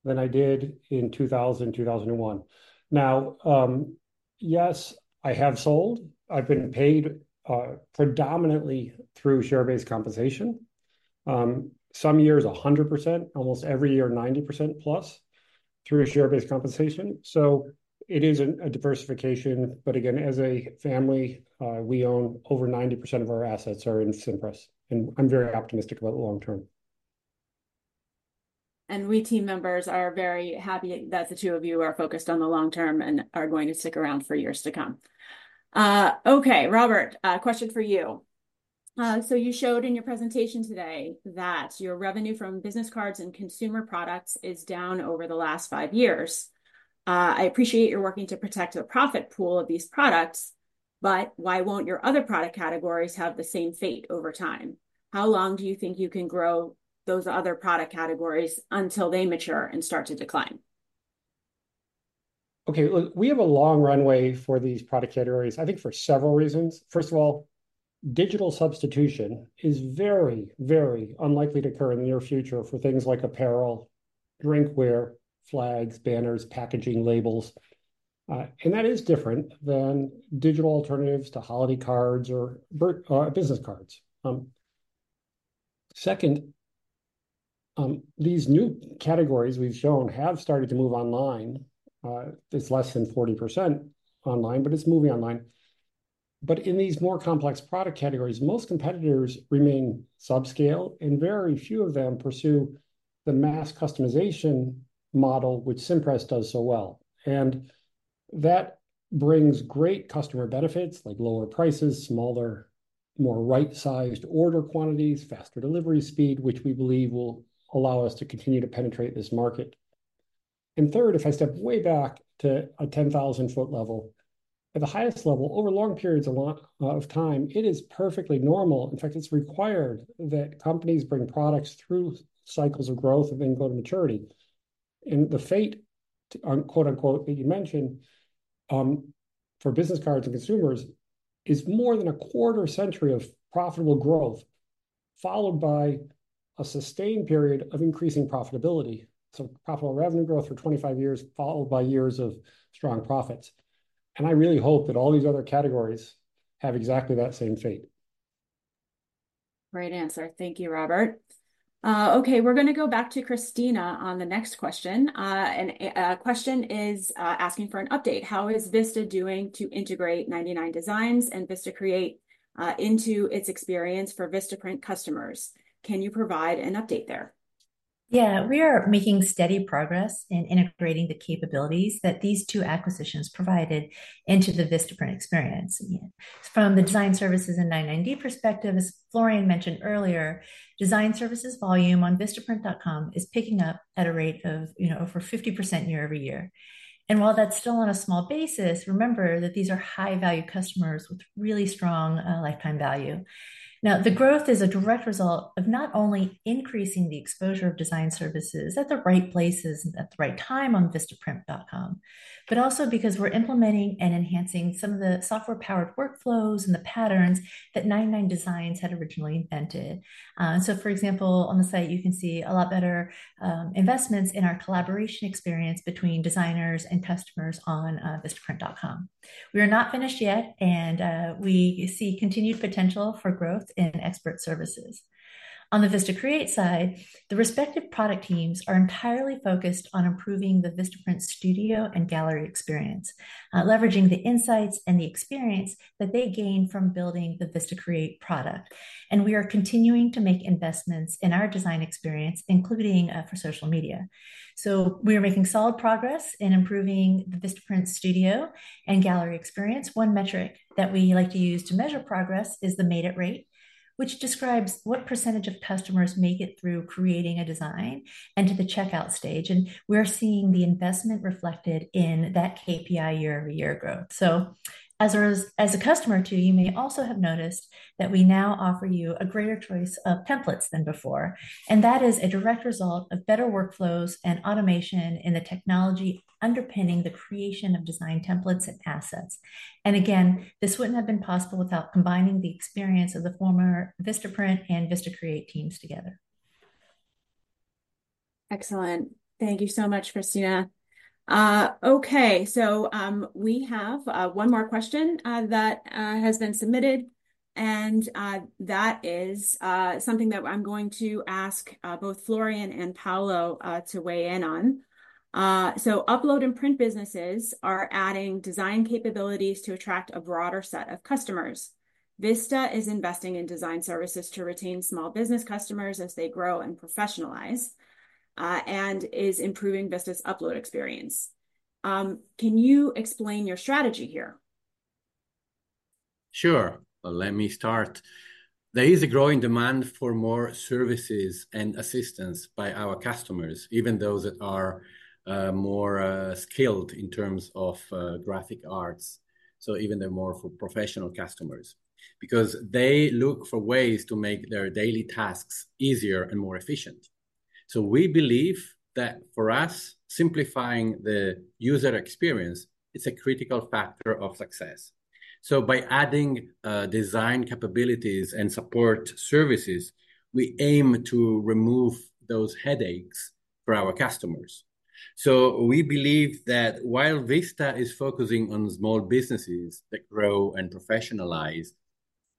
than I did in two thousand and one. Now, yes, I have sold. I've been paid predominantly through share-based compensation. Some years, 100%, almost every year, 90% plus through share-based compensation, so it is a diversification. But again, as a family, we own over 90% of our assets are in Cimpress, and I'm very optimistic about the long term. We, team members, are very happy that the two of you are focused on the long term and are going to stick around for years to come. Okay, Robert, a question for you. So you showed in your presentation today that your revenue from business cards and consumer products is down over the last five years. I appreciate you're working to protect the profit pool of these products, but why won't your other product categories have the same fate over time? How long do you think you can grow those other product categories until they mature and start to decline? Okay, look, we have a long runway for these product categories, I think, for several reasons. First of all, digital substitution is very, very unlikely to occur in the near future for things like apparel, drinkware, flags, banners, packaging labels. And that is different than digital alternatives to holiday cards or business cards. Second, these new categories we've shown have started to move online. It's less than 40% online, but it's moving online. But in these more complex product categories, most competitors remain subscale, and very few of them pursue the mass customization model, which Cimpress does so well. And that brings great customer benefits, like lower prices, smaller, more right-sized order quantities, faster delivery speed, which we believe will allow us to continue to penetrate this market. Third, if I step way back to a ten-thousand-foot level, at the highest level, over long periods a lot of time, it is perfectly normal, in fact, it's required, that companies bring products through cycles of growth and then go to maturity. The fate, unquote, unquote, that you mentioned, for business cards and consumers is more than a quarter century of profitable growth, followed by a sustained period of increasing profitability. Profitable revenue growth for 25 years, followed by years of strong profits, and I really hope that all these other categories have exactly that same fate. Great answer. Thank you, Robert. Okay, we're gonna go back to Christina on the next question, and question is asking for an update: How is Vista doing to integrate 99designs and VistaCreate into its experience for Vistaprint customers? Can you provide an update there? Yeah, we are making steady progress in integrating the capabilities that these two acquisitions provided into the Vistaprint experience. From the design services and 99designs perspective, as Florian mentioned earlier, design services volume on Vistaprint.com is picking up at a rate of, you know, over 50% year over year. And while that's still on a small basis, remember that these are high-value customers with really strong lifetime value. Now, the growth is a direct result of not only increasing the exposure of design services at the right places, at the right time on Vistaprint.com, but also because we're implementing and enhancing some of the software-powered workflows and the patterns that 99designs had originally invented. So for example, on the site, you can see a lot better investments in our collaboration experience between designers and customers on Vistaprint.com. We are not finished yet, and we see continued potential for growth in expert services. On the VistaCreate side, the respective product teams are entirely focused on improving the Vistaprint Studio and gallery experience, leveraging the insights and the experience that they gained from building the VistaCreate product. And we are continuing to make investments in our design experience, including for social media. So we are making solid progress in improving the Vistaprint Studio and gallery experience. One metric that we like to use to measure progress is the made-it rate, which describes what percentage of customers make it through creating a design and to the checkout stage, and we're seeing the investment reflected in that KPI year-over-year growth. As a customer, too, you may also have noticed that we now offer you a greater choice of templates than before, and that is a direct result of better workflows and automation in the technology underpinning the creation of design templates and assets. Again, this wouldn't have been possible without combining the experience of the former Vistaprint and VistaCreate teams together. Excellent. Thank you so much, Christina. Okay, so, we have one more question that has been submitted, and that is something that I'm going to ask both Florian and Paolo to weigh in on. So Upload and Print businesses are adding design capabilities to attract a broader set of customers. Vista is investing in design services to retain small business customers as they grow and professionalize, and is improving business upload experience. Can you explain your strategy here? Sure. Well, let me start. There is a growing demand for more services and assistance by our customers, even those that are more skilled in terms of graphic arts, so even the more professional customers, because they look for ways to make their daily tasks easier and more efficient. So we believe that for us, simplifying the user experience is a critical factor of success. So by adding design capabilities and support services, we aim to remove those headaches for our customers. So we believe that while Vista is focusing on small businesses that grow and professionalize,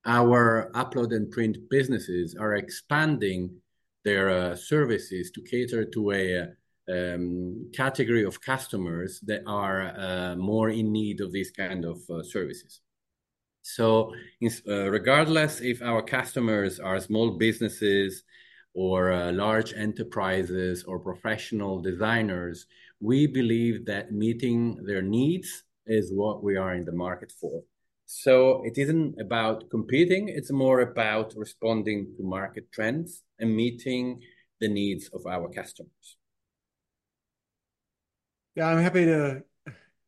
our Upload and Print businesses are expanding their services to cater to a category of customers that are more in need of these kind of services. So in... Regardless if our customers are small businesses or, large enterprises or professional designers, we believe that meeting their needs is what we are in the market for. So it isn't about competing, it's more about responding to market trends and meeting the needs of our customers. Yeah, I'm happy to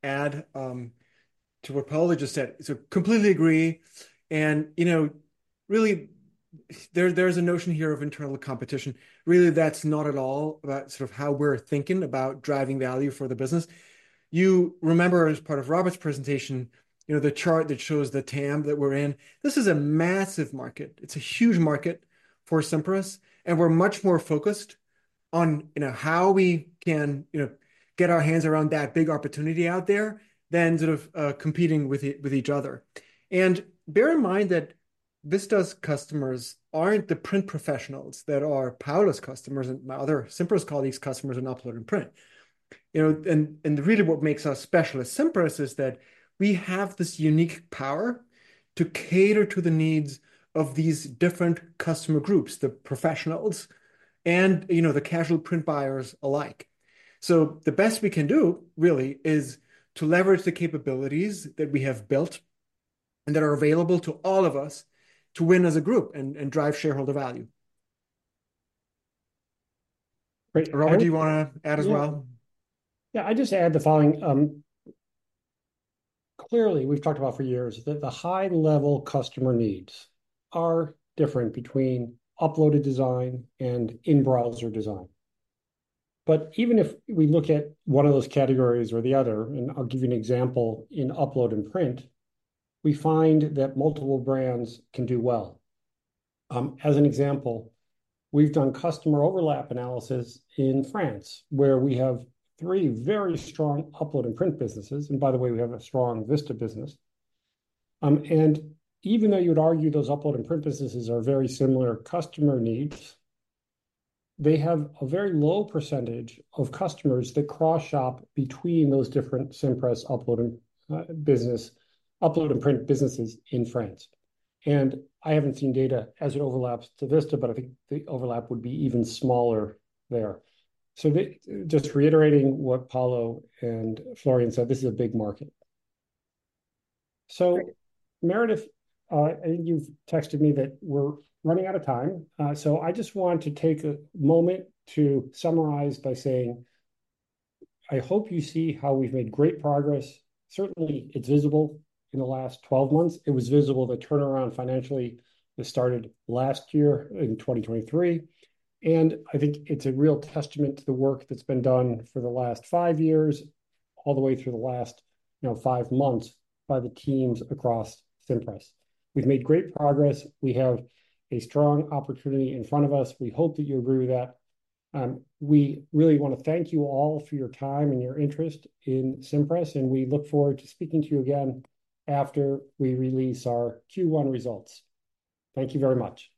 add to what Paolo just said. So completely agree, and, you know, really, there, there's a notion here of internal competition. Really, that's not at all about sort of how we're thinking about driving value for the business. You remember, as part of Robert's presentation, you know, the chart that shows the TAM that we're in, this is a massive market. It's a huge market for Cimpress, and we're much more focused on, you know, how we can, you know, get our hands around that big opportunity out there than sort of, competing with each other. And bear in mind that Vista's customers aren't the print professionals that are Paolo's customers, and my other Cimpress colleagues' customers in Upload and Print. You know, and really what makes us special at Cimpress is that we have this unique power to cater to the needs of these different customer groups, the professionals and, you know, the casual print buyers alike. So the best we can do, really, is to leverage the capabilities that we have built and that are available to all of us to win as a group and drive shareholder value. Robert, do you wanna add as well? Yeah, I'd just add the following. Clearly, we've talked about for years that the high-level customer needs are different between uploaded design and in-browser design. But even if we look at one of those categories or the other, and I'll give you an example, in Upload and Print, we find that multiple brands can do well. As an example, we've done customer overlap analysis in France, where we have three very strong Upload and Print businesses, and by the way, we have a strong Vista business. And even though you'd argue those Upload and Print businesses are very similar customer needs, they have a very low percentage of customers that cross-shop between those different Cimpress uploading business, Upload and Print businesses in France. And I haven't seen data as it overlaps to Vista, but I think the overlap would be even smaller there. Just reiterating what Paolo and Florian said, this is a big market. Meredith, I think you've texted me that we're running out of time. So I just want to take a moment to summarize by saying, I hope you see how we've made great progress. Certainly, it's visible in the last 12 months. It was visible, the turnaround financially, that started last year in 2023, and I think it's a real testament to the work that's been done for the last five years, all the way through the last, you know, five months by the teams across Cimpress. We've made great progress. We have a strong opportunity in front of us. We hope that you agree with that. We really wanna thank you all for your time and your interest in Cimpress, and we look forward to speaking to you again after we release our Q1 results. Thank you very much.